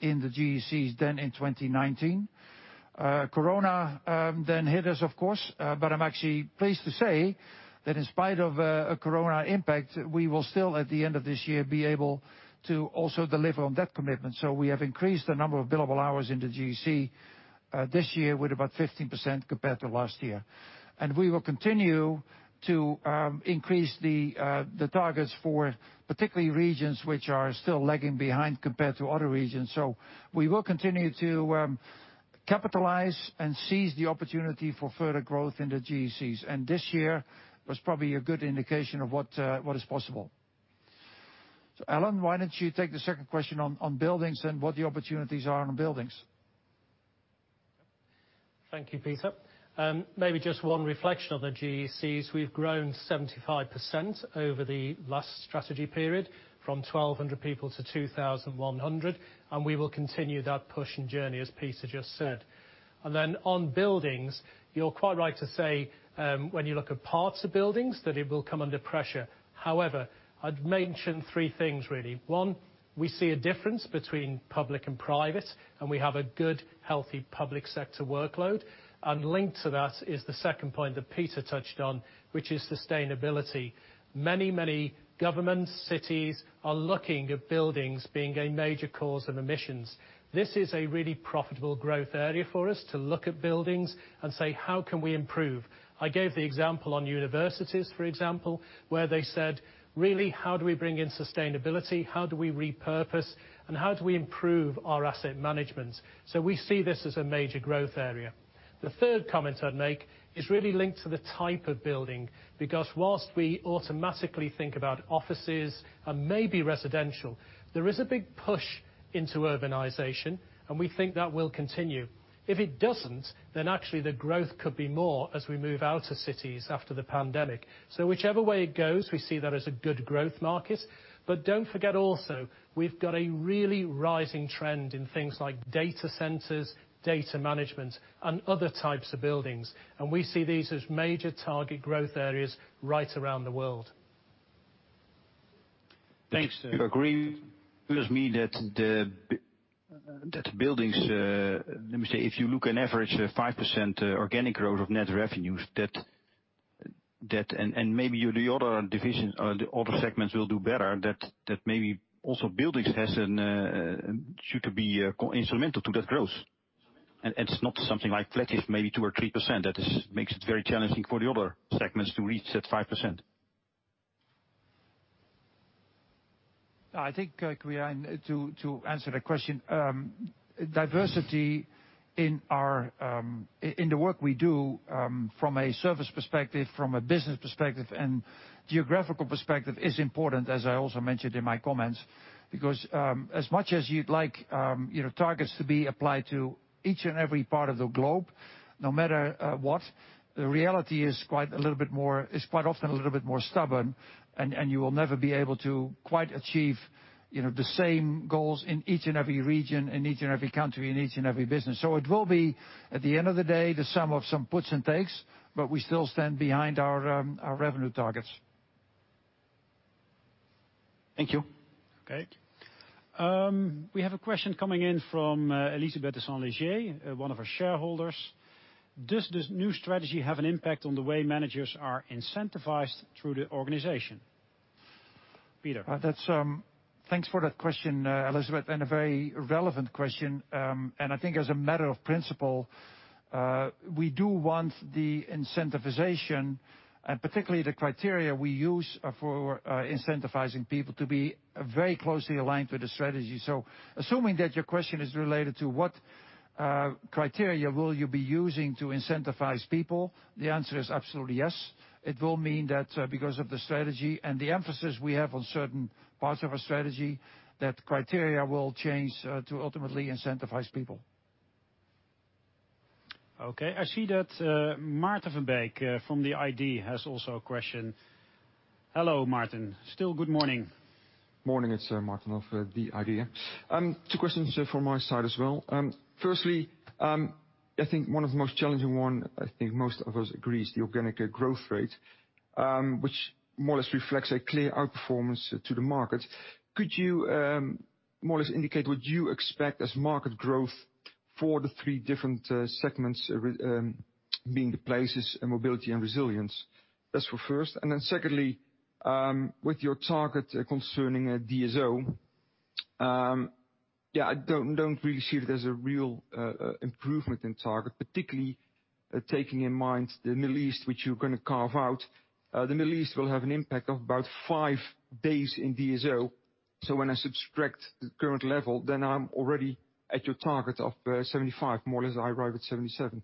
in the GECs than in 2019. Corona then hit us, of course. I'm actually pleased to say that in spite of a Corona impact, we will still at the end of this year be able to also deliver on that commitment. We have increased the number of billable hours in the GEC this year with about 15% compared to last year. We will continue to increase the targets for particularly regions which are still lagging behind compared to other regions. We will continue to capitalize and seize the opportunity for further growth in the GECs. This year was probably a good indication of what is possible. Alan, why don't you take the second question on buildings and what the opportunities are on buildings? Thank you, Peter. Maybe just one reflection on the GECs. We've grown 75% over the last strategy period from 1,200 people to 2,100, and we will continue that push and journey as Peter just said. On buildings, you're quite right to say, when you look at parts of buildings that it will come under pressure. However, I'd mention three things really. One, we see a difference between public and private, and we have a good, healthy public sector workload. Linked to that is the second point that Peter touched on, which is sustainability. Many, many governments, cities are looking at buildings being a major cause of emissions. This is a really profitable growth area for us to look at buildings and say, "How can we improve?" I gave the example on universities, for example, where they said, "Really, how do we bring in sustainability? How do we repurpose, and how do we improve our asset management?" we see this as a major growth area. The third comment I'd make is really linked to the type of building, because whilst we automatically think about offices and maybe residential, there is a big push into urbanization We think that will continue. If it doesn't, then actually the growth could be more as we move out of cities after the pandemic. Whichever way it goes, we see that as a good growth market. Don't forget also, we've got a really rising trend in things like data centers, data management, and other types of buildings. We see these as major target growth areas right around the world. Thanks. Do you agree with me that buildings, let me say, if you look on average at 5% organic growth of net revenues, and maybe the other divisions or the other segments will do better, that maybe also buildings should be instrumental to that growth? it's not something like flatish, maybe 2% or 3%, that makes it very challenging for the other segments to reach that 5%. I think, Quirijn, to answer the question, diversity in the work we do from a service perspective, from a business perspective, and geographical perspective is important, as I also mentioned in my comments. Because as much as you'd like targets to be applied to each and every part of the globe, no matter what, the reality is quite often a little bit more stubborn, and you will never be able to quite achieve the same goals in each and every region, in each and every country, in each and every business. It will be, at the end of the day, the sum of some puts and takes, but we still stand behind our revenue targets. Thank you. Okay. We have a question coming in from Elisabeth Deslongchamps, one of our shareholders. Does this new strategy have an impact on the way managers are incentivized through the organization? Peter? Thanks for that question, Elisabeth, and a very relevant question. I think as a matter of principle, we do want the incentivization, and particularly the criteria we use for incentivizing people, to be very closely aligned with the strategy. Assuming that your question is related to what criteria will you be using to incentivize people, the answer is absolutely yes. It will mean that because of the strategy and the emphasis we have on certain parts of our strategy, that criteria will change to ultimately incentivize people. Okay. I see that Maarten Verbeek from the IDEA! has also a question. Hello, Maarten. Still good morning. Morning. It's Maarten of the IDEA!. Two questions from my side as well. Firstly, I think one of the most challenging one I think most of us agrees, the organic growth rate, which more or less reflects a clear outperformance to the market. Could you more or less indicate what you expect as market growth for the three different segments, being the places, mobility, and resilience? That's for first. secondly, with your target concerning DSO, I don't really see it as a real improvement in target, particularly taking in mind the Middle East, which you're going to carve out. The Middle East will have an impact of about five days in DSO. when I subtract the current level, then I'm already at your target of 75. More or less, I arrive at 77.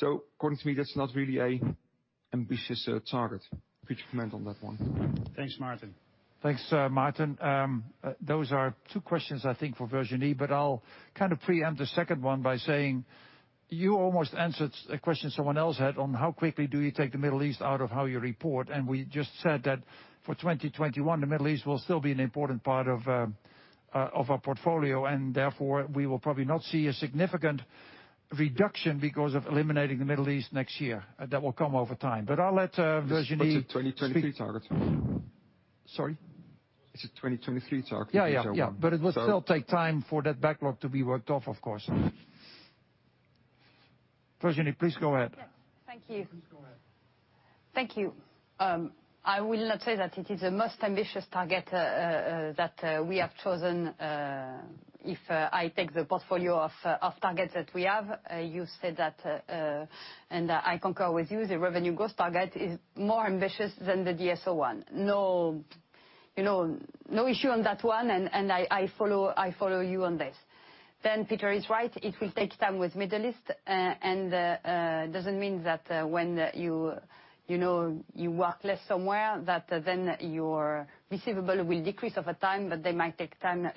according to me, that's not really an ambitious target. Could you comment on that one? Thanks, Maarten. Thanks, Maarten. Those are two questions, I think, for Virginie, but I'll kind of preempt the second one by saying, you almost answered a question someone else had on how quickly do you take the Middle East out of how you report. we just said that for 2021, the Middle East will still be an important part of our portfolio, and therefore, we will probably not see a significant reduction because of eliminating the Middle East next year. That will come over time. I'll let Virginie speak. It's a 2023 target. Sorry. It's a 2023 target. Yeah. It will still take time for that backlog to be worked off, of course. Virginie, please go ahead. Yes. Thank you. Thank you. I will not say that it is the most ambitious target that we have chosen. If I take the portfolio of targets that we have, you said that, and I concur with you, the revenue growth target is more ambitious than the DSO one. No issue on that one, and I follow you on this. Peter is right. It will take time with Middle East, and it doesn't mean that when you work less somewhere, that then your receivable will decrease over time, but they might take time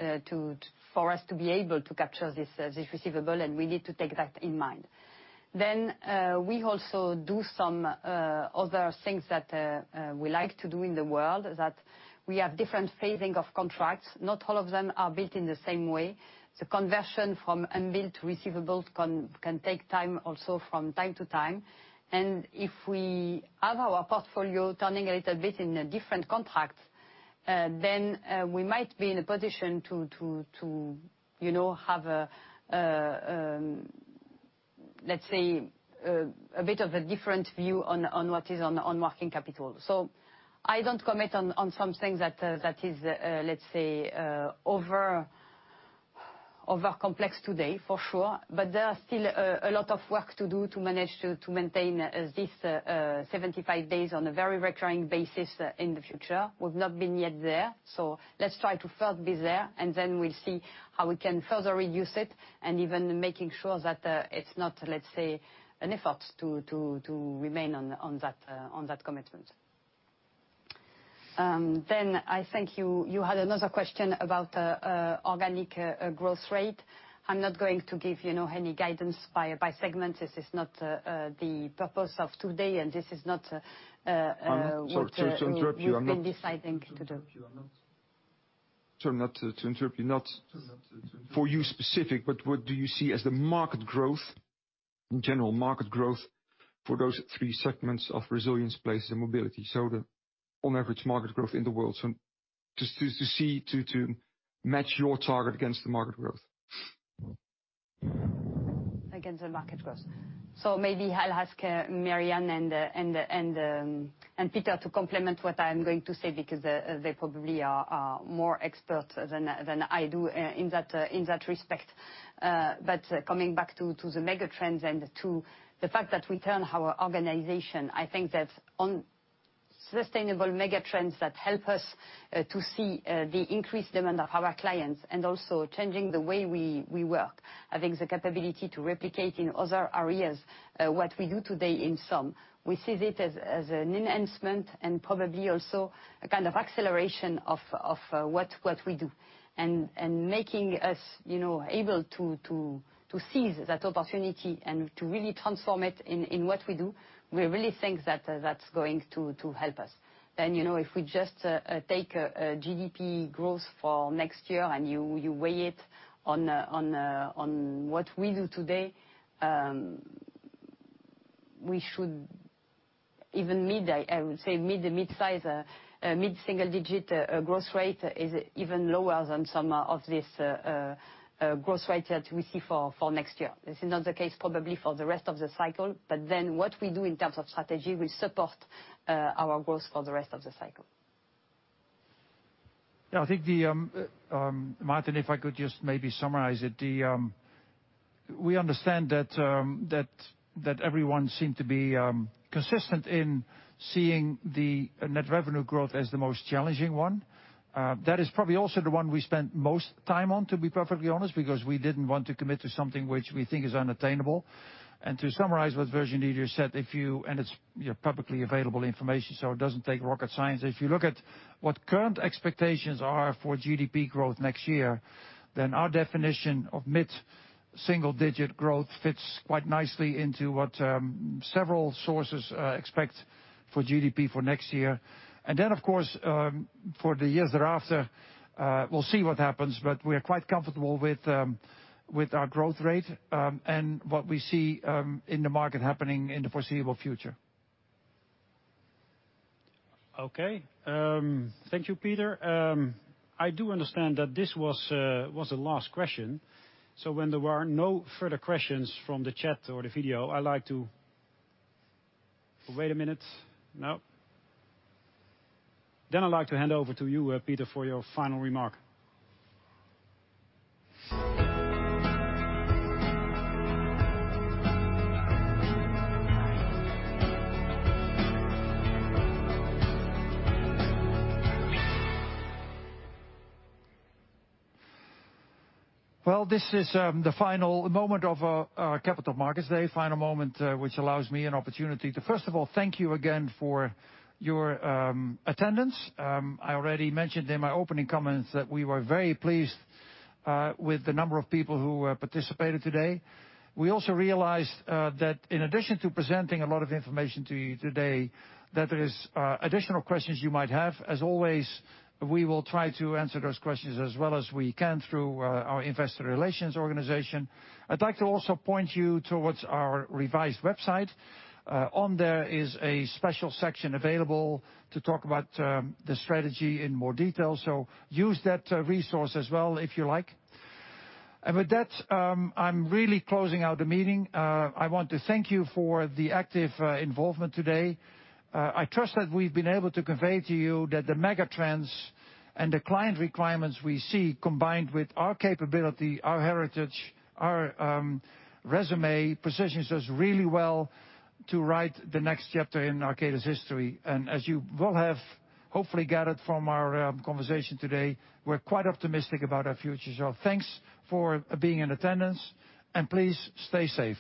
for us to be able to capture this receivable, and we need to take that in mind. We also do some other things that we like to do in the world, is that we have different phasing of contracts. Not all of them are built in the same way. The conversion from unbilled to receivable can take time also from time to time. if we have our portfolio turning a little bit in a different contract, then we might be in a position to have, let's say, a bit of a different view on what is on working capital. I don't comment on some things that is, let's say, over complex today, for sure. there are still a lot of work to do to manage to maintain this 75 days on a very recurring basis in the future. We've not been yet there. let's try to first be there, and then we'll see how we can further reduce it and even making sure that it's not, let's say, an effort to remain on that commitment. I think you had another question about organic growth rate. I'm not going to give any guidance by segment. This is not the purpose of today, and this is not I'm sorry to interrupt you. what you've been deciding to do. Sorry not to interrupt you. Not for you specific, but what do you see as the market growth, in general market growth, for those three segments of resilience, places, and mobility? The on average market growth in the world. Just to see, to match your target against the market growth. Against the market growth. Maybe I'll ask Mary Ann and Peter to complement what I'm going to say because they probably are more expert than I do in that respect. Coming back to the megatrends and to the fact that we turn our organization, I think that on sustainable megatrends that help us to see the increased demand of our clients and also changing the way we work, having the capability to replicate in other areas what we do today in some. We see it as an enhancement and probably also a kind of acceleration of what we do. Making us able to seize that opportunity and to really transform it in what we do, we really think that's going to help us. If we just take a GDP growth for next year and you weigh it on what we do today, we should even I would say mid-single digit growth rate is even lower than some of this growth rate that we see for next year. This is not the case probably for the rest of the cycle, but then what we do in terms of strategy will support our growth for the rest of the cycle. Yeah, Maarten, if I could just maybe summarize it. We understand that everyone seemed to be consistent in seeing the net revenue growth as the most challenging one. That is probably also the one we spent most time on, to be perfectly honest, because we didn't want to commit to something which we think is unattainable. To summarize what Virginie just said, and it's publicly available information, so it doesn't take rocket science. If you look at what current expectations are for GDP growth next year, then our definition of mid-single digit growth fits quite nicely into what several sources expect for GDP for next year. Of course, for the years thereafter, we'll see what happens, but we're quite comfortable with our growth rate, and what we see in the market happening in the foreseeable future. Okay. Thank you, Peter. I do understand that this was the last question. When there are no further questions from the chat or the video, I'd like to hand over to you, Peter, for your final remark. Well, this is the final moment of our Capital Markets Day. Final moment which allows me an opportunity to, first of all, thank you again for your attendance. I already mentioned in my opening comments that we were very pleased with the number of people who participated today. We also realized that in addition to presenting a lot of information to you today, that there is additional questions you might have. As always, we will try to answer those questions as well as we can through our investor relations organization. I'd like to also point you towards our revised website. On there is a special section available to talk about the strategy in more detail. Use that resource as well, if you like. With that, I'm really closing out the meeting. I want to thank you for the active involvement today. I trust that we've been able to convey to you that the megatrends and the client requirements we see, combined with our capability, our heritage, our resume, positions us really well to write the next chapter in Arcadis history. As you will have hopefully gathered from our conversation today, we're quite optimistic about our future. Thanks for being in attendance, and please stay safe.